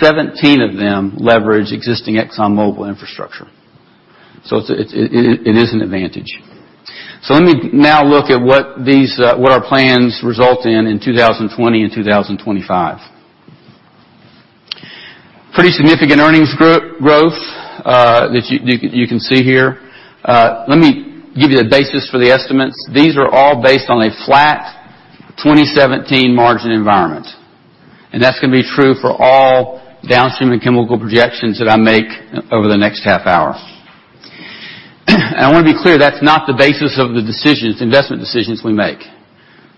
17 of them leverage existing ExxonMobil infrastructure. It is an advantage. Let me now look at what our plans result in 2020 and 2025. Pretty significant earnings growth that you can see here. Let me give you the basis for the estimates. These are all based on a flat 2017 margin environment, and that's going to be true for all downstream and chemical projections that I make over the next half hour. I want to be clear, that's not the basis of the decisions, investment decisions we make.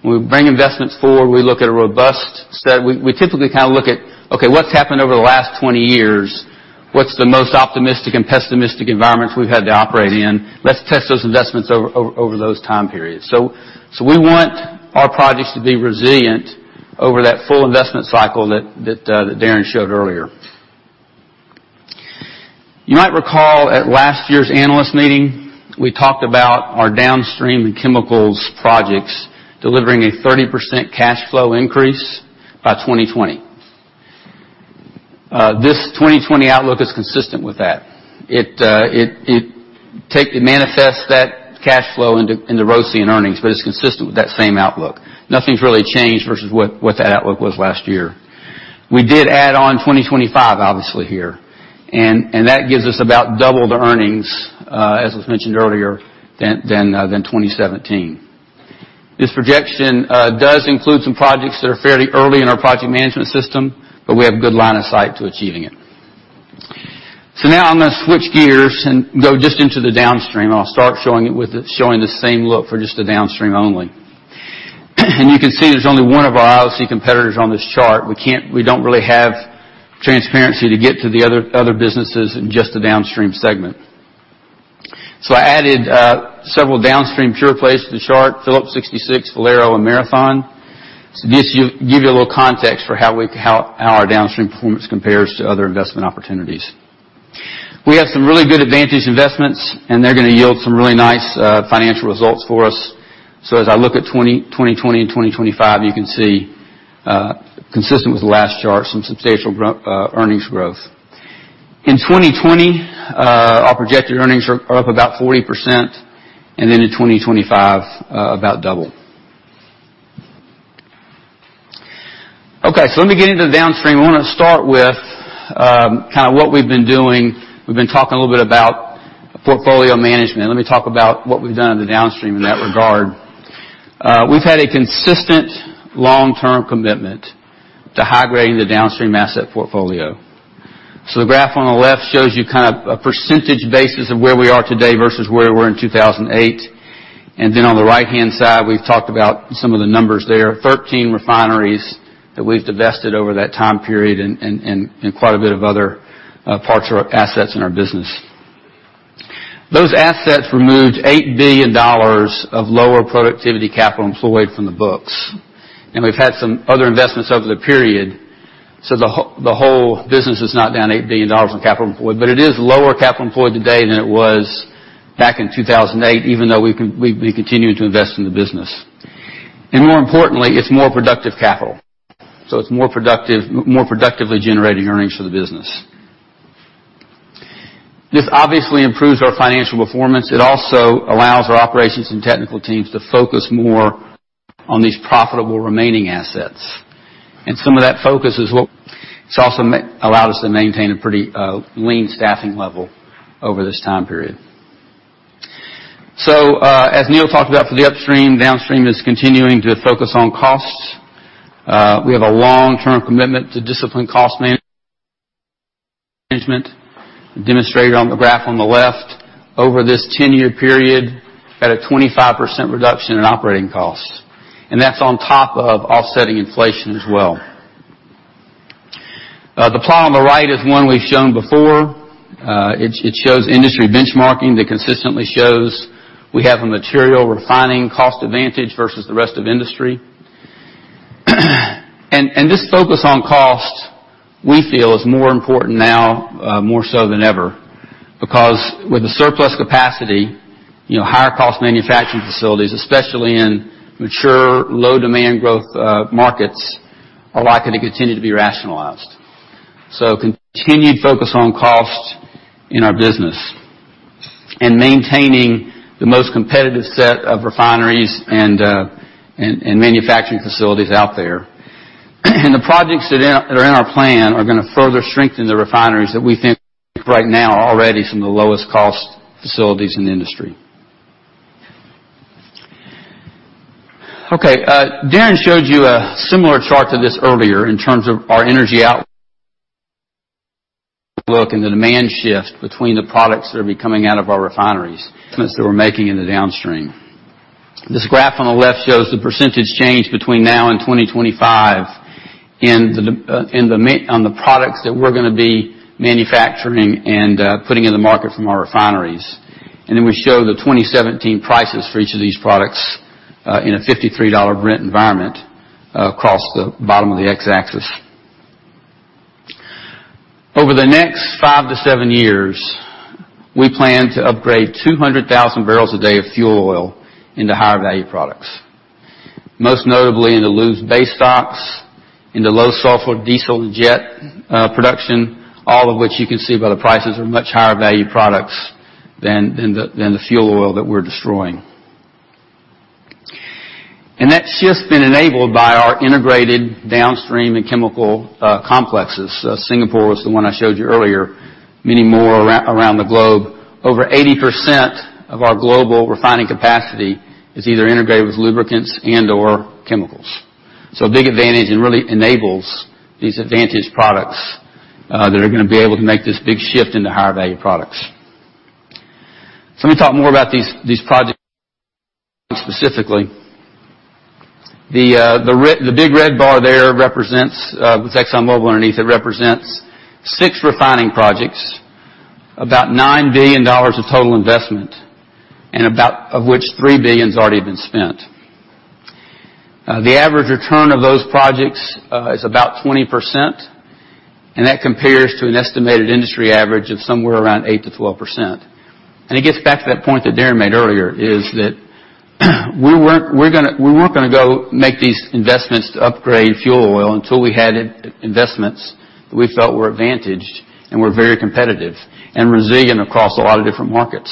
When we bring investments forward, we look at a robust set. We typically look at, okay, what's happened over the last 20 years? What's the most optimistic and pessimistic environments we've had to operate in? Let's test those investments over those time periods. We want our projects to be resilient over that full investment cycle that Darren showed earlier. You might recall at last year's Analyst Meeting, we talked about our downstream and chemicals projects delivering a 30% cash flow increase by 2020. This 2020 outlook is consistent with that. It manifests that cash flow into ROCE and earnings, but it's consistent with that same outlook. Nothing's really changed versus what that outlook was last year. We did add on 2025, obviously here, and that gives us about double the earnings, as was mentioned earlier, than 2017. This projection does include some projects that are fairly early in our project management system, but we have good line of sight to achieving it. Now I'm going to switch gears and go just into the downstream, and I'll start showing the same look for just the downstream only. You can see there's only one of our IOC competitors on this chart. We don't really have transparency to get to the other businesses in just the downstream segment. I added several downstream pure plays to the chart, Phillips 66, Valero, and Marathon. Just give you a little context for how our downstream performance compares to other investment opportunities. We have some really good advantage investments, and they're going to yield some really nice financial results for us. As I look at 2020 and 2025, you can see, consistent with the last chart, some substantial earnings growth. In 2020, our projected earnings are up about 40%, and then in 2025, about double. Let me get into the downstream. I want to start with what we've been doing. We've been talking a little bit about portfolio management. Let me talk about what we've done on the downstream in that regard. We've had a consistent long-term commitment to high-grading the downstream asset portfolio. The graph on the left shows you a percentage basis of where we are today versus where we were in 2008. On the right-hand side, we've talked about some of the numbers there. 13 refineries that we've divested over that time period and quite a bit of other parts or assets in our business. Those assets removed $8 billion of lower productivity capital employed from the books, and we've had some other investments over the period, the whole business is not down $8 billion from capital employed, but it is lower capital employed today than it was back in 2008, even though we've been continuing to invest in the business. More importantly, it's more productive capital. It's more productively generating earnings for the business. This obviously improves our financial performance. It also allows our operations and technical teams to focus more on these profitable remaining assets. Some of that focus is what it's also allowed us to maintain a pretty lean staffing level over this time period. As Neil talked about for the upstream, downstream is continuing to focus on costs. We have a long-term commitment to disciplined cost management, demonstrated on the graph on the left over this 10-year period at a 25% reduction in operating costs. That's on top of offsetting inflation as well. The plot on the right is one we've shown before. It shows industry benchmarking that consistently shows we have a material refining cost advantage versus the rest of industry. This focus on cost, we feel is more important now more so than ever, because with the surplus capacity, higher cost manufacturing facilities, especially in mature, low-demand growth markets, are likely to continue to be rationalized. Continued focus on cost in our business and maintaining the most competitive set of refineries and manufacturing facilities out there. The projects that are in our plan are going to further strengthen the refineries that we think right now are already some of the lowest cost facilities in the industry. Darren showed you a similar chart to this earlier in terms of our energy outlook and the demand shift between the products that are coming out of our refineries, that we're making in the downstream. This graph on the left shows the percentage change between now and 2025 on the products that we're going to be manufacturing and putting in the market from our refineries. We show the 2017 prices for each of these products in a $53 Brent environment across the bottom of the X-axis. Over the next five to seven years, we plan to upgrade 200,000 barrels a day of fuel oil into higher value products. Most notably in the lube base stocks, into low sulfur diesel and jet production, all of which you can see by the prices are much higher value products than the fuel oil that we're destroying. That shift's been enabled by our integrated downstream and chemical complexes. Singapore was the one I showed you earlier. Many more around the globe. Over 80% of our global refining capacity is either integrated with lubricants and/or chemicals. A big advantage and really enables these advantage products that are going to be able to make this big shift into higher value products. Let me talk more about these projects specifically. The big red bar there represents, with Exxon Mobil underneath, it represents six refining projects, about $9 billion of total investment, and about of which $3 billion's already been spent. The average return of those projects is about 20%, and that compares to an estimated industry average of somewhere around 8%-12%. It gets back to that point that Darren made earlier, is that we weren't going to go make these investments to upgrade fuel oil until we had investments that we felt were advantaged and were very competitive and resilient across a lot of different markets.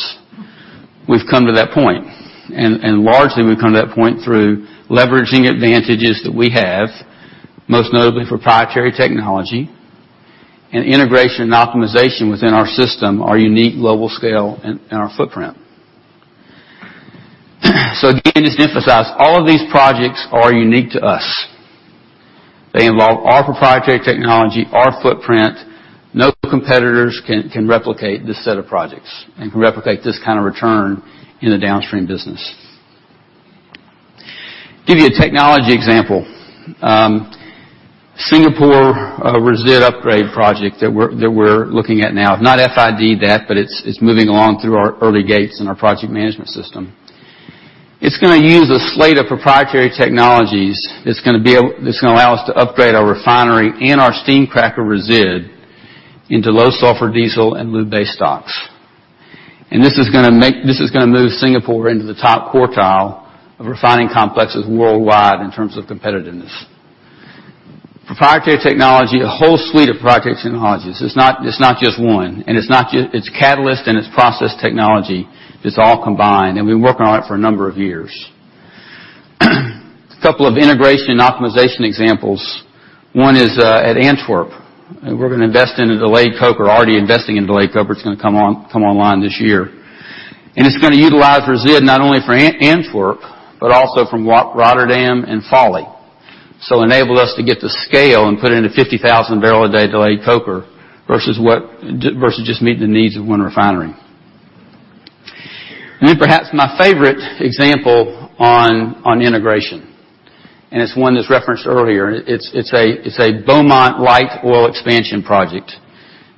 We've come to that point. Largely we've come to that point through leveraging advantages that we have, most notably proprietary technology and integration and optimization within our system, our unique global scale and our footprint. Again, just to emphasize, all of these projects are unique to us. They involve our proprietary technology, our footprint. No competitors can replicate this set of projects and can replicate this kind of return in the downstream business. Give you a technology example. Singapore resid upgrade project that we're looking at now. Have not FID'd that, but it's moving along through our early gates in our project management system. It's going to use a slate of proprietary technologies that's going to allow us to upgrade our refinery and our steam cracker resid into low sulfur diesel and lube base stocks. This is going to move Singapore into the top quartile of refining complexes worldwide in terms of competitiveness. Proprietary technology, a whole suite of proprietary technologies. It's not just one. It's catalyst and it's process technology. It's all combined, and we've been working on it for a number of years. A couple of integration and optimization examples. One is at Antwerp. We're going to invest into delayed coker. Already investing in delayed coker. It's going to come online this year. It's going to utilize resid not only for Antwerp, but also from Rotterdam and Fawley. Enable us to get to scale and put in a 50,000 barrel a day delayed coker, versus just meeting the needs of one refinery. Then perhaps my favorite example on integration, and it's one that's referenced earlier, it's a Beaumont light oil expansion project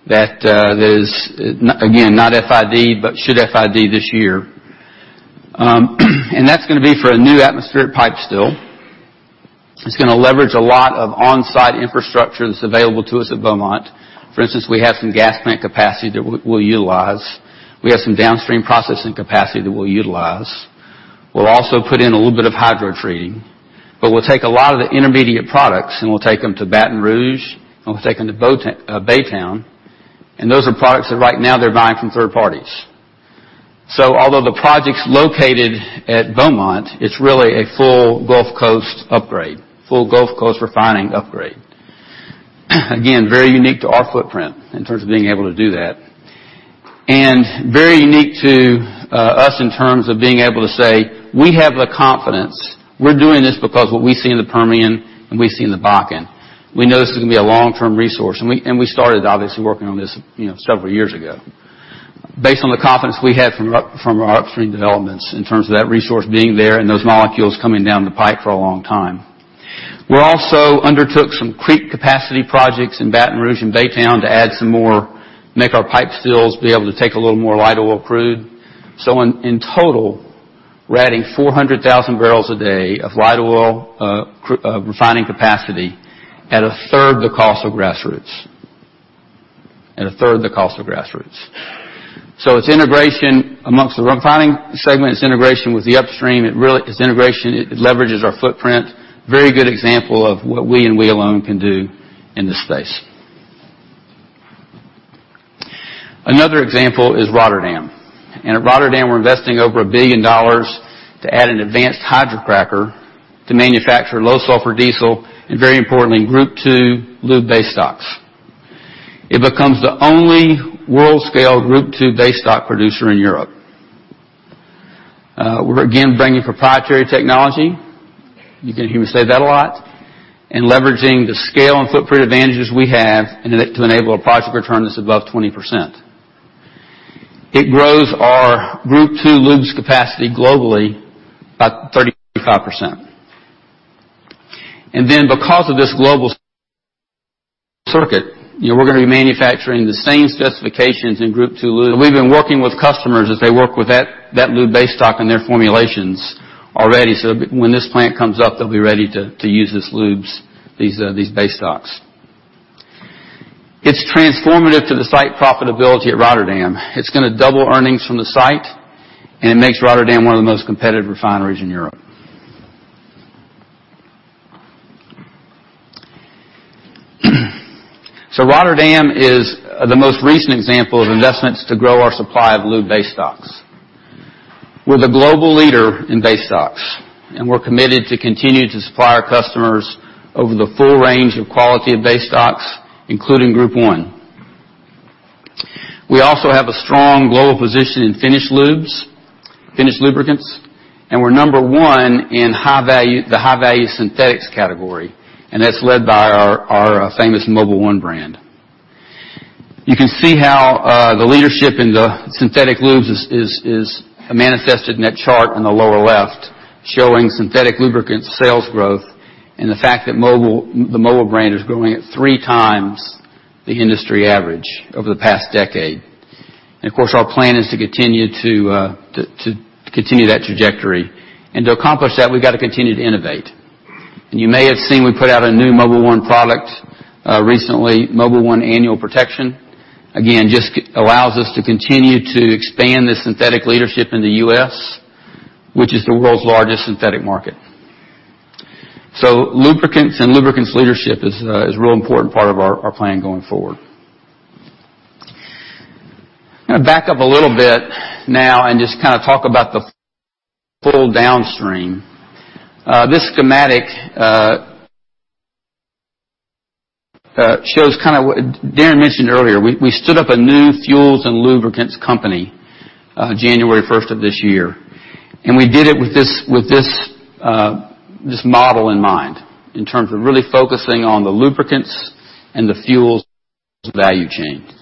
that is, again, not FID'd, but should FID this year. That's going to be for a new atmospheric pipe still. It's going to leverage a lot of on-site infrastructure that's available to us at Beaumont. For instance, we have some gas plant capacity that we'll utilize. We have some downstream processing capacity that we'll utilize. We'll also put in a little bit of hydrotreating, but we'll take a lot of the intermediate products, and we'll take them to Baton Rouge, and we'll take them to Baytown, and those are products that right now they're buying from third parties. Although the project's located at Beaumont, it's really a full Gulf Coast upgrade. Full Gulf Coast refining upgrade. Again, very unique to our footprint in terms of being able to do that. Very unique to us in terms of being able to say we have the confidence. We're doing this because what we see in the Permian and we see in the Bakken. We know this is going to be a long-term resource. We started obviously working on this several years ago. Based on the confidence we had from our upstream developments in terms of that resource being there and those molecules coming down the pipe for a long time. We also undertook some creep capacity projects in Baton Rouge and Baytown to add some more, make our pipe stills be able to take a little more light oil crude. In total, we're adding 400,000 barrels a day of light oil refining capacity at a third the cost of grassroots. It's integration amongst the refining segment, it's integration with the upstream. It's integration. It leverages our footprint. Very good example of what we and we alone can do in this space. Another example is Rotterdam. At Rotterdam, we're investing over $1 billion to add an advanced hydrocracker to manufacture low sulfur diesel, and very importantly, Group II lube base stocks. It becomes the only world-scale Group II base stock producer in Europe. We're again bringing proprietary technology, you're going to hear me say that a lot, and leveraging the scale and footprint advantages we have to enable a project return that's above 20%. It grows our Group II lubes capacity globally by 35%. Because of this global circuit, we're going to be manufacturing the same specifications in Group II lubes. We've been working with customers as they work with that lube base stock in their formulations already. When this plant comes up, they'll be ready to use these base stocks. It's transformative to the site profitability at Rotterdam. It's going to double earnings from the site, and it makes Rotterdam one of the most competitive refineries in Europe. Rotterdam is the most recent example of investments to grow our supply of lube base stocks. We're the global leader in base stocks, and we're committed to continue to supply our customers over the full range of quality of base stocks, including Group I. We also have a strong global position in finished lubricants, and we're number 1 in the high-value synthetics category, and that's led by our famous Mobil 1 brand. You can see how the leadership in the synthetic lubes is manifested in that chart in the lower left, showing synthetic lubricants sales growth, and the fact that the Mobil brand is growing at three times the industry average over the past decade. Of course, our plan is to continue that trajectory. To accomplish that, we've got to continue to innovate. You may have seen we put out a new Mobil 1 product recently, Mobil 1 Annual Protection. Just allows us to continue to expand the synthetic leadership in the U.S., which is the world's largest synthetic market. Lubricants and lubricants leadership is a real important part of our plan going forward. I'm going to back up a little bit now and just talk about the full downstream. This schematic shows what Darren mentioned earlier. We stood up a new fuels and lubricants company January 1st of this year, and we did it with this model in mind, in terms of really focusing on the lubricants and the fuels value chains.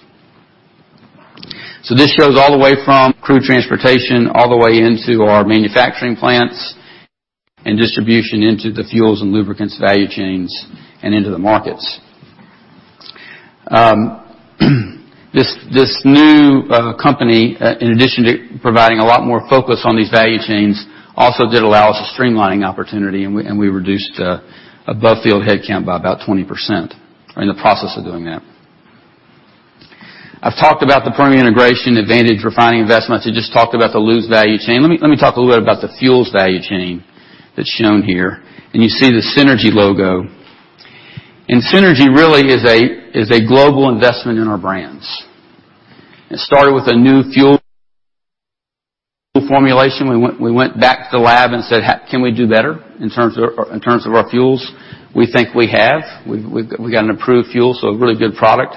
This goes all the way from crude transportation, all the way into our manufacturing plants, and distribution into the fuels and lubricants value chains, and into the markets. This new company, in addition to providing a lot more focus on these value chains, also did allow us a streamlining opportunity, and we reduced above-field headcount by about 20%, or in the process of doing that. I've talked about the premium integration advantage refining investments. I just talked about the lubes value chain. Let me talk a little bit about the fuels value chain that's shown here. You see the Synergy logo. Synergy really is a global investment in our brands. It started with a new fuel formulation. We went back to the lab and said, "Can we do better in terms of our fuels?" We think we have. We've got an improved fuel, so a really good product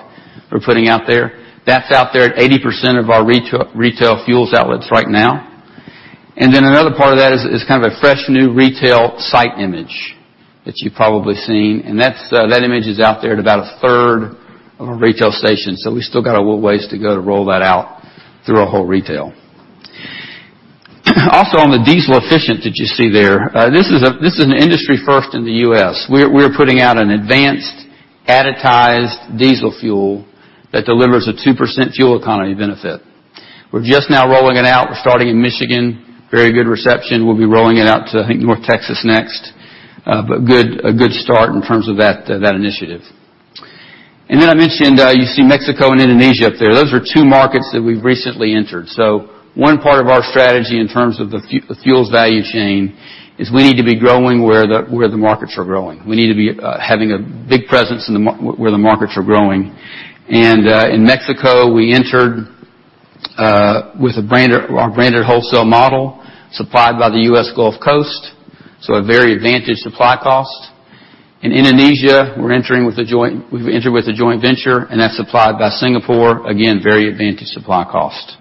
we're putting out there. That's out there at 80% of our retail fuels outlets right now. Another part of that is a fresh new retail site image that you've probably seen, and that image is out there at about a third of our retail stations. We've still got a little ways to go to roll that out through our whole retail. Also on the Diesel Efficient that you see there, this is an industry first in the U.S. We're putting out an advanced additized diesel fuel that delivers a 2% fuel economy benefit. We're just now rolling it out. We're starting in Michigan. Very good reception. We'll be rolling it out to, I think, North Texas next. A good start in terms of that initiative. I mentioned, you see Mexico and Indonesia up there. Those are two markets that we've recently entered. One part of our strategy in terms of the fuels value chain is we need to be growing where the markets are growing. We need to be having a big presence where the markets are growing. In Mexico, we entered with our branded wholesale model supplied by the U.S. Gulf Coast, a very advantaged supply cost. In Indonesia, we've entered with a joint venture, and that's supplied by Singapore. Again, very advantaged supply cost.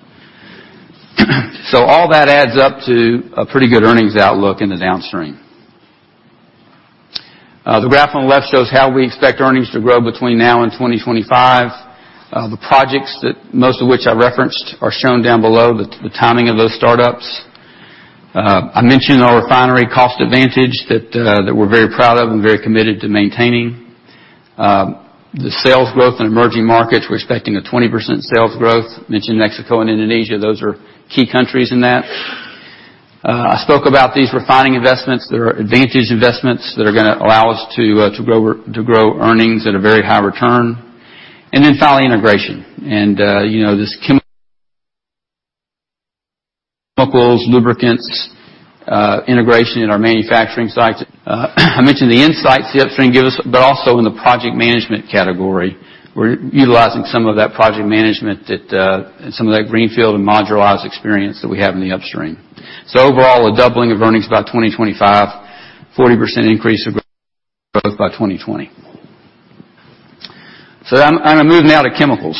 All that adds up to a pretty good earnings outlook in the downstream. The graph on the left shows how we expect earnings to grow between now and 2025. The projects, most of which I referenced, are shown down below, the timing of those startups. I mentioned our refinery cost advantage that we're very proud of and very committed to maintaining. The sales growth in emerging markets, we're expecting a 20% sales growth. Mentioned Mexico and Indonesia. Those are key countries in that. I spoke about these refining investments. There are advantage investments that are going to allow us to grow earnings at a very high return. Finally, integration. This chemicals, lubricants integration in our manufacturing sites. I mentioned the insights the upstream give us, but also in the project management category. We're utilizing some of that project management and some of that greenfield and modularized experience that we have in the upstream. Overall, a doubling of earnings by 2025, 40% increase of growth by 2020. I'm going to move now to chemicals.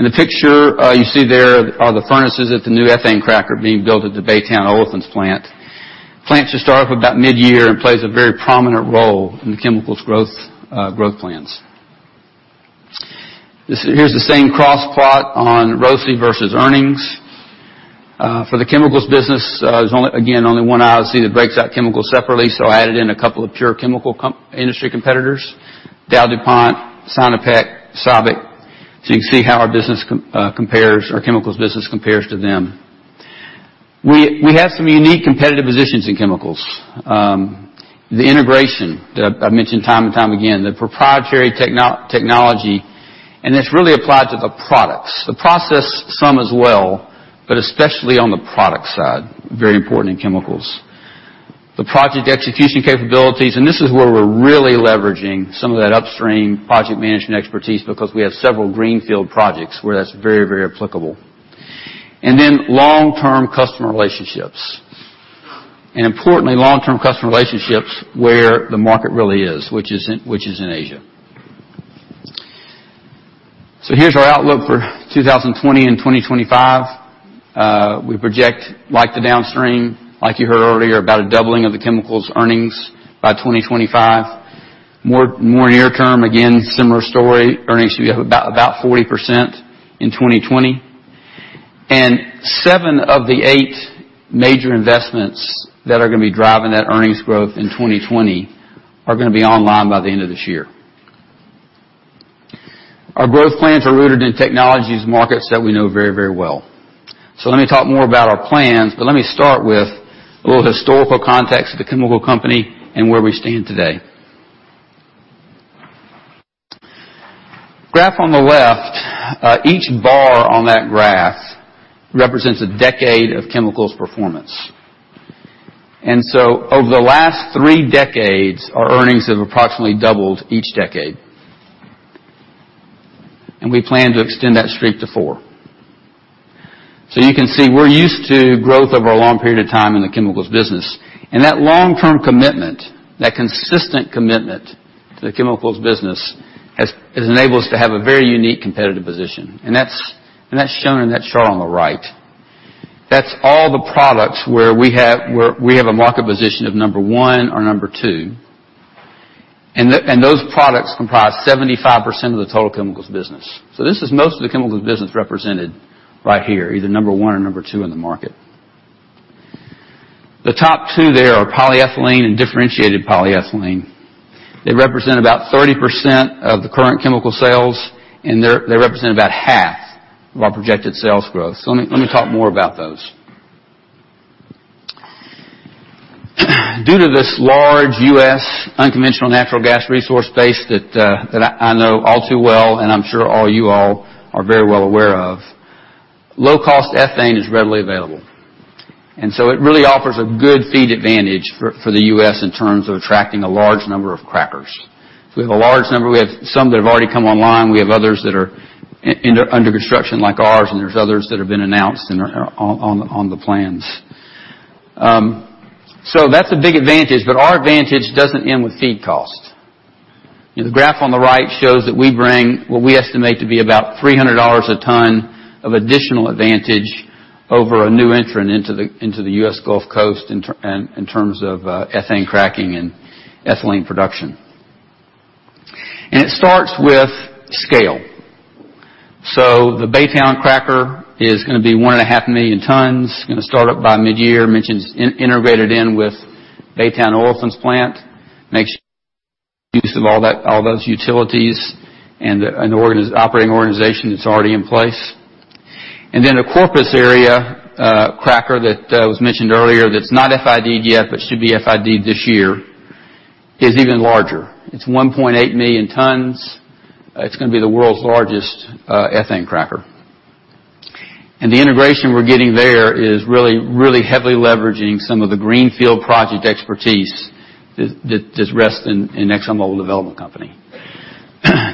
In the picture you see there are the furnaces at the new ethane cracker being built at the Baytown Olefins plant. Plant should start up about mid-year and plays a very prominent role in the chemicals growth plans. Here's the same cross plot on ROIC versus earnings. For the chemicals business, there's again, only one I see that breaks out chemicals separately, so I added in a couple of pure chemical industry competitors: DowDuPont, Sinopec, SABIC. You can see how our chemicals business compares to them. We have some unique competitive positions in chemicals. The integration that I've mentioned time and time again, the proprietary technology, that's really applied to the products. The process some as well, but especially on the product side. Very important in chemicals. The project execution capabilities, this is where we're really leveraging some of that upstream project management expertise because we have several greenfield projects where that's very applicable. Then long-term customer relationships. Importantly, long-term customer relationships where the market really is, which is in Asia. Here's our outlook for 2020 and 2025. We project, like the downstream, like you heard earlier, about a doubling of the chemicals earnings by 2025. More near term, again, similar story. Earnings to be up about 40% in 2020. Seven of the eight major investments that are going to be driving that earnings growth in 2020 are going to be online by the end of this year. Our growth plans are rooted in technologies markets that we know very well. Let me talk more about our plans, but let me start with a little historical context of the chemical company and where we stand today. Graph on the left, each bar on that graph represents a decade of chemicals performance. Over the last three decades, our earnings have approximately doubled each decade. We plan to extend that streak to four. You can see, we're used to growth over a long period of time in the chemicals business. That long-term commitment, that consistent commitment to the chemicals business has enabled us to have a very unique competitive position. That's shown in that chart on the right. That's all the products where we have a market position of number one or number two, and those products comprise 75% of the total chemicals business. This is most of the chemicals business represented right here, either number one or number two in the market. The top two there are polyethylene and differentiated polyethylene. They represent about 30% of the current chemical sales, and they represent about half of our projected sales growth. Let me talk more about those. Due to this large U.S. unconventional natural gas resource base that I know all too well and I'm sure you all are very well aware of, low cost ethane is readily available. It really offers a good feed advantage for the U.S. in terms of attracting a large number of crackers. We have a large number. We have some that have already come online, we have others that are under construction like ours, and there's others that have been announced and are on the plans. That's a big advantage, but our advantage doesn't end with feed cost. The graph on the right shows that we bring what we estimate to be about $300 a ton of additional advantage over a new entrant into the U.S. Gulf Coast in terms of ethane cracking and ethylene production. It starts with scale. The Baytown cracker is going to be 1.5 million tons. Going to start up by mid-year, integrated in with Baytown Olefins plant. Make use of all those utilities and an operating organization that's already in place. A Corpus area cracker that was mentioned earlier, that's not FID'd yet, but should be FID'd this year, is even larger. It's 1.8 million tons. It's going to be the world's largest ethane cracker. The integration we're getting there is really heavily leveraging some of the greenfield project expertise that rests in ExxonMobil Development Company.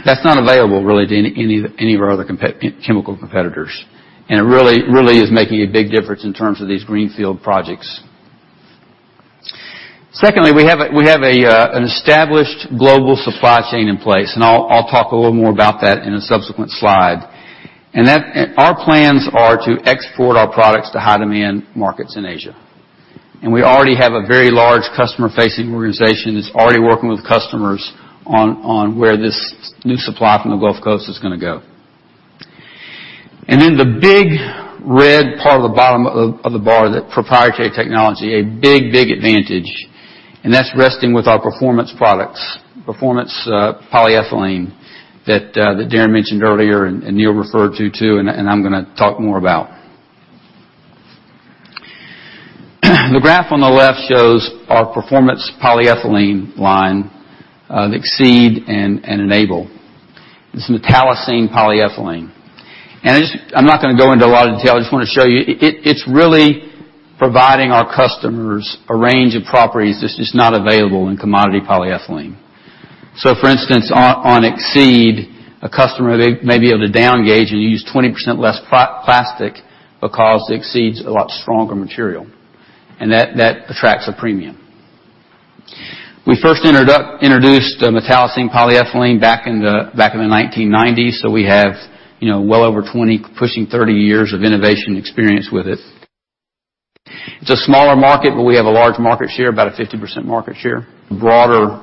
That's not available really to any of our other chemical competitors. It really is making a big difference in terms of these greenfield projects. Secondly, we have an established global supply chain in place. I'll talk a little more about that in a subsequent slide. Our plans are to export our products to high-demand markets in Asia. We already have a very large customer-facing organization that's already working with customers on where this new supply from the Gulf Coast is going to go. The big red part of the bottom of the bar, that proprietary technology, a big advantage, and that's resting with our performance products. Performance polyethylene that Darren mentioned earlier and Neil referred to too. I'm going to talk more about. The graph on the left shows our performance polyethylene line, Exceed™ and Enable™. This is metallocene polyethylene. I'm not going to go into a lot of detail. I just want to show you, it's really providing our customers a range of properties that's just not available in commodity polyethylene. For instance, on Exceed™, a customer may be able to down gauge and use 20% less plastic because Exceed™'s a lot stronger material, and that attracts a premium. We first introduced metallocene polyethylene back in the 1990s. We have well over 20, pushing 30 years of innovation experience with it. It's a smaller market, but we have a large market share, about a 50% market share. Broader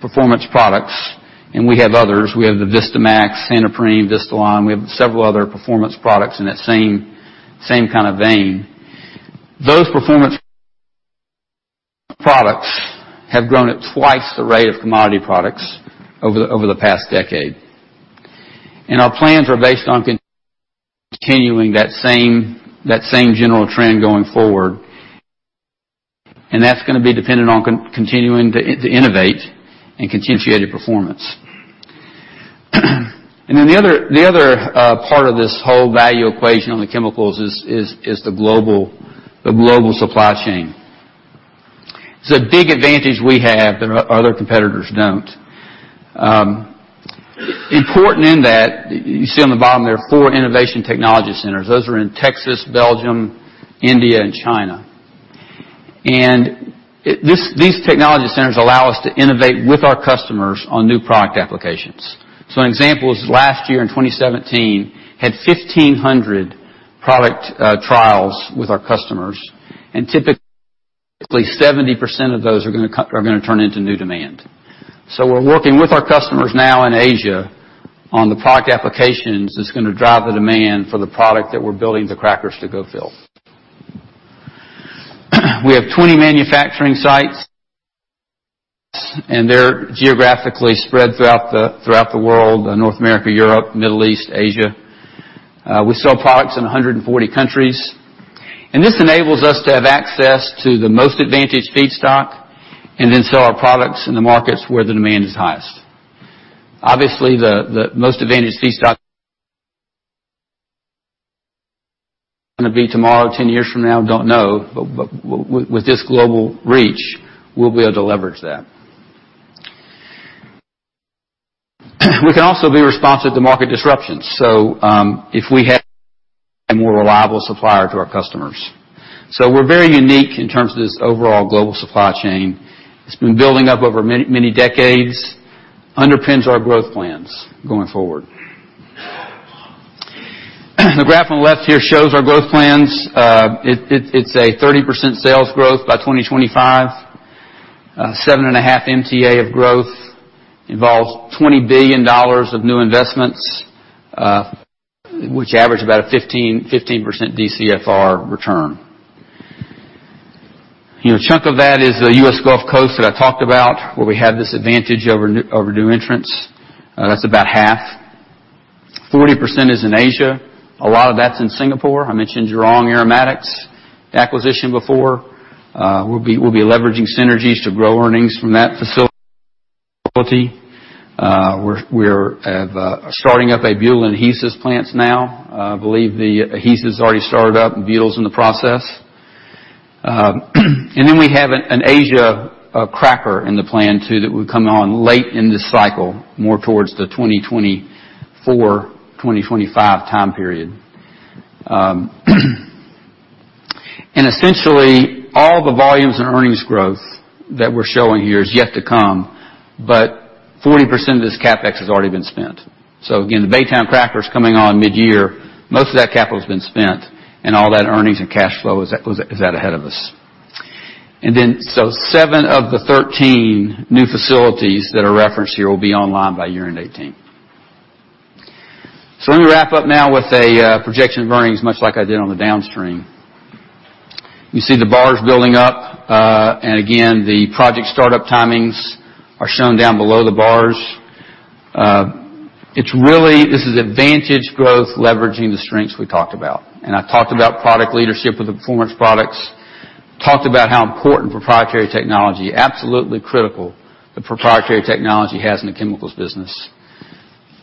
performance products. We have others. We have the Vistamaxx, Santoprene, Vistalon. We have several other performance products in that same kind of vein. Those performance products have grown at twice the rate of commodity products over the past decade. Our plans are based on continuing that same general trend going forward. That's going to be dependent on continuing to innovate and continue performance. The other part of this whole value equation on the chemicals is the global supply chain. It's a big advantage we have that other competitors don't. Important in that, you see on the bottom there, four innovation technology centers. Those are in Texas, Belgium, India, and China. These technology centers allow us to innovate with our customers on new product applications. An example is last year in 2017, had 1,500 product trials with our customers, and typically, 70% of those are going to turn into new demand. We're working with our customers now in Asia on the product applications that's going to drive the demand for the product that we're building the crackers to go fill. We have 20 manufacturing sites, and they're geographically spread throughout the world, North America, Europe, Middle East, Asia. We sell products in 140 countries. This enables us to have access to the most advantaged feedstock and then sell our products in the markets where the demand is highest. Obviously, the most advantaged feedstock is going to be tomorrow, 10 years from now, don't know. With this global reach, we'll be able to leverage that. We can also be responsive to market disruptions. If we have a more reliable supplier to our customers. We're very unique in terms of this overall global supply chain. It's been building up over many decades, underpins our growth plans going forward. The graph on the left here shows our growth plans. It's a 30% sales growth by 2025. 7.5 MTA of growth. Involves $20 billion of new investments, which average about a 15% DCFR return. A chunk of that is the U.S. Gulf Coast that I talked about, where we have this advantage over new entrants. That's about half. 40% is in Asia. A lot of that's in Singapore. I mentioned Jurong Aromatics acquisition before. We'll be leveraging synergies to grow earnings from that facility. We're starting up a butyl and adhesives plants now. I believe the adhesives already started up, and butyl's in the process. We have an Asia cracker in the plan too, that would come on late in this cycle, more towards the 2024, 2025 time period. Essentially, all the volumes and earnings growth that we're showing here is yet to come, but 40% of this CapEx has already been spent. Again, the Baytown cracker's coming on mid-year. Most of that capital's been spent, and all that earnings and cash flow is out ahead of us. Then, seven of the 13 new facilities that are referenced here will be online by year-end 2018. Let me wrap up now with a projection of earnings, much like I did on the downstream. You see the bars building up. Again, the project startup timings are shown down below the bars. This is advantage growth leveraging the strengths we talked about. I talked about product leadership with the performance products. Talked about how important proprietary technology, absolutely critical, the proprietary technology has in the chemicals business.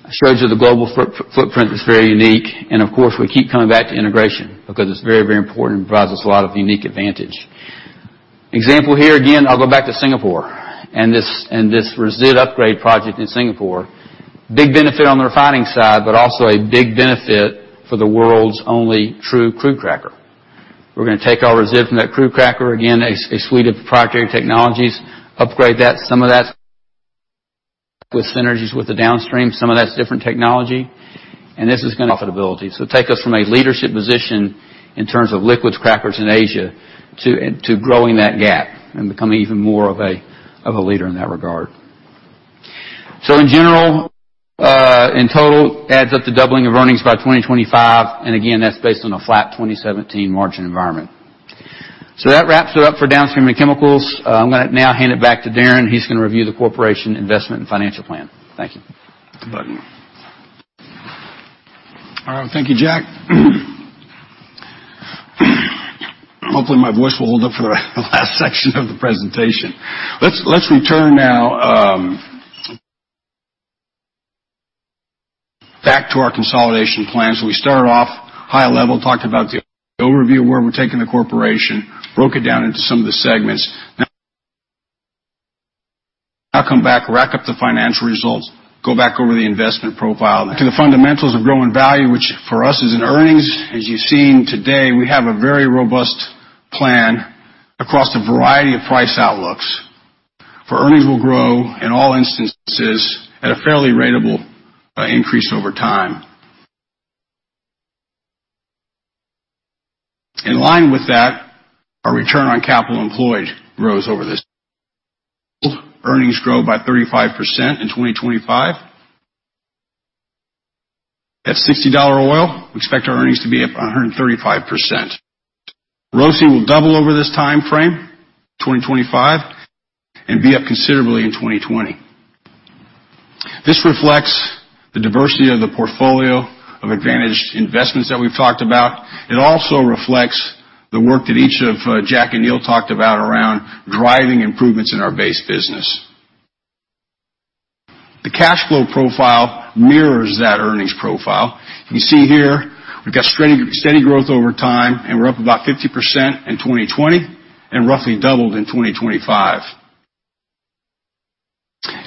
I showed you the global footprint is very unique. Of course, we keep coming back to integration because it's very important and provides us a lot of unique advantage. Example here again, I'll go back to Singapore and this Resid upgrade project in Singapore. Big benefit on the refining side, but also a big benefit for the world's only true crude cracker. We're going to take our Resid from that crude cracker, again, a suite of proprietary technologies, upgrade that. Some of that with synergies with the downstream, some of that's different technology. This is profitability. Take us from a leadership position in terms of liquids crackers in Asia to growing that gap and becoming even more of a leader in that regard. In general, in total, adds up to doubling of earnings by 2025, and again, that's based on a flat 2017 margin environment. That wraps it up for downstream and chemicals. I'm going to now hand it back to Darren. He's going to review the corporation investment and financial plan. Thank you. Thanks, buddy. All right, thank you, Jack. Hopefully my voice will hold up for the last section of the presentation. Let's return now back to our consolidation plans. We started off high level, talking about the overview of where we're taking the corporation, broke it down into some of the segments. Now I come back, wrap up the financial results, go back over the investment profile. To the fundamentals of growing value, which for us is in earnings. As you've seen today, we have a very robust plan across a variety of price outlooks. Earnings will grow in all instances at a fairly ratable increase over time. In line with that, our return on capital employed grows over this. Earnings grow by 35% in 2025. At $60 oil, we expect our earnings to be up 135%. ROIC will double over this timeframe, 2025, and be up considerably in 2020. This reflects the diversity of the portfolio of advantaged investments that we've talked about. It also reflects the work that each of Jack and Neil talked about around driving improvements in our base business. The cash flow profile mirrors that earnings profile. You see here we've got steady growth over time, and we're up about 50% in 2020 and roughly doubled in 2025.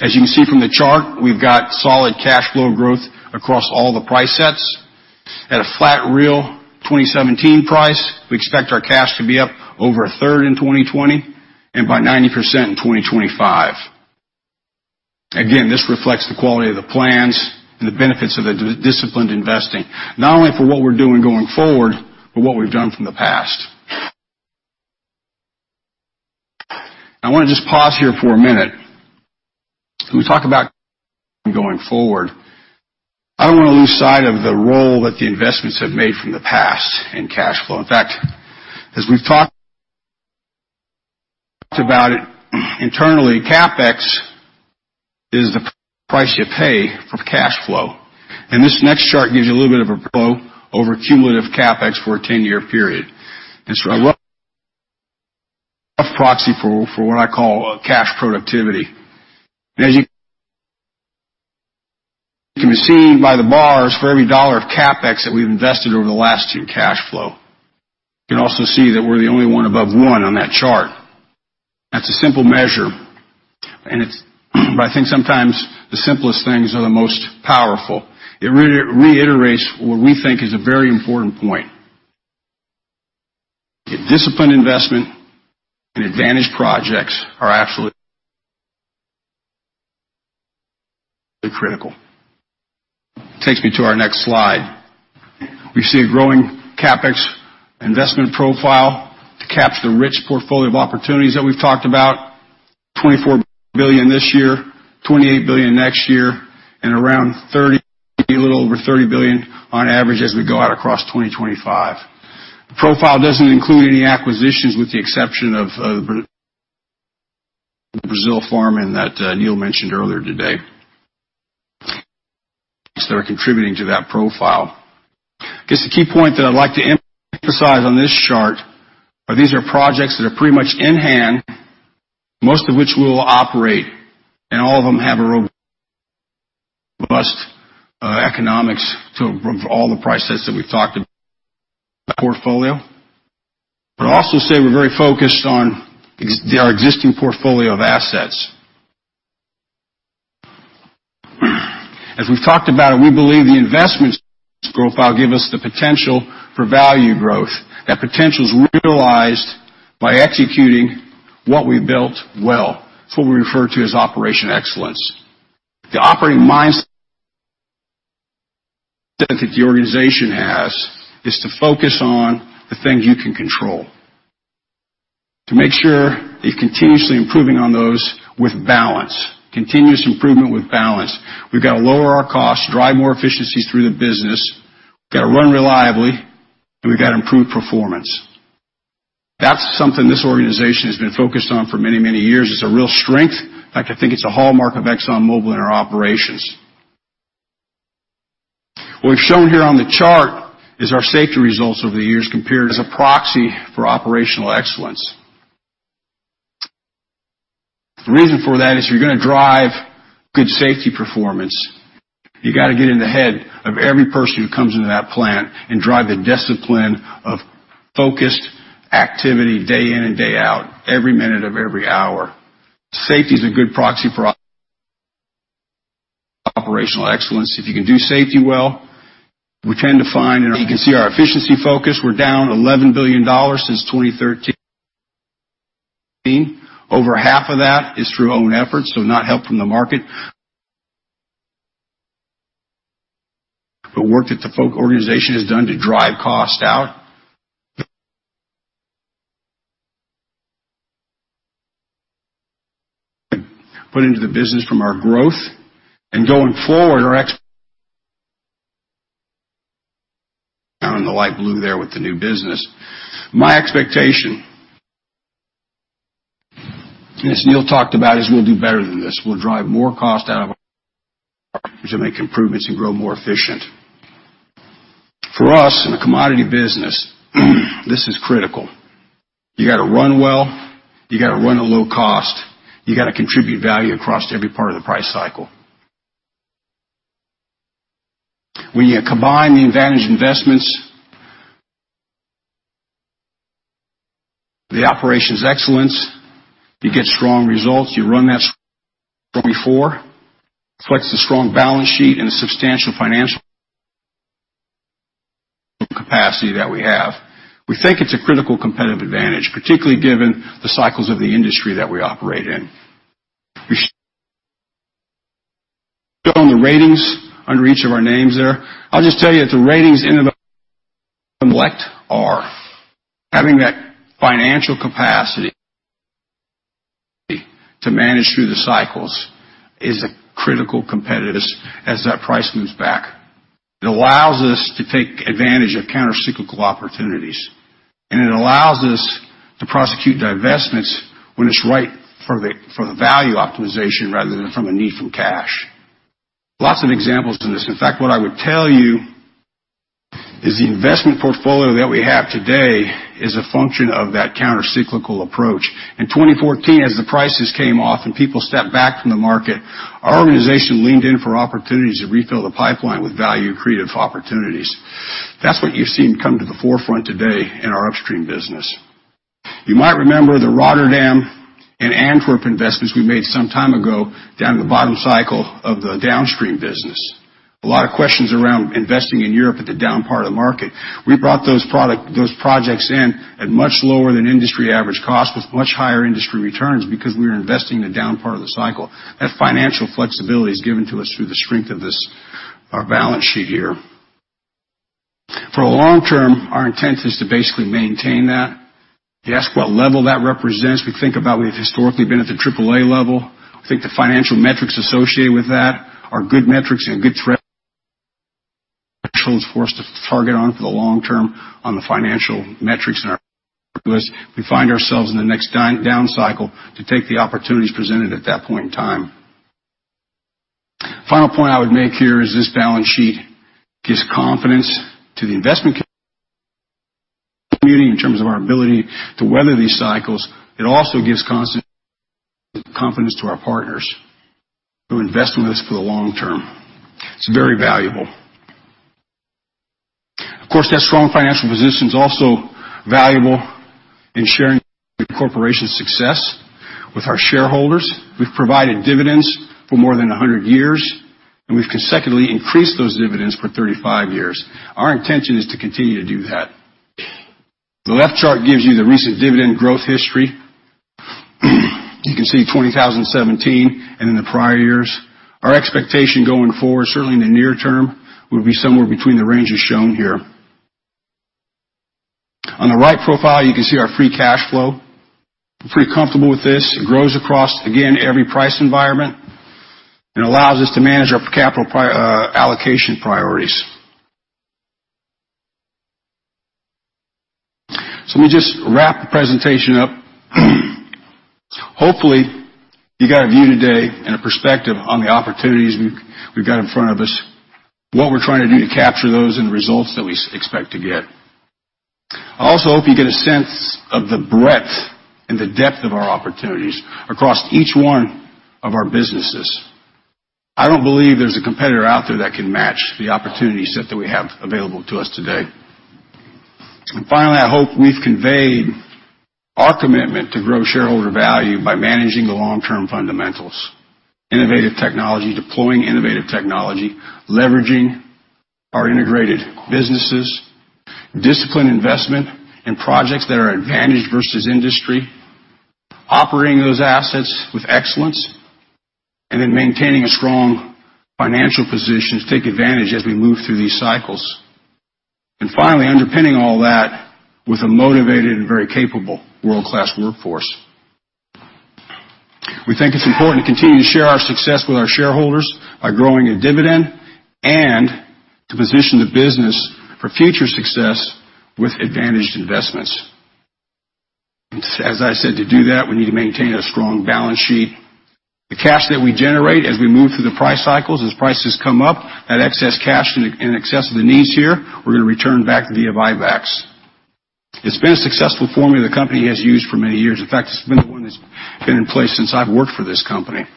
As you can see from the chart, we've got solid cash flow growth across all the price sets. At a flat real 2017 price, we expect our cash to be up over a third in 2020 and by 90% in 2025. Again, this reflects the quality of the plans and the benefits of the disciplined investing, not only for what we're doing going forward, but what we've done from the past. I want to just pause here for a minute. When we talk about going forward, I don't want to lose sight of the role that the investments have made from the past in cash flow. In fact, as we've talked about it internally, CapEx is the price you pay for cash flow. This next chart gives you a little bit of a [flow] over cumulative CapEx for a 10-year period. It's a rough proxy for what I call cash productivity. As you can see by the bars, for every dollar of CapEx that we've invested over the last two cash flow. You can also see that we're the only one above one on that chart. That's a simple measure, and I think sometimes the simplest things are the most powerful. It reiterates what we think is a very important point. That disciplined investment and advantaged projects are absolutely critical. Takes me to our next slide. We see a growing CapEx investment profile to capture the rich portfolio of opportunities that we've talked about, $24 billion this year, $28 billion next year, and a little over $30 billion on average as we go out across 2025. The profile doesn't include any acquisitions with the exception of the Brazil farm-in that Neil mentioned earlier today that are contributing to that profile. I guess the key point that I'd like to emphasize on this chart are these are projects that are pretty much in hand, most of which we'll operate, and all of them have a robust economics to all the price sets that we've talked portfolio. Also say we're very focused on our existing portfolio of assets. As we've talked about, we believe the investments profile give us the potential for value growth. That potential is realized by executing what we built well. It's what we refer to as operational excellence. The operating mindset that the organization has is to focus on the things you can control. To make sure you're continuously improving on those with balance. Continuous improvement with balance. We've got to lower our costs, drive more efficiencies through the business. We've got to run reliably, and we've got to improve performance. That's something this organization has been focused on for many, many years. It's a real strength. In fact, I think it's a hallmark of ExxonMobil in our operations. What we've shown here on the chart is our safety results over the years compared as a proxy for operational excellence. The reason for that is if you're going to drive good safety performance, you got to get in the head of every person who comes into that plant and drive the discipline of focused activity day in and day out, every minute of every hour. Safety is a good proxy for operational excellence. If you can do safety well, we tend to find you can see our efficiency focus. We're down $11 billion since 2013. Over half of that is through own efforts, so not help from the market. The work that our organization has done to drive cost out. Put into the business from our growth and going forward, down in the light blue there with the new business. My expectation, as Neil talked about, is we'll do better than this. We'll drive more cost out to make improvements and grow more efficient. For us, in a commodity business, this is critical. You got to run well, you got to run a low cost. You got to contribute value across every part of the price cycle. You combine the advantage investments, the operational excellence, you get strong results. You run that strong before, reflects the strong balance sheet and the substantial financial capacity that we have. We think it's a critical competitive advantage, particularly given the cycles of the industry that we operate in. You see on the ratings under each of our names there. I'll just tell you that the ratings reflect our having that financial capacity to manage through the cycles is a critical competitiveness as that price moves back. It allows us to take advantage of counter-cyclical opportunities, it allows us to prosecute divestments when it's right for the value optimization rather than from a need for cash. Lots of examples to this. In fact, what I would tell you is the investment portfolio that we have today is a function of that counter-cyclical approach. In 2014, as the prices came off and people stepped back from the market, our organization leaned in for opportunities to refill the pipeline with value creative opportunities. That's what you've seen come to the forefront today in our upstream business. You might remember the Rotterdam and Antwerp investments we made some time ago down at the bottom cycle of the downstream business. A lot of questions around investing in Europe at the down part of the market. We brought those projects in at much lower than industry average cost with much higher industry returns because we were investing the down part of the cycle. That financial flexibility is given to us through the strength of our balance sheet here. For the long term, our intent is to basically maintain that. If you ask what level that represents, we think about we've historically been at the triple A level. I think the financial metrics associated with that are good metrics and good thresholds for us to target on for the long term on the financial metrics because we find ourselves in the next down cycle to take the opportunities presented at that point in time. Final point I would make here is this balance sheet gives confidence to the investment community in terms of our ability to weather these cycles. It also gives constant confidence to our partners who invest with us for the long term. It's very valuable. Of course, that strong financial position is also valuable in sharing the corporation's success with our shareholders. We've provided dividends for more than 100 years, we've consecutively increased those dividends for 35 years. Our intention is to continue to do that. The left chart gives you the recent dividend growth history. You can see 2017 and in the prior years. Our expectation going forward, certainly in the near term, would be somewhere between the ranges shown here. On the right profile, you can see our free cash flow. I'm pretty comfortable with this. It grows across, again, every price environment and allows us to manage our capital allocation priorities. Let me just wrap the presentation up. Hopefully, you got a view today and a perspective on the opportunities we've got in front of us, what we're trying to do to capture those and the results that we expect to get. I also hope you get a sense of the breadth and the depth of our opportunities across each one of our businesses. I don't believe there's a competitor out there that can match the opportunity set that we have available to us today. Finally, I hope we've conveyed our commitment to grow shareholder value by managing the long-term fundamentals. Innovative technology, deploying innovative technology, leveraging our integrated businesses, disciplined investment in projects that are advantaged versus industry, operating those assets with excellence, then maintaining a strong financial position to take advantage as we move through these cycles. Finally, underpinning all that with a motivated and very capable world-class workforce. We think it's important to continue to share our success with our shareholders by growing a dividend and to position the business for future success with advantaged investments. As I said, to do that, we need to maintain a strong balance sheet. The cash that we generate as we move through the price cycles, as prices come up, that excess cash in excess of the needs here, we're going to return back via buybacks. It's been a successful formula the company has used for many years. In fact, it's been the one that's been in place since I've worked for this company.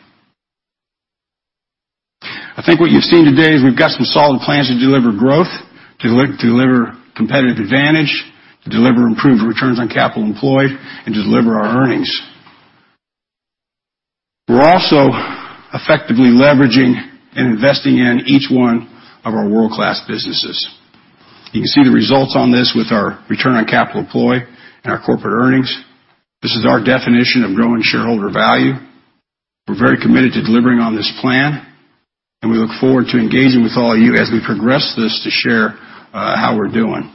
I think what you've seen today is we've got some solid plans to deliver growth, to deliver competitive advantage, to deliver improved returns on capital employed, and deliver our earnings. We're also effectively leveraging and investing in each one of our world-class businesses. You can see the results on this with our return on capital employed and our corporate earnings. This is our definition of growing shareholder value. We're very committed to delivering on this plan, and we look forward to engaging with all of you as we progress this to share how we're doing.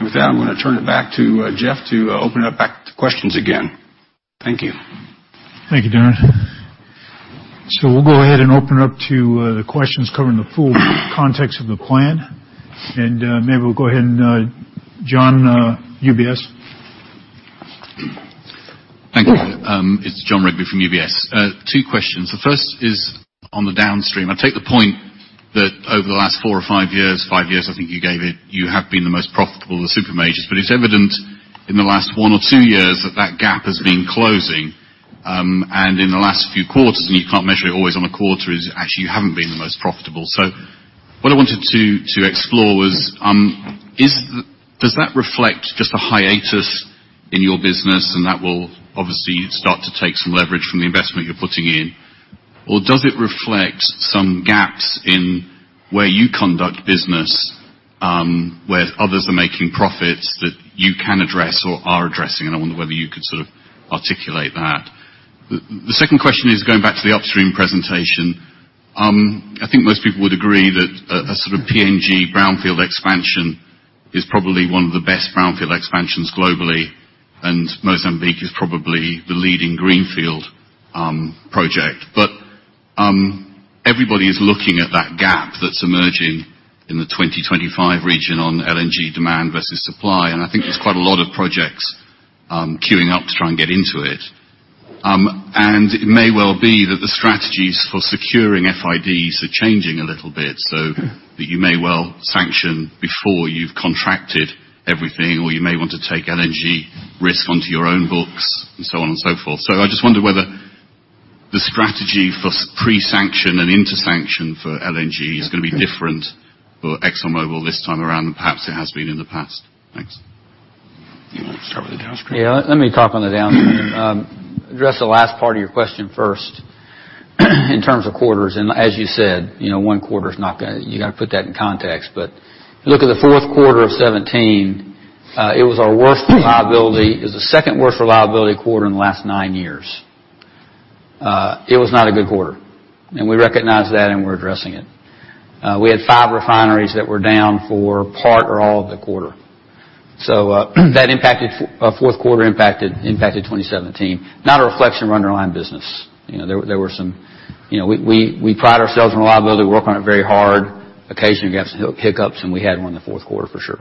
With that, I'm going to turn it back to Jeff to open it up back to questions again. Thank you. Thank you, Darren. We'll go ahead and open it up to the questions covering the full context of the plan. Maybe we'll go ahead and Jon, UBS. Thank you. It's Jon Rigby from UBS. Two questions. The first is on the downstream. I take the point that over the last four or five years, five years I think you gave it, you have been the most profitable of the super majors, but it's evident in the last one or two years that that gap has been closing. In the last few quarters, and you can't measure it always on a quarter is actually you haven't been the most profitable. What I wanted to explore was, does that reflect just a hiatus in your business and that will obviously start to take some leverage from the investment you're putting in? Or does it reflect some gaps in where you conduct business, where others are making profits that you can address or are addressing? I wonder whether you could sort of articulate that. The second question is going back to the upstream presentation. I think most people would agree that the sort of PNG brownfield expansion is probably one of the best brownfield expansions globally, and Mozambique is probably the leading greenfield project. Everybody is looking at that gap that's emerging in the 2025 region on LNG demand versus supply. I think there's quite a lot of projects queuing up to try and get into it. It may well be that the strategies for securing FIDs are changing a little bit, so that you may well sanction before you've contracted everything, or you may want to take LNG risk onto your own books and so on and so forth. I just wonder whether the strategy for pre-sanction and inter-sanction for LNG is going to be different for ExxonMobil this time around than perhaps it has been in the past. Thanks. You want to start with the downstream? Let me talk on the downstream. Address the last part of your question first in terms of quarters. As you said, one quarter, you got to put that in context. If you look at the fourth quarter of 2017, it was our worst reliability. It was the second-worst reliability quarter in the last nine years. It was not a good quarter. We recognize that, and we're addressing it. We had five refineries that were down for part or all of the quarter. That fourth quarter impacted 2017. Not a reflection of our underlying business. We pride ourselves on reliability. We work on it very hard. Occasionally, we have some hiccups, and we had one the fourth quarter for sure.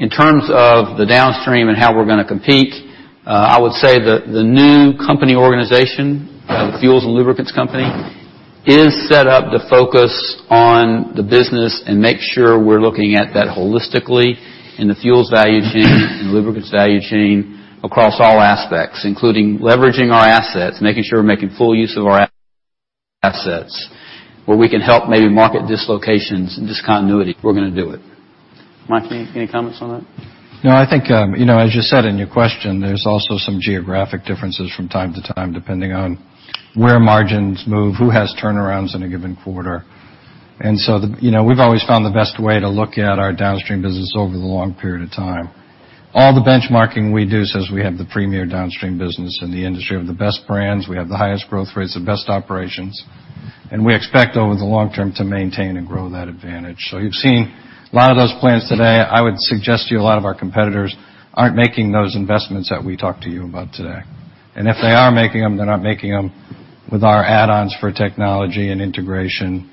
In terms of the downstream and how we're going to compete, I would say the new company organization, the fuels and lubricants company, is set up to focus on the business and make sure we're looking at that holistically in the fuels value chain and lubricants value chain across all aspects, including leveraging our assets, making sure we're making full use of our assets. Where we can help maybe market dislocations and discontinuity, we're going to do it. Mike, any comments on that? No, I think as you said in your question, there's also some geographic differences from time to time, depending on where margins move, who has turnarounds in a given quarter. We've always found the best way to look at our downstream business over the long period of time. All the benchmarking we do says we have the premier downstream business in the industry with the best brands. We have the highest growth rates, the best operations. We expect over the long term to maintain and grow that advantage. You've seen a lot of those plans today. I would suggest to you a lot of our competitors aren't making those investments that we talked to you about today. If they are making them, they're not making them with our add-ons for technology and integration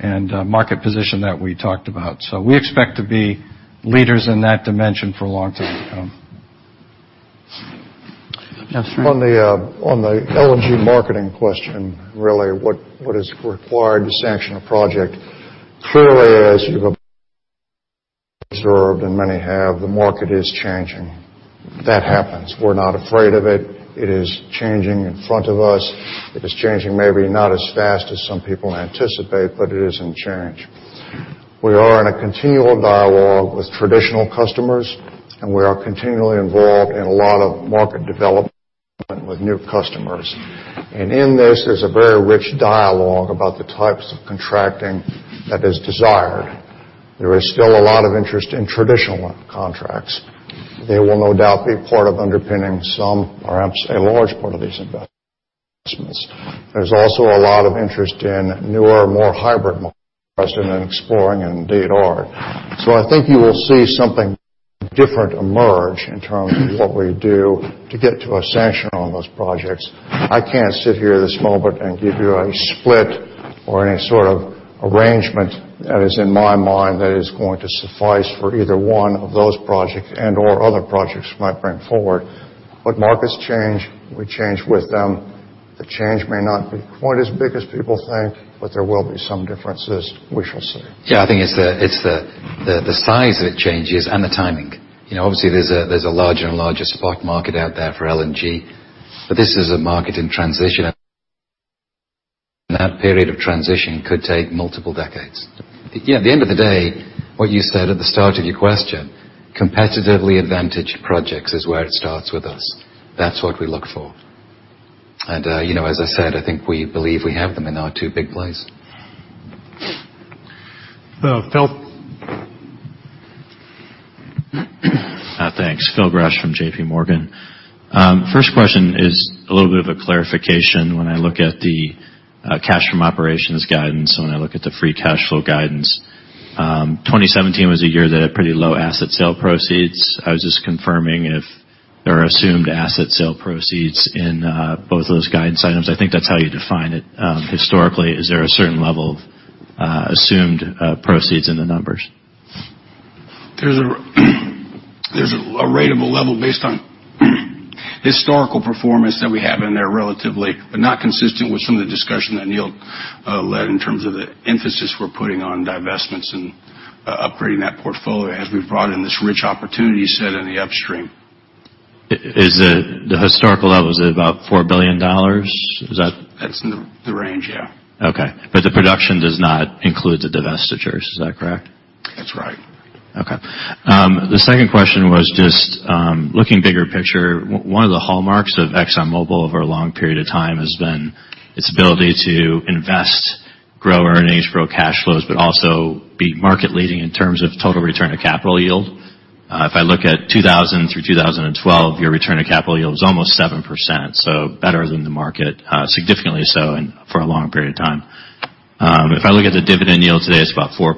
and market position that we talked about. We expect to be leaders in that dimension for a long time to come. Upstream. On the LNG marketing question, really what is required to sanction a project, clearly, as you've observed and many have, the market is changing. That happens. We're not afraid of it. It is changing in front of us. It is changing maybe not as fast as some people anticipate, but it is in change. We are in a continual dialogue with traditional customers, and we are continually involved in a lot of market development with new customers. In this, there's a very rich dialogue about the types of contracting that is desired. There is still a lot of interest in traditional contracts. They will no doubt be part of underpinning some, perhaps a large part of these investments. There's also a lot of interest in newer, more hybrid models that are being explored and indeed are. I think you will see something different emerge in terms of what we do to get to a sanction on those projects. I can't sit here this moment and give you a split or any sort of arrangement that is in my mind that is going to suffice for either one of those projects and/or other projects we might bring forward. Markets change. We change with them. The change may not be quite as big as people think, but there will be some differences. We shall see. Yeah, I think it's the size of the changes and the timing. Obviously, there's a larger and larger spot market out there for LNG. This is a market in transition. That period of transition could take multiple decades. At the end of the day, what you said at the start of your question, competitively advantaged projects is where it starts with us. That's what we look for. As I said, I think we believe we have them in our two big plays. Phil? Thanks. Phil Gresh from J.P. Morgan. First question is a little bit of a clarification. When I look at the cash from operations guidance and when I look at the free cash flow guidance, 2017 was a year that had pretty low asset sale proceeds. I was just confirming if there are assumed asset sale proceeds in both of those guidance items. I think that's how you define it. Historically, is there a certain level of assumed proceeds in the numbers? There's a ratable level based on historical performance that we have in there relatively, but not consistent with some of the discussion that Neil led in terms of the emphasis we're putting on divestments and upgrading that portfolio as we've brought in this rich opportunity set in the upstream. Is the historical level, is it about $4 billion? Is that? That's the range, yeah. Okay. The production does not include the divestitures, is that correct? That's right. The second question was just looking bigger picture, one of the hallmarks of ExxonMobil over a long period of time has been its ability to invest, grow earnings, grow cash flows, but also be market leading in terms of total return on capital yield. If I look at 2000 through 2012, your return on capital yield was almost 7%, so better than the market, significantly so and for a long period of time. If I look at the dividend yield today, it's about 4%.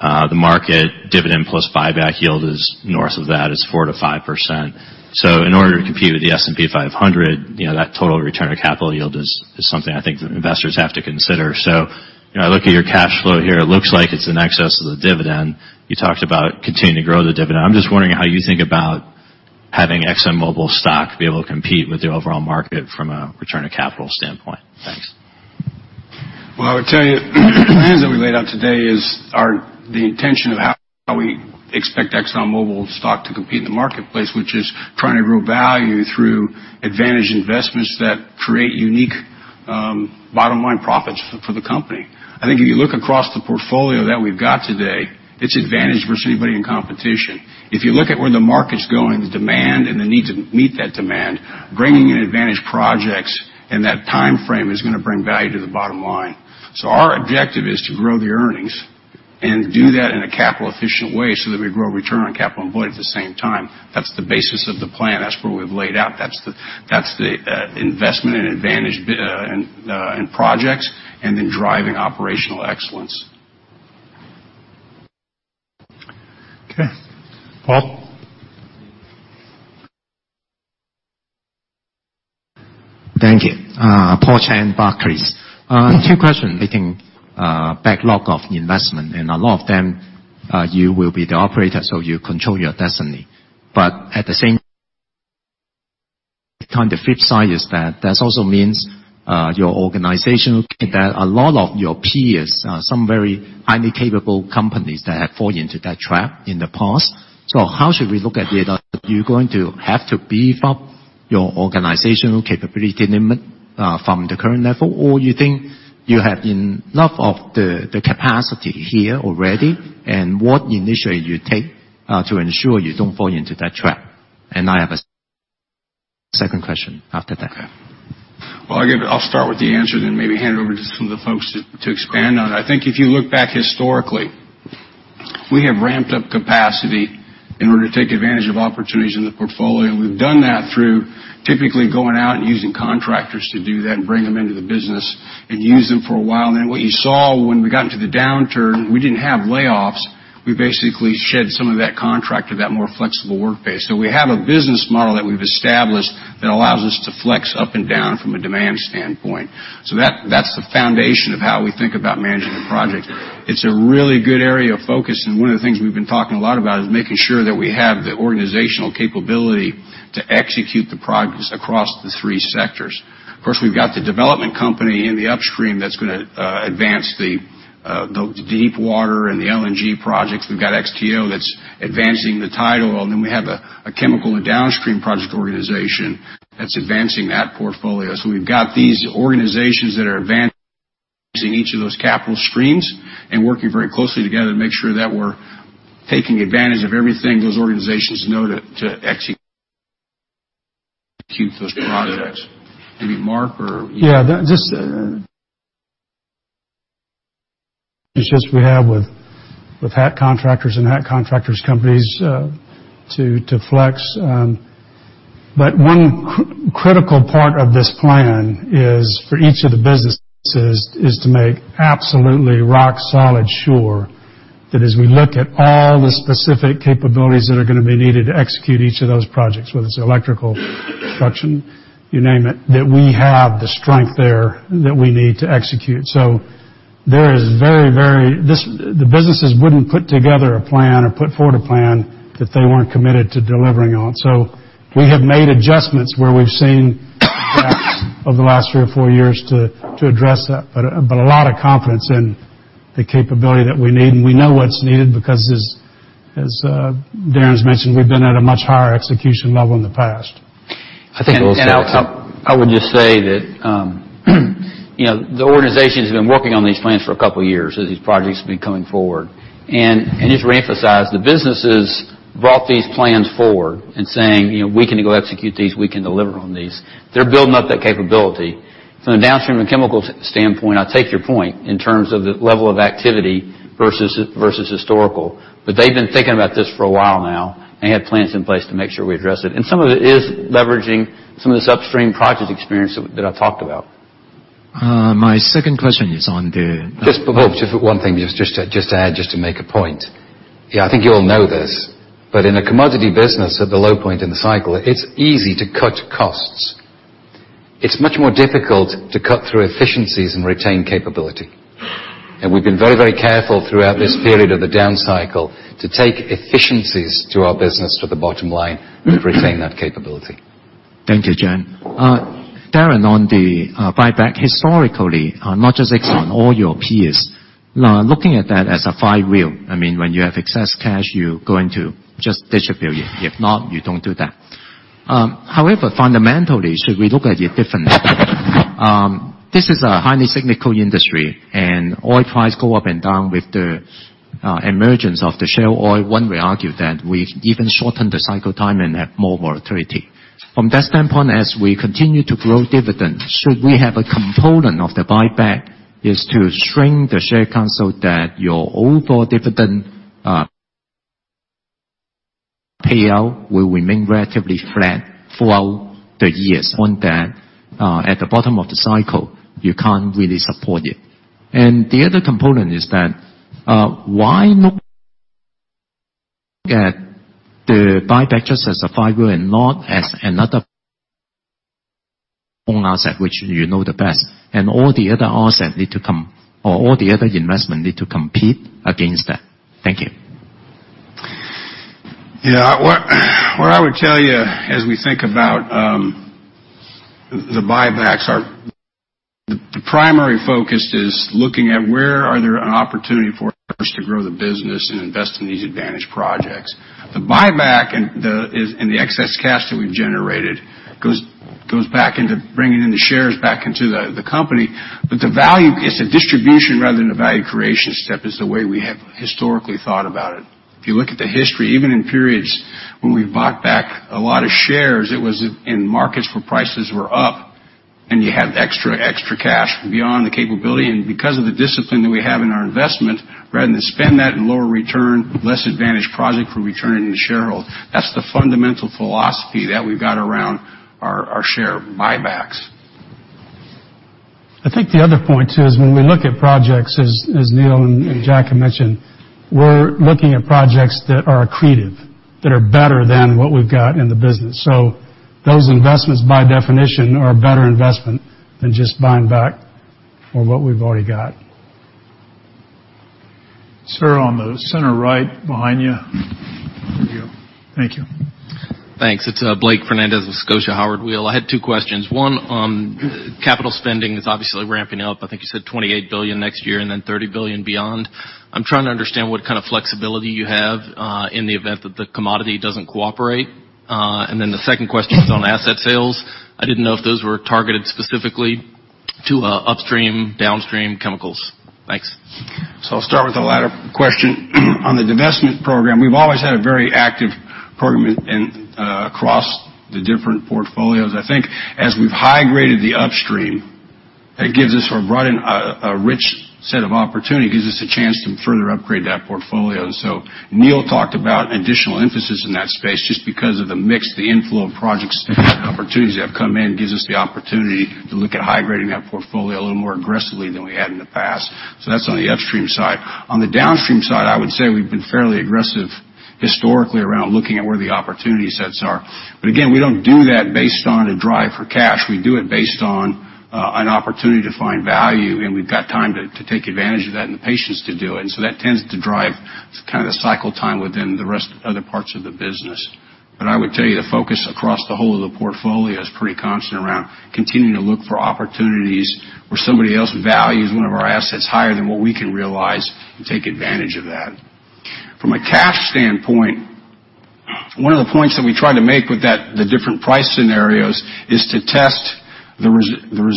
The market dividend plus buyback yield is north of that, is 4%-5%. In order to compete with the S&P 500, that total return on capital yield is something I think investors have to consider. I look at your cash flow here, it looks like it's in excess of the dividend. You talked about continuing to grow the dividend. I'm just wondering how you think about having ExxonMobil stock be able to compete with the overall market from a return on capital standpoint. Thanks. Well, I would tell you the plans that we laid out today is the intention of how we expect ExxonMobil stock to compete in the marketplace, which is trying to grow value through advantage investments that create unique bottom-line profits for the company. I think if you look across the portfolio that we've got today, it's advantage versus anybody in competition. If you look at where the market's going, the demand, and the need to meet that demand, bringing in advantage projects in that timeframe is going to bring value to the bottom line. Our objective is to grow the earnings and do that in a capital efficient way so that we grow return on capital employed at the same time. That's the basis of the plan. That's where we've laid out. That's the investment in advantage in projects, and then driving operational excellence. Okay. Paul? Thank you. Paul Cheng, Barclays. Two questions. Making a backlog of investment. A lot of them, you will be the operator, so you control your destiny. At the same time, the flip side is that that also means your organization, that a lot of your peers are some very highly capable companies that have fallen into that trap in the past. How should we look at it? Are you going to have to beef up your organizational capability limit from the current level, or you think you have enough of the capacity here already? What initiative you take to ensure you don't fall into that trap? I have a second question after that. Okay. Well, I'll start with the answer then maybe hand it over to some of the folks to expand on it. I think if you look back historically, we have ramped up capacity in order to take advantage of opportunities in the portfolio. We've done that through typically going out and using contractors to do that and bring them into the business and use them for a while. Then what you saw when we got into the downturn, we didn't have layoffs. We basically shed some of that contract to that more flexible work base. We have a business model that we've established that allows us to flex up and down from a demand standpoint. That's the foundation of how we think about managing the project. It's a really good area of focus, and one of the things we've been talking a lot about is making sure that we have the organizational capability to execute the projects across the three sectors. Of course, we've got the development company in the upstream that's going to advance the deep water and the LNG projects. We've got XTO that's advancing the tight oil. Then we have a chemical and downstream project organization that's advancing that portfolio. We've got these organizations that are advancing each of those capital streams and working very closely together to make sure that we're taking advantage of everything those organizations know to execute those projects. Maybe Mark or- Yeah, just we have with ad hoc contractors and ad hoc contractors companies to flex. One critical part of this plan is for each of the businesses is to make absolutely rock solid sure that as we look at all the specific capabilities that are going to be needed to execute each of those projects, whether it's electrical construction, you name it, that we have the strength there that we need to execute. The businesses wouldn't put together a plan or put forward a plan that they weren't committed to delivering on. We have made adjustments where we've seen gaps over the last three or four years to address that. A lot of confidence in the capability that we need, and we know what's needed because as Darren's mentioned, we've been at a much higher execution level in the past. I would just say that. The organization has been working on these plans for a couple of years, as these projects have been coming forward. Just to reemphasize, the businesses brought these plans forward in saying, "We can go execute these. We can deliver on these." They're building up that capability. From a downstream and chemical standpoint, I take your point in terms of the level of activity versus historical, they've been thinking about this for a while now and have plans in place to make sure we address it. Some of it is leveraging some of this upstream project experience that I've talked about. My second question is on the Just one thing, just to add, just to make a point. I think you all know this, in a commodity business at the low point in the cycle, it's easy to cut costs. It's much more difficult to cut through efficiencies and retain capability. We've been very careful throughout this period of the down cycle to take efficiencies to our business, to the bottom line, and retain that capability. Thank you, Jack. Darren, on the buyback, historically, not just Exxon, all your peers are looking at that as a fifth wheel. When you have excess cash, you go into just distribute it. If not, you don't do that. Fundamentally, should we look at it differently? This is a highly cyclical industry, oil price go up and down. With the emergence of the shale oil, one may argue that we even shorten the cycle time and have more volatility. From that standpoint, as we continue to grow dividends, should we have a component of the buyback is to shrink the share count so that your overall dividend payout will remain relatively flat throughout the years on that at the bottom of the cycle, you can't really support it. The other component is that why look at the buyback just as a driver and not as another asset, which you know the best, and all the other asset need to come or all the other investment need to compete against that. Thank you. What I would tell you as we think about the buybacks are, the primary focus is looking at where are there an opportunity for us to grow the business and invest in these advantage projects. The buyback and the excess cash that we've generated goes back into bringing in the shares back into the company. The value, it's a distribution rather than a value creation step, is the way we have historically thought about it. If you look at the history, even in periods when we bought back a lot of shares, it was in markets where prices were up, and you had extra cash beyond the capability, and because of the discipline that we have in our investment, rather than spend that in lower return, less advantaged project, we return it to the shareholder. That's the fundamental philosophy that we've got around our share buybacks. I think the other point, too, is when we look at projects, as Neil and Jack have mentioned, we're looking at projects that are accretive, that are better than what we've got in the business. Those investments, by definition, are a better investment than just buying back for what we've already got. Sir, on the center right behind you. There you go. Thank you. Thanks. It's Blake Fernandez with Scotia Howard Weil. I had two questions. One on capital spending is obviously ramping up. I think you said $28 billion next year, then $30 billion beyond. I'm trying to understand what kind of flexibility you have in the event that the commodity doesn't cooperate. The second question is on asset sales. I didn't know if those were targeted specifically to upstream, downstream chemicals. Thanks. I'll start with the latter question. On the divestment program, we've always had a very active program across the different portfolios. I think as we've high-graded the upstream, it gives us a rich set of opportunity, gives us a chance to further upgrade that portfolio. Neil talked about additional emphasis in that space just because of the mix, the inflow of projects and opportunities that have come in gives us the opportunity to look at high-grading that portfolio a little more aggressively than we had in the past. That's on the upstream side. On the downstream side, I would say we've been fairly aggressive historically around looking at where the opportunity sets are. Again, we don't do that based on a drive for cash. We do it based on an opportunity to find value, and we've got time to take advantage of that and the patience to do it. That tends to drive kind of the cycle time within the rest other parts of the business. I would tell you the focus across the whole of the portfolio is pretty constant around continuing to look for opportunities where somebody else values one of our assets higher than what we can realize and take advantage of that. From a cash standpoint, one of the points that we try to make with the different price scenarios is to test the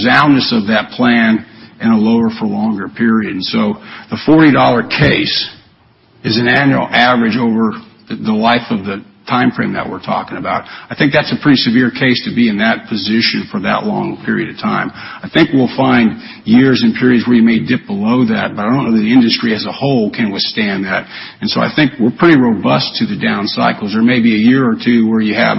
soundness of that plan in a lower for longer period. The $40 case is an annual average over the life of the time frame that we're talking about. I think that's a pretty severe case to be in that position for that long a period of time. I think we'll find years and periods where you may dip below that, I don't know that the industry as a whole can withstand that. I think we're pretty robust to the down cycles. There may be a year or two where you have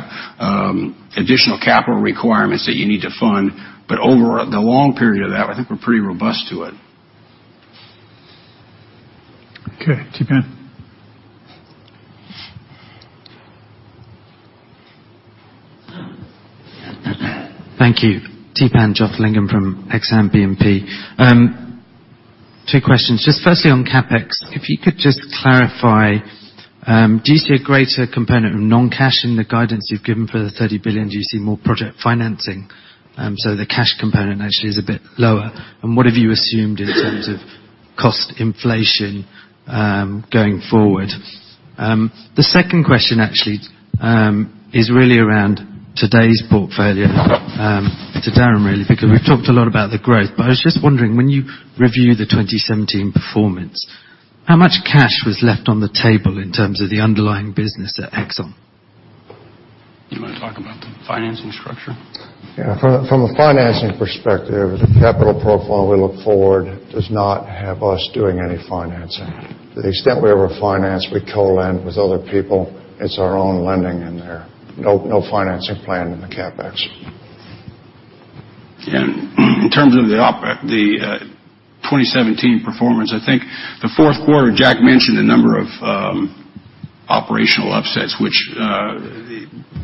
additional capital requirements that you need to fund, over the long period of that, I think we're pretty robust to it. Okay. Theepan. Thank you. Theepan Jothilingam from Exane BNP. Two questions. Just firstly on CapEx, if you could just clarify, do you see a greater component of non-cash in the guidance you've given for the $30 billion? Do you see more project financing, so the cash component actually is a bit lower? What have you assumed in terms of cost inflation going forward. The second question actually is really around today's portfolio to Darren really, because we've talked a lot about the growth. I was just wondering, when you review the 2017 performance, how much cash was left on the table in terms of the underlying business at Exxon? You want to talk about the financing structure? From a financing perspective, the capital profile we look forward does not have us doing any financing. To the extent we ever finance, we co-lend with other people. It's our own lending in there. No financing plan in the CapEx. In terms of the 2017 performance, I think the fourth quarter, Jack mentioned a number of operational upsets, which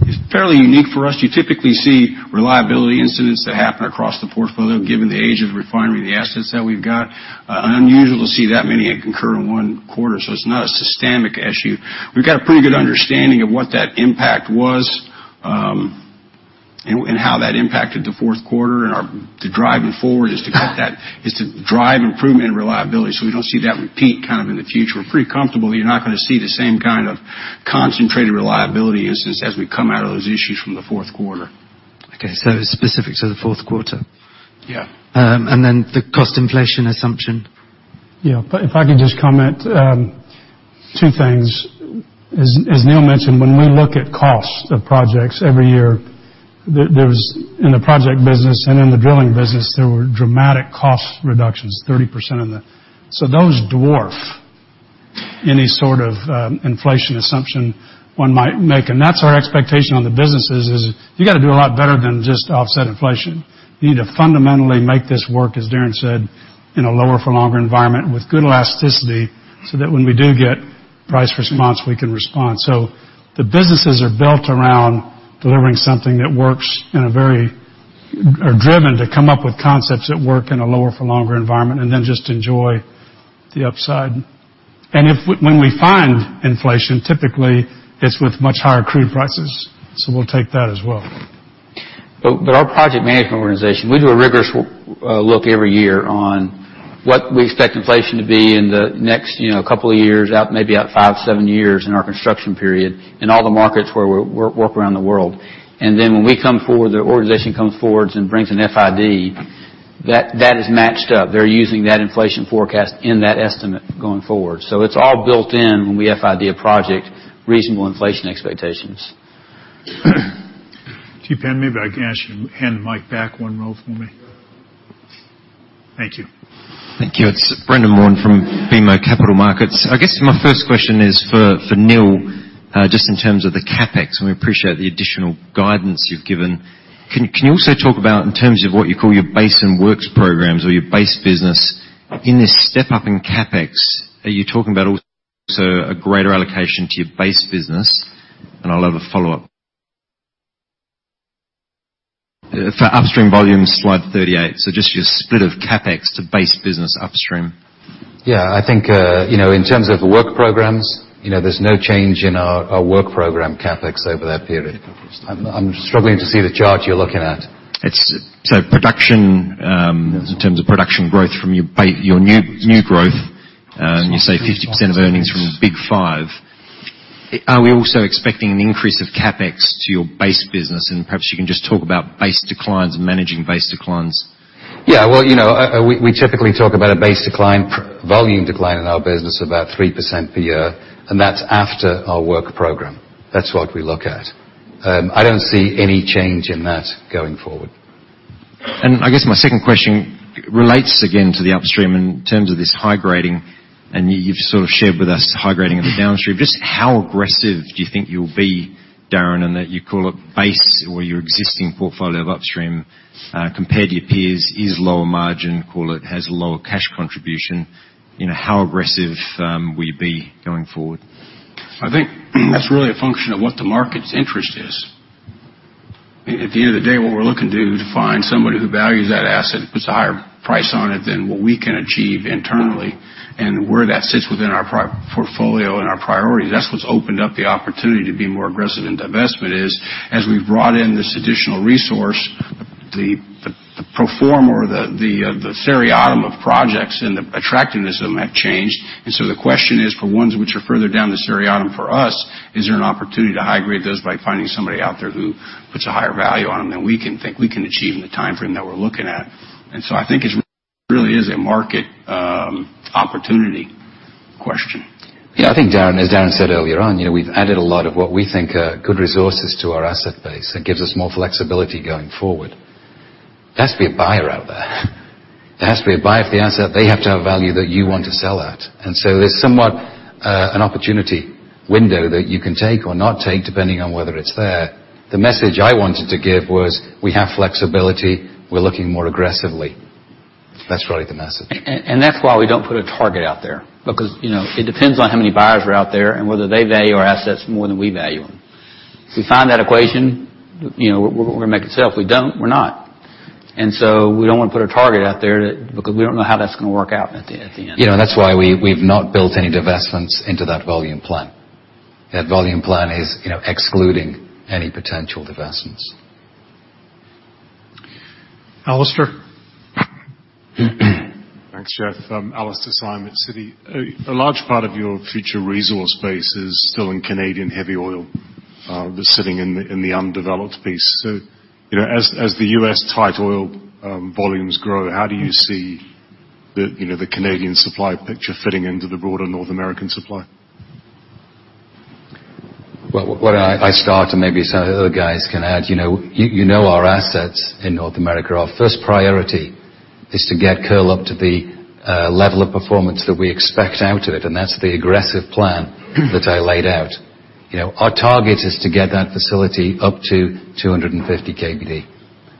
is fairly unique for us. You typically see reliability incidents that happen across the portfolio, given the age of the refinery and the assets that we've got. Unusual to see that many occur in one quarter, so it's not a systemic issue. We've got a pretty good understanding of what that impact was, and how that impacted the fourth quarter and to driving forward is to drive improvement in reliability so we don't see that repeat kind of in the future. We're pretty comfortable you're not gonna see the same kind of concentrated reliability instances as we come out of those issues from the fourth quarter. Okay, specific to the fourth quarter. Yeah. Then the cost inflation assumption. Yeah. If I could just comment, two things. As Neil mentioned, when we look at cost of projects every year, in the project business and in the drilling business, there were dramatic cost reductions, 30% in the Those dwarf any sort of inflation assumption one might make. That's our expectation on the businesses is you gotta do a lot better than just offset inflation. You need to fundamentally make this work, as Darren said, in a lower for longer environment with good elasticity so that when we do get price response, we can respond. The businesses are built around delivering something that works, are driven to come up with concepts that work in a lower for longer environment and then just enjoy the upside. If when we find inflation, typically, it's with much higher crude prices. We'll take that as well. At our project management organization, we do a rigorous look every year on what we expect inflation to be in the next couple of years, out maybe out five, seven years in our construction period, in all the markets where we work around the world. When we come forward, the organization comes forward and brings an FID that is matched up. They're using that inflation forecast in that estimate going forward. It's all built in when we FID a project, reasonable inflation expectations. [inaudible] maybe I can ask you to hand the mic back one row for me. Thank you. Thank you. It's Brendan Warn from BMO Capital Markets. I guess my first question is for Neil, just in terms of the CapEx, we appreciate the additional guidance you've given. Can you also talk about in terms of what you call your base and works programs or your base business, in this step-up in CapEx, are you talking about also a greater allocation to your base business? I'll have a follow-up. For upstream volume, slide 38. Just your split of CapEx to base business upstream. I think, in terms of the work programs, there's no change in our work program CapEx over that period. I'm struggling to see the chart you're looking at. Production, in terms of production growth from your new growth, you say 50% of earnings from big 5. Are we also expecting an increase of CapEx to your base business? Perhaps you can just talk about base declines and managing base declines. Yeah. Well, we typically talk about a base decline, volume decline in our business about 3% per year. That's after our work program. That's what we look at. I don't see any change in that going forward. I guess my second question relates again to the upstream in terms of this high grading, and you've sort of shared with us high grading in the downstream. How aggressive do you think you'll be, Darren, that you call it base or your existing portfolio of upstream, compared to your peers is lower margin, call it, has lower cash contribution. How aggressive will you be going forward? I think that's really a function of what the market's interest is. I mean, at the end of the day, what we're looking to do is find somebody who values that asset, puts a higher price on it than what we can achieve internally and where that sits within our portfolio and our priorities. That's what's opened up the opportunity to be more aggressive in divestment is as we've brought in this additional resource, the pro forma or the seriatim of projects and the attractiveness of them have changed. The question is, for ones which are further down the seriatim for us, is there an opportunity to high grade those by finding somebody out there who puts a higher value on them than we can think we can achieve in the timeframe that we're looking at? I think it really is a market opportunity question. I think, Darren, as Darren said earlier on, we've added a lot of what we think are good resources to our asset base. It gives us more flexibility going forward. There has to be a buyer out there. There has to be a buyer for the asset. They have to have value that you want to sell at. There's somewhat an opportunity window that you can take or not take, depending on whether it's there. The message I wanted to give was we have flexibility. We're looking more aggressively. That's really the message. That's why we don't put a target out there because, you know, it depends on how many buyers are out there and whether they value our assets more than we value them. If we find that equation, we're gonna make a sale. If we don't, we're not. We don't want to put a target out there because we don't know how that's gonna work out at the end. That's why we've not built any divestments into that volume plan. That volume plan is excluding any potential divestments. Alistair? Thanks, Jeff. Alastair Syme at Citi. A large part of your future resource base is still in Canadian heavy oil, that's sitting in the undeveloped piece. As the U.S. tight oil volumes grow, how do you see the Canadian supply picture fitting into the broader North American supply? Well, why don't I start and maybe some of the other guys can add. You know our assets in North America. Our first priority is to get Kearl up to the level of performance that we expect out of it, and that's the aggressive plan that I laid out. Our target is to get that facility up to 250 KBD.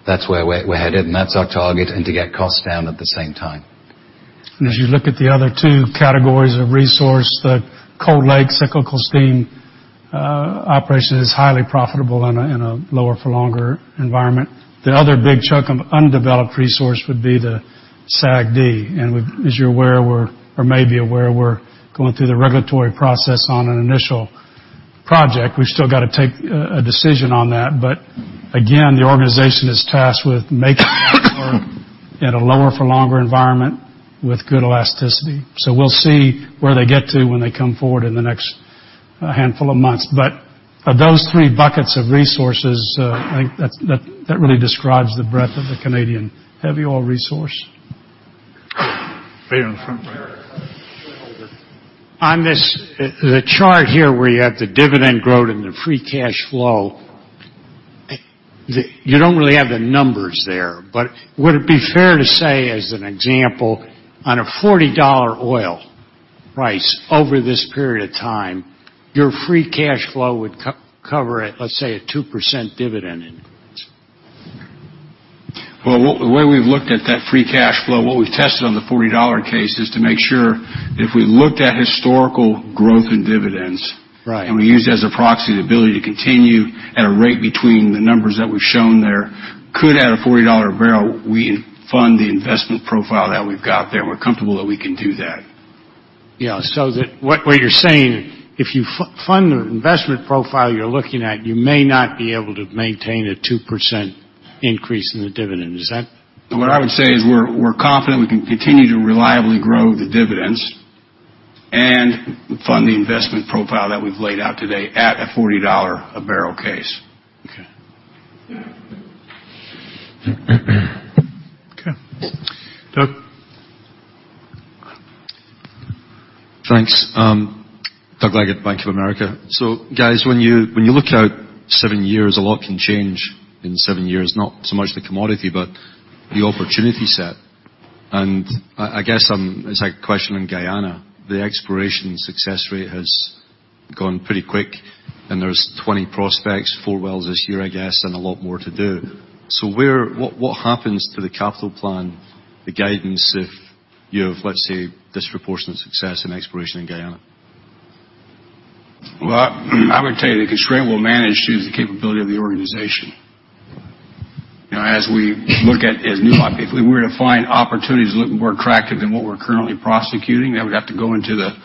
That's where we're headed, and that's our target, and to get costs down at the same time. As you look at the other two categories of resource, the Cold Lake cyclical steam operation is highly profitable in a lower for longer environment. The other big chunk of undeveloped resource would be the SAGD. As you're aware, or may be aware, we're going through the regulatory process on an initial project. We've still got to take a decision on that. Again, the organization is tasked with making that work in a lower for longer environment with good elasticity. We'll see where they get to when they come forward in the next handful of months. Of those three buckets of resources, I think that really describes the breadth of the Canadian heavy oil resource. Peter, in front. On the chart here where you have the dividend growth and the free cash flow, you don't really have the numbers there, but would it be fair to say, as an example, on a $40 oil price over this period of time, your free cash flow would cover, let's say, a 2% dividend increase? Well, the way we've looked at that free cash flow, what we've tested on the $40 case is to make sure that if we looked at historical growth in dividends- Right We used it as a proxy, the ability to continue at a rate between the numbers that we've shown there, could at a $40 a barrel, we fund the investment profile that we've got there, and we're comfortable that we can do that. Yeah. What you're saying, if you fund the investment profile you're looking at, you may not be able to maintain a 2% increase in the dividend. Is that? What I would say is we're confident we can continue to reliably grow the dividends and fund the investment profile that we've laid out today at a $40 a barrel case. Okay. Okay. Doug? Thanks. Doug Leggate, Bank of America. Guys, when you look out seven years, a lot can change in seven years, not so much the commodity, but the opportunity set. I guess it's a question on Guyana. The exploration success rate has gone pretty quick, and there's 20 prospects, four wells this year, I guess, and a lot more to do. What happens to the capital plan, the guidance, if you have, let's say, disproportionate success in exploration in Guyana? Well, I would tell you, the constraint we'll manage to is the capability of the organization. As we look at new opportunities, if we were to find opportunities looking more attractive than what we're currently prosecuting, that would have to go into the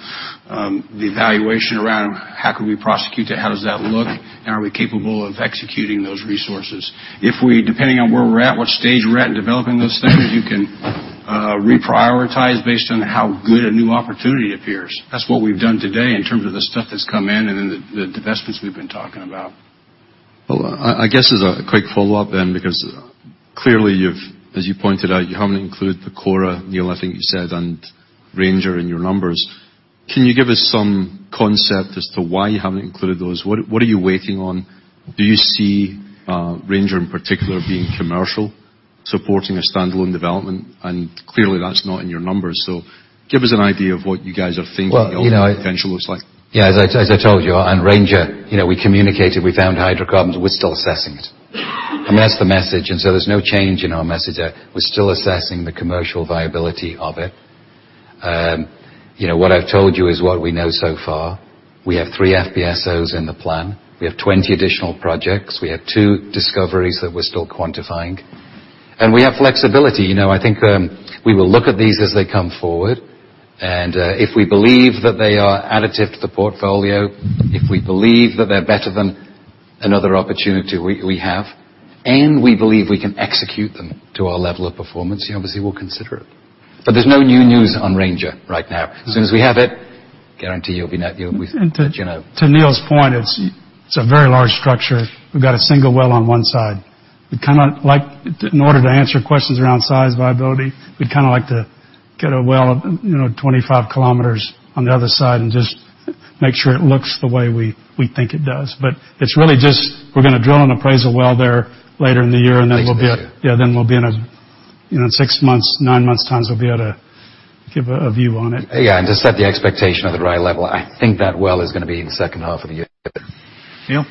evaluation around how can we prosecute that, how does that look, and are we capable of executing those resources? Depending on where we're at, what stage we're at in developing those things, you can reprioritize based on how good a new opportunity appears. That's what we've done today in terms of the stuff that's come in and then the divestments we've been talking about. Well, I guess as a quick follow-up then, because clearly as you pointed out, you haven't included Pacora, Neil, I think you said, and Ranger in your numbers. Can you give us some concept as to why you haven't included those? What are you waiting on? Do you see Ranger, in particular, being commercial, supporting a standalone development? Clearly, that's not in your numbers. Give us an idea of what you guys are thinking. Well- the potential looks like. Yeah, as I told you on Ranger, we communicated, we found hydrocarbons, we're still assessing it. I mean, that's the message. There's no change in our message there. We're still assessing the commercial viability of it. What I've told you is what we know so far. We have three FPSOs in the plan. We have 20 additional projects. We have two discoveries that we're still quantifying. We have flexibility. I think we will look at these as they come forward, and if we believe that they are additive to the portfolio, if we believe that they're better than another opportunity we have, and we believe we can execute them to our level of performance, obviously, we'll consider it. There's no new news on Ranger right now. As soon as we have it, guarantee you'll be let know. To Neil's point, it's a very large structure. We've got a single well on one side. In order to answer questions around size viability, we'd like to get a well 25 kilometers on the other side and just make sure it looks the way we think it does. It's really just, we're going to drill an appraisal well there later in the year. Thanks, Jeff. Yeah, then in six months, nine months times, we'll be able to give a view on it. Yeah, just set the expectation at the right level. I think that well is going to be in the second half of the year. Neil?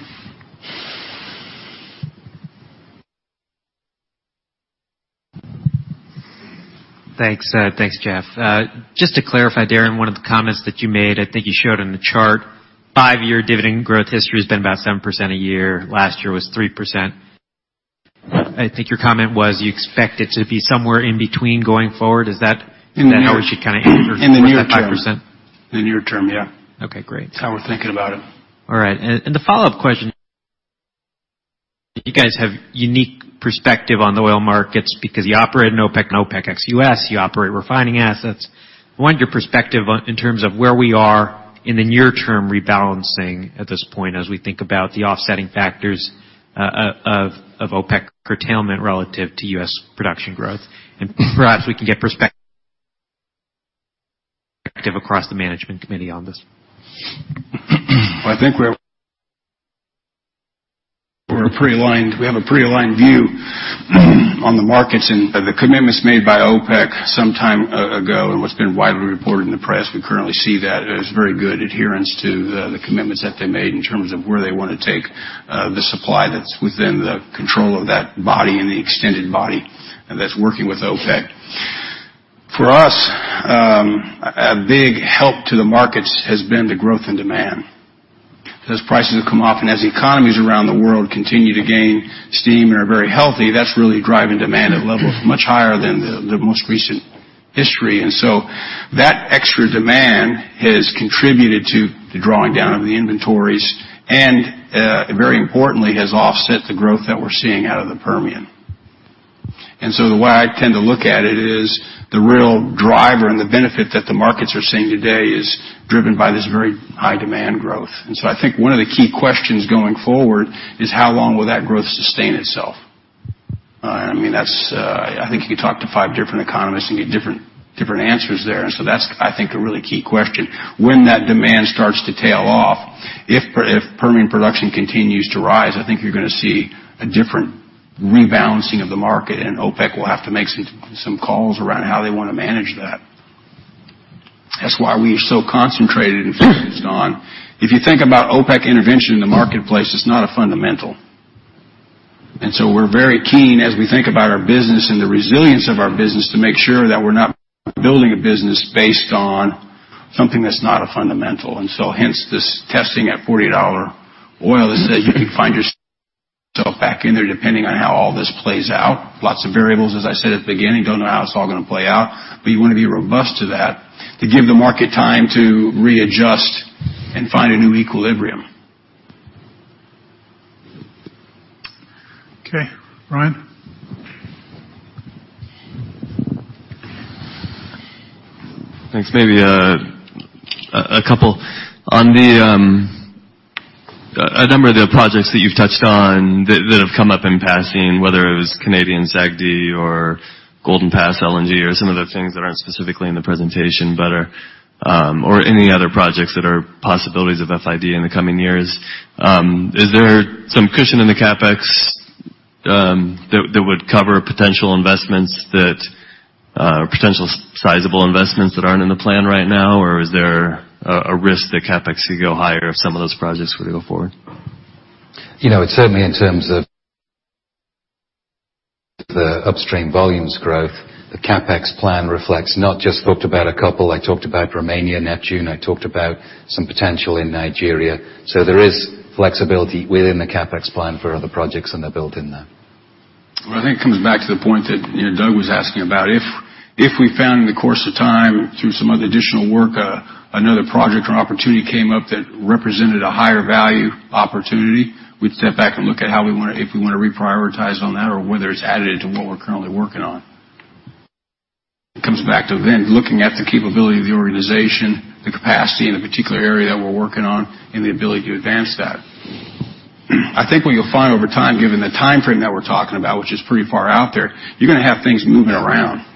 Thanks. Thanks, Jeff. Just to clarify, Darren, one of the comments that you made, I think you showed on the chart, five-year dividend growth history has been about 7% a year. Last year was 3%. I think your comment was you expect it to be somewhere in between going forward. Is that? In the near term. how we should kind of anchor towards that 5%? In the near term, yeah. Okay, great. That's how we're thinking about it. All right. The follow-up question. You guys have unique perspective on the oil markets because you operate in OPEC and OPEC ex-U.S., you operate refining assets. I wanted your perspective in terms of where we are in the near-term rebalancing at this point as we think about the offsetting factors of OPEC curtailment relative to U.S. production growth. Perhaps we can get perspective across the Management Committee on this. I think we have a pre-aligned view on the markets and the commitments made by OPEC some time ago and what's been widely reported in the press, we currently see that as very good adherence to the commitments that they made in terms of where they want to take the supply that's within the control of that body and the extended body that's working with OPEC. For us, a big help to the markets has been the growth and demand. As prices have come off and as economies around the world continue to gain steam and are very healthy, that's really driving demand at levels much higher than the most recent history. That extra demand has contributed to the drawing down of the inventories, and, very importantly, has offset the growth that we're seeing out of the Permian. The way I tend to look at it is the real driver and the benefit that the markets are seeing today is driven by this very high demand growth. I think one of the key questions going forward is how long will that growth sustain itself? I think you could talk to five different economists and get different answers there. That's, I think, a really key question. When that demand starts to tail off, if Permian production continues to rise, I think you're going to see a different rebalancing of the market, and OPEC will have to make some calls around how they want to manage that. That's why we are so concentrated and focused on. If you think about OPEC intervention in the marketplace, it's not a fundamental. We're very keen as we think about our business and the resilience of our business to make sure that we're not building a business based on something that's not a fundamental. Hence this testing at $40 oil is that you can find yourself back in there depending on how all this plays out. Lots of variables, as I said at the beginning, don't know how it's all going to play out, but you want to be robust to that to give the market time to readjust and find a new equilibrium. Okay. Ryan? Thanks. Maybe a couple. On a number of the projects that you've touched on that have come up in passing, whether it was Canadian SAGD or Golden Pass LNG or some of the things that aren't specifically in the presentation, or any other projects that are possibilities of FID in the coming years, is there some cushion in the CapEx that would cover potential sizable investments that aren't in the plan right now? Or is there a risk that CapEx could go higher if some of those projects were to go forward? Certainly in terms of the upstream volumes growth, the CapEx plan reflects not just talked about a couple. I talked about Romania, Neptune, I talked about some potential in Nigeria. There is flexibility within the CapEx plan for other projects, and they're built in there. Well, I think it comes back to the point that Doug was asking about. If we found in the course of time through some other additional work, another project or opportunity came up that represented a higher value opportunity, we'd step back and look at if we want to reprioritize on that or whether it's added into what we're currently working on. It comes back to then looking at the capability of the organization, the capacity in a particular area that we're working on, and the ability to advance that. I think what you'll find over time, given the timeframe that we're talking about, which is pretty far out there, you're going to have things moving around.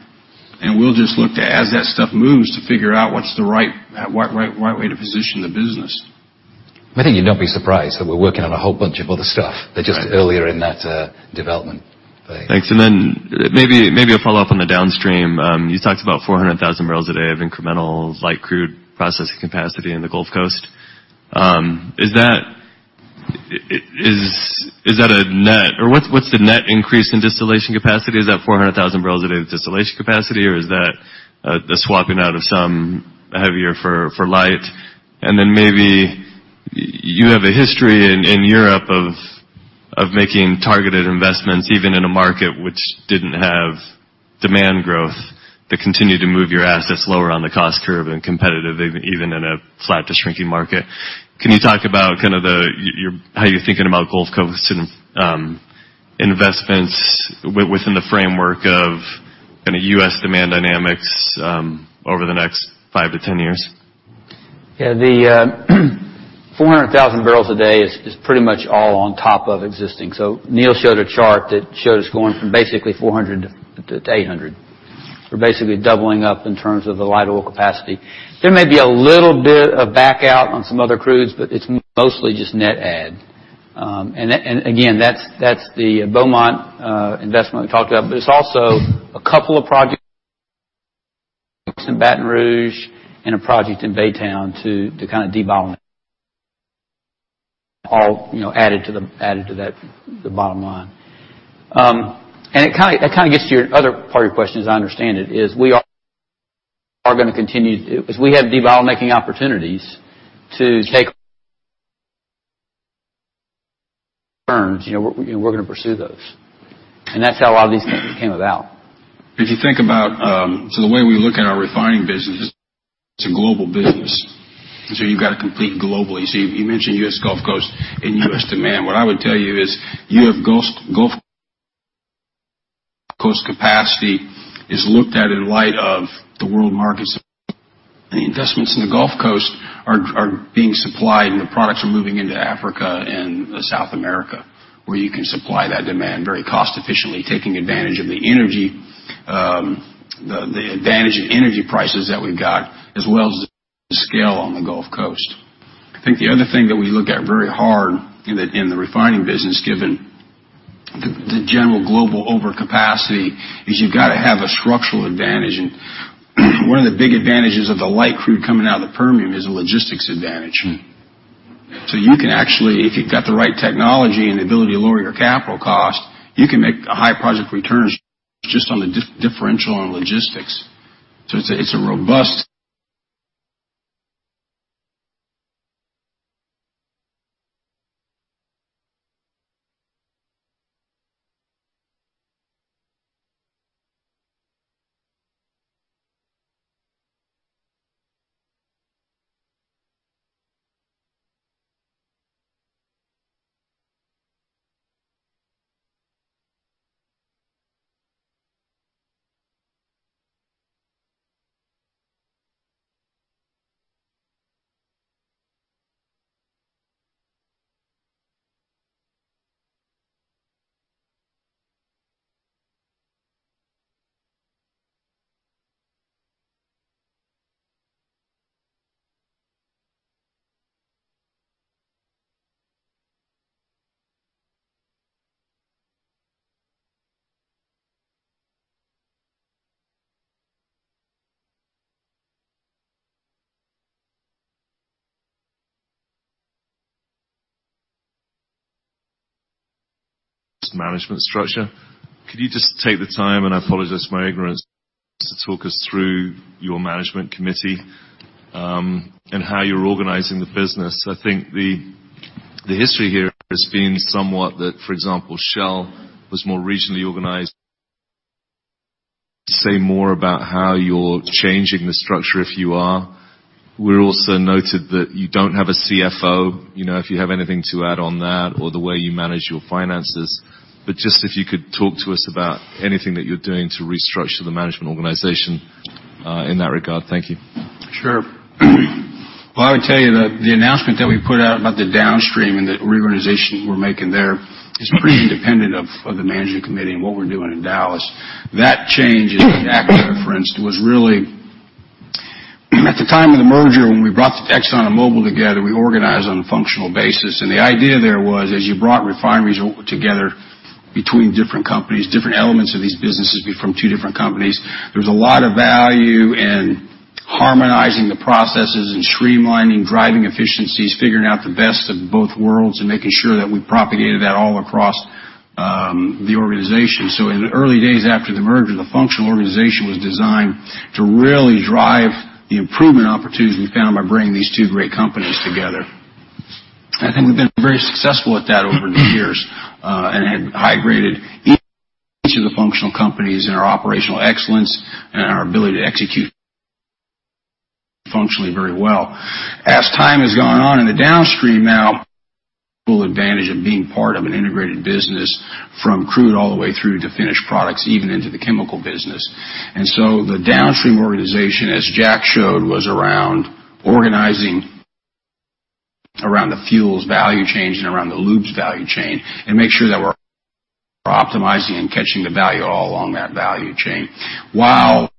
We'll just look to, as that stuff moves, to figure out what's the right way to position the business. I think you'd not be surprised that we're working on a whole bunch of other stuff. Right. They're just earlier in that development phase. Thanks. Maybe a follow-up on the downstream. You talked about 400,000 barrels a day of incremental light crude processing capacity in the Gulf Coast. What's the net increase in distillation capacity? Is that 400,000 barrels a day of distillation capacity or is that the swapping out of some heavier for light? Maybe you have a history in Europe of making targeted investments, even in a market which didn't have demand growth, that continued to move your assets lower on the cost curve and competitive even in a flat to shrinking market. Can you talk about how you're thinking about Gulf Coast investments within the framework of U.S. demand dynamics over the next 5-10 years? Yeah. The 400,000 barrels a day is pretty much all on top of existing. Neil showed a chart that showed us going from basically 400 to 800. We're basically doubling up in terms of the light oil capacity. There may be a little bit of back out on some other crudes, but it's mostly just net add. Again, that's the Beaumont investment we talked about, but it's also a couple of projects in Baton Rouge and a project in Baytown to de-bottleneck all added to the bottom line. That gets to your other part of your question, as I understand it, is we are going to continue to as we have de-bottlenecking opportunities to take- -terms, we're going to pursue those. That's how a lot of these things came about. The way we look at our refining business, it's a global business. You've got to compete globally. You mentioned U.S. Gulf Coast and U.S. demand. What I would tell you is, you have Gulf Coast capacity is looked at in light of the world markets. The investments in the Gulf Coast are being supplied, and the products are moving into Africa and South America, where you can supply that demand very cost efficiently, taking advantage of the energy prices that we've got, as well as the scale on the Gulf Coast. I think the other thing that we look at very hard in the refining business, given the general global overcapacity, is you've got to have a structural advantage, and one of the big advantages of the light crude coming out of the Permian is a logistics advantage. You can actually, if you've got the right technology and ability to lower your capital cost, you can make high project returns just on the differential on logistics. Management structure. Could you just take the time, and I apologize for my ignorance, to talk us through your management committee, and how you're organizing the business? I think the history here has been somewhat that, for example, Shell was more regionally organized. Say more about how you're changing the structure, if you are. We're also noted that you don't have a CFO. If you have anything to add on that or the way you manage your finances. Just if you could talk to us about anything that you're doing to restructure the management organization in that regard. Thank you. Sure. Well, I would tell you that the announcement that we put out about the downstream and the reorganization we're making there is pretty independent of the management committee and what we're doing in Dallas. That change that Jack referenced was really at the time of the merger, when we brought the Exxon and Mobil together, we organized on a functional basis, and the idea there was as you brought refineries together between different companies, different elements of these businesses from two different companies, there's a lot of value in harmonizing the processes and streamlining, driving efficiencies, figuring out the best of both worlds, and making sure that we propagated that all across the organization. In the early days after the merger, the functional organization was designed to really drive the improvement opportunities we found by bringing these two great companies together. I think we've been very successful at that over the years. Have high-graded each of the functional companies in our operational excellence and our ability to execute functionally very well. As time has gone on in the downstream now, full advantage of being part of an integrated business from crude all the way through to finished products, even into the chemical business. The downstream organization, as Jack showed, was around organizing around the fuels value chain and around the lubes value chain, and make sure that we're optimizing and catching the value all along that value chain, while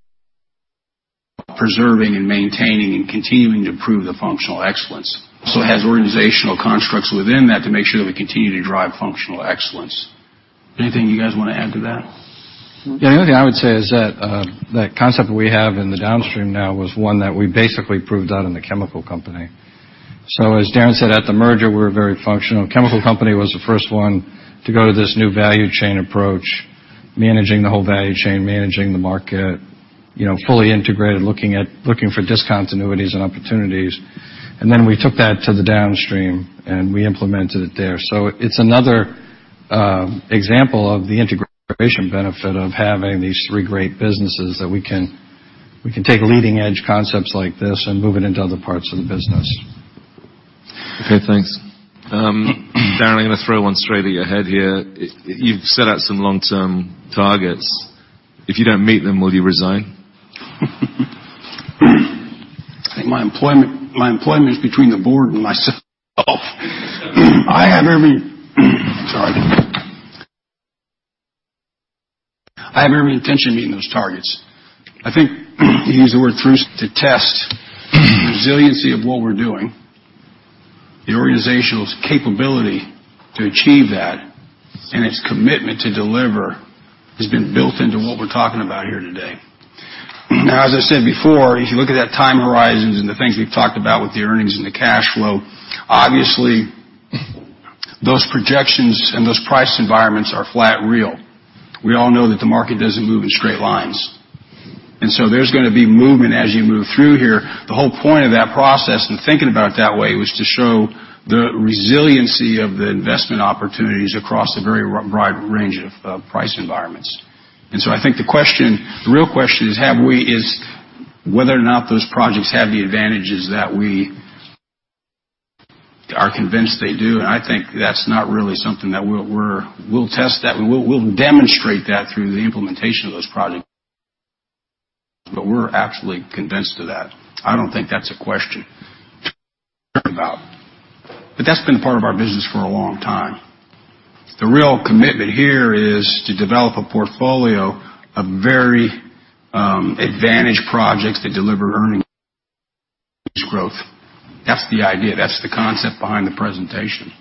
preserving and maintaining and continuing to improve the functional excellence. It has organizational constructs within that to make sure that we continue to drive functional excellence. Anything you guys want to add to that? Yeah. The only thing I would say is that the concept that we have in the downstream now was one that we basically proved out in the chemical company. As Darren said at the merger, we were very functional. Chemical company was the first one to go to this new value chain approach, managing the whole value chain, managing the market, fully integrated, looking for discontinuities and opportunities. Then we took that to the downstream, and we implemented it there. It's another example of the integration benefit of having these three great businesses that we can take leading-edge concepts like this and move it into other parts of the business. Okay, thanks. Darren, I'm going to throw one straight at your head here. You've set out some long-term targets. If you don't meet them, will you resign? I think my employment is between the board and myself. I have every intention of meeting those targets. I think you used the word proof to test the resiliency of what we're doing, the organization's capability to achieve that, and its commitment to deliver has been built into what we're talking about here today. As I said before, if you look at that time horizons and the things we've talked about with the earnings and the cash flow, obviously, those projections and those price environments are flat real. We all know that the market doesn't move in straight lines. There's going to be movement as you move through here. The whole point of that process and thinking about it that way was to show the resiliency of the investment opportunities across a very wide range of price environments. I think the real question is whether or not those projects have the advantages that we are convinced they do, and I think that's not really something that we'll test that. We'll demonstrate that through the implementation of those projects, but we're absolutely convinced of that. I don't think that's a question about. That's been part of our business for a long time. The real commitment here is to develop a portfolio of very advantaged projects that deliver earnings growth. That's the idea. That's the concept behind the presentation.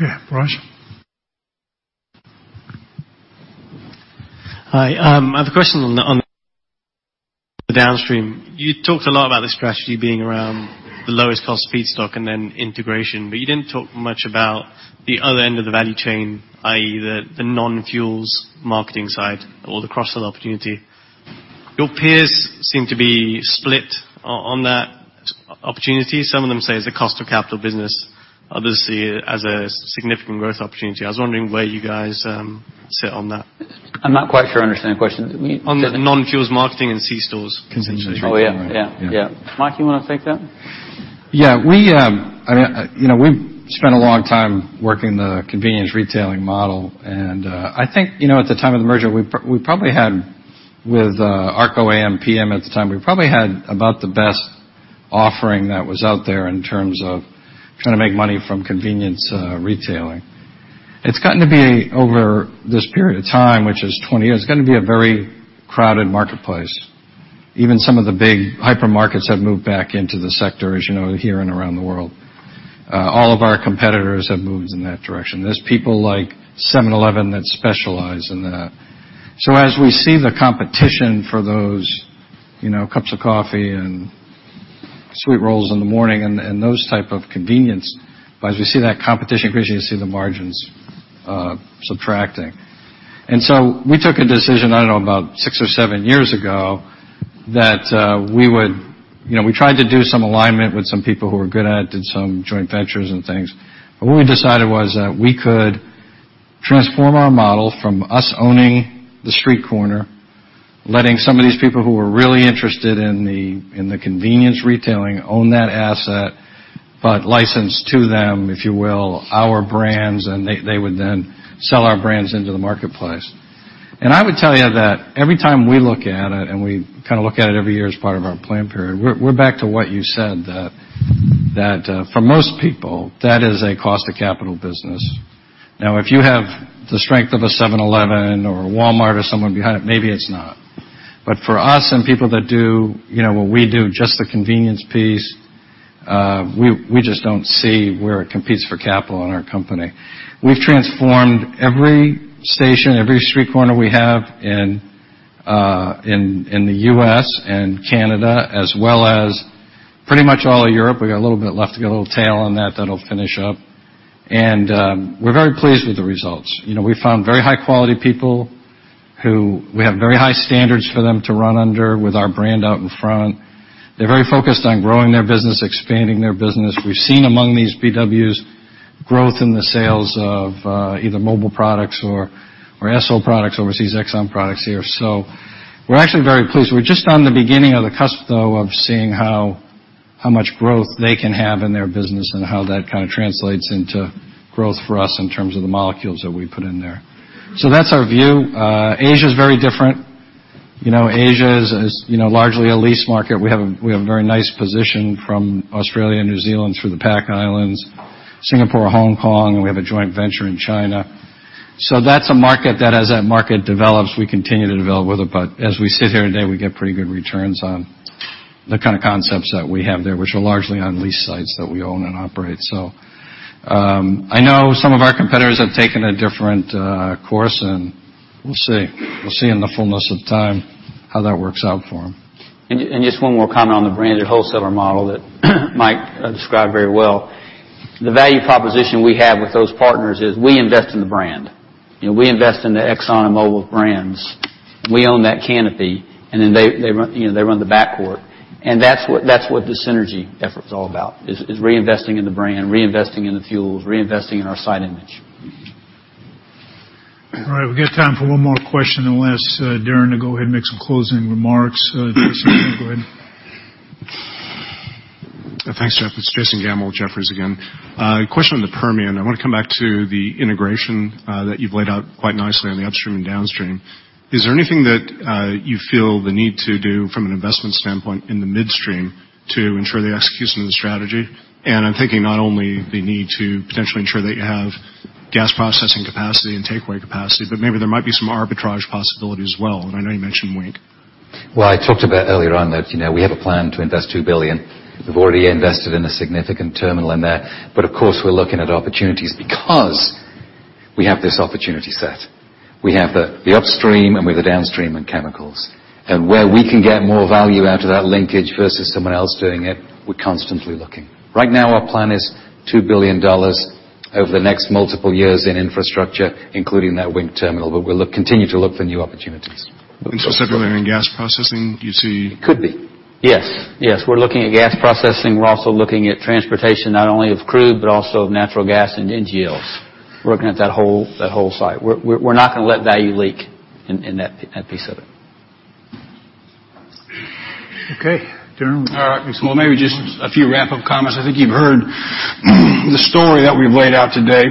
Yeah. Raj? Hi. I have a question on the downstream. You talked a lot about the strategy being around the lowest cost feedstock and then integration, but you didn't talk much about the other end of the value chain, i.e., the non-fuels marketing side or the cross-sell opportunity. Your peers seem to be split on that opportunity. Some of them say it's a cost of capital business. Others see it as a significant growth opportunity. I was wondering where you guys sit on that. I'm not quite sure I understand the question. On the non-fuels marketing and C stores. Convenience retailing. Oh, yeah. Yeah. Mike, you want to take that? We've spent a long time working the convenience retailing model, and I think at the time of the merger, with ARCO ampm at the time, we probably had about the best offering that was out there in terms of trying to make money from convenience retailing. It's gotten to be over this period of time, which is 20 years, it's gotten to be a very crowded marketplace. Even some of the big hypermarkets have moved back into the sector, as you know, here and around the world. All of our competitors have moved in that direction. There's people like 7-Eleven that specialize in that. As we see the competition for those cups of coffee and sweet rolls in the morning and those type of convenience, but as we see that competition increase, you see the margins subtracting. We took a decision, I don't know, about six or seven years ago, we tried to do some alignment with some people who were good at it, did some joint ventures and things. What we decided was that we could transform our model from us owning the street corner, letting some of these people who were really interested in the convenience retailing own that asset, but license to them, if you will, our brands, and they would then sell our brands into the marketplace. I would tell you that every time we look at it, and we look at it every year as part of our plan period, we're back to what you said, that for most people, that is a cost of capital business. Now, if you have the strength of a 7-Eleven or a Walmart or someone behind it, maybe it's not. For us and people that do what we do, just the convenience piece, we just don't see where it competes for capital in our company. We've transformed every station, every street corner we have in the U.S. and Canada as well as pretty much all of Europe. We got a little bit left to get a little tail on that'll finish up. We're very pleased with the results. We found very high-quality people who we have very high standards for them to run under with our brand out in front. They're very focused on growing their business, expanding their business. We've seen among these BWs growth in the sales of either Mobil products or Esso products overseas, Exxon products here. We're actually very pleased. We're just on the beginning of the cusp, though, of seeing how much growth they can have in their business and how that translates into growth for us in terms of the molecules that we put in there. That's our view. Asia's very different. Asia is largely a lease market. We have a very nice position from Australia, New Zealand through the Pac Islands, Singapore, Hong Kong, and we have a joint venture in China. That's a market that as that market develops, we continue to develop with it. As we sit here today, we get pretty good returns on the kind of concepts that we have there, which are largely on lease sites that we own and operate. I know some of our competitors have taken a different course, and we'll see. We'll see in the fullness of time how that works out for them. Just one more comment on the branded wholesaler model that Mike described very well. The value proposition we have with those partners is we invest in the brand. We invest in the Exxon and Mobil brands. We own that canopy, and then they run the back court. That's what the Synergy effort's all about is reinvesting in the brand, reinvesting in the fuels, reinvesting in our site image. All right. We got time for one more question, and we'll ask Darren to go ahead and make some closing remarks. Jason, go ahead. Thanks, Jeff. It's Jason Gammel with Jefferies again. A question on the Permian. I want to come back to the integration that you've laid out quite nicely on the upstream and downstream. Is there anything that you feel the need to do from an investment standpoint in the midstream to ensure the execution of the strategy? I'm thinking not only the need to potentially ensure that you have gas processing capacity and takeaway capacity, but maybe there might be some arbitrage possibilities as well. I know you mentioned Wink. Well, I talked about earlier on that we have a plan to invest $2 billion. We've already invested in a significant terminal in there. Of course, we're looking at opportunities because we have this opportunity set. We have the upstream and we have the downstream and chemicals. Where we can get more value out of that linkage versus someone else doing it, we're constantly looking. Right now, our plan is $2 billion over the next multiple years in infrastructure, including that Wink terminal, but we'll continue to look for new opportunities. Specifically in gas processing. It could be Yes. We're looking at gas processing. We're also looking at transportation, not only of crude, but also of natural gas and NGLs. We're looking at that whole site. We're not going to let value leak in that piece of it. Okay. Darren? All right. Well, maybe just a few wrap-up comments. I think you've heard the story that we've laid out today.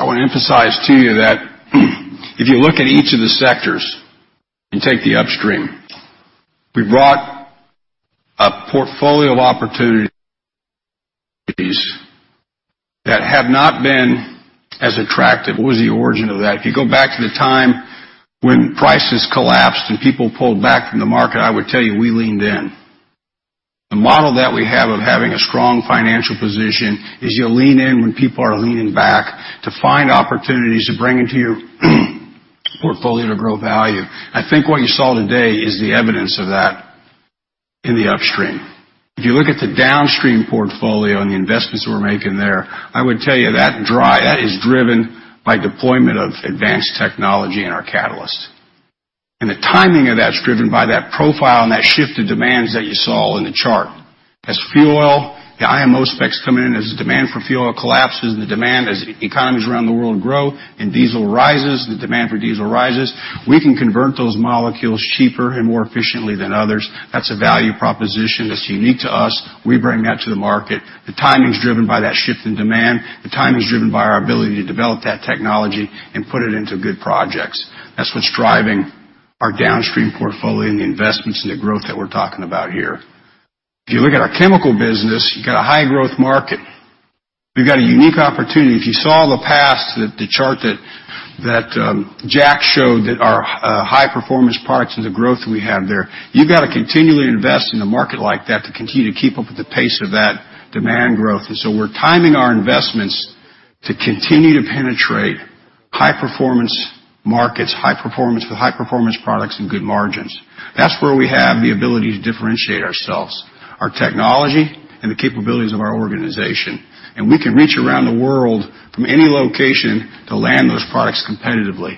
I want to emphasize to you that if you look at each of the sectors and take the upstream, we brought a portfolio of opportunities that have not been as attractive. What was the origin of that? If you go back to the time when prices collapsed and people pulled back from the market, I would tell you we leaned in. The model that we have of having a strong financial position is you lean in when people are leaning back to find opportunities to bring into your portfolio to grow value. I think what you saw today is the evidence of that in the upstream. If you look at the downstream portfolio and the investments we're making there, I would tell you that is driven by deployment of advanced technology and our catalysts. The timing of that's driven by that profile and that shift in demands that you saw in the chart. As fuel, the IMO specs come in, as the demand for fuel collapses, and the demand as economies around the world grow and diesel rises, we can convert those molecules cheaper and more efficiently than others. That's a value proposition that's unique to us. We bring that to the market. The timing's driven by that shift in demand. The timing's driven by our ability to develop that technology and put it into good projects. That's what's driving our downstream portfolio and the investments and the growth that we're talking about here. If you look at our chemical business, you got a high growth market. We've got a unique opportunity. If you saw the past, the chart that Jack showed, that our high-performance products and the growth that we have there, you've got to continually invest in a market like that to continue to keep up with the pace of that demand growth. We're timing our investments to continue to penetrate high-performance markets, high performance with high-performance products and good margins. That's where we have the ability to differentiate ourselves, our technology, and the capabilities of our organization. We can reach around the world from any location to land those products competitively.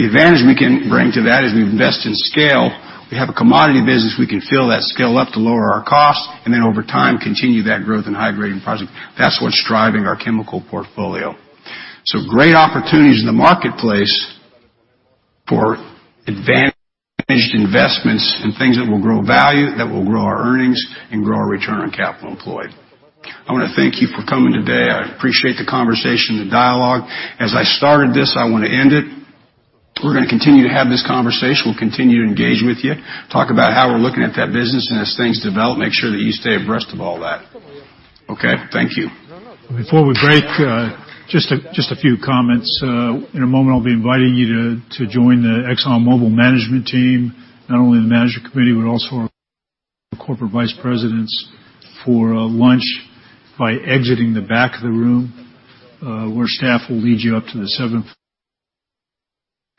The advantage we can bring to that is we've invested in scale. We have a commodity business, we can fill that scale up to lower our costs, over time, continue that growth in high grade and profit. That's what's driving our chemical portfolio. Great opportunities in the marketplace for advantaged investments and things that will grow value, that will grow our earnings and grow our return on capital employed. I want to thank you for coming today. I appreciate the conversation, the dialogue. As I started this, I want to end it. We're going to continue to have this conversation. We'll continue to engage with you, talk about how we're looking at that business, and as things develop, make sure that you stay abreast of all that. Okay, thank you. Before we break, just a few comments. In a moment, I'll be inviting you to join the ExxonMobil management team, not only the management committee, but also our corporate vice presidents for lunch by exiting the back of the room, where staff will lead you up to the seventh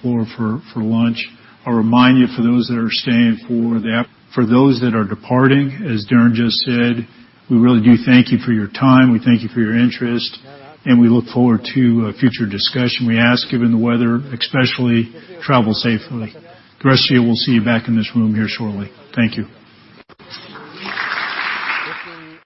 floor for lunch. I'll remind you, for those that are staying for that. For those that are departing, as Darren just said, we really do thank you for your time, we thank you for your interest, and we look forward to a future discussion. We ask, given the weather especially, travel safely. The rest of you, we'll see you back in this room here shortly. Thank you.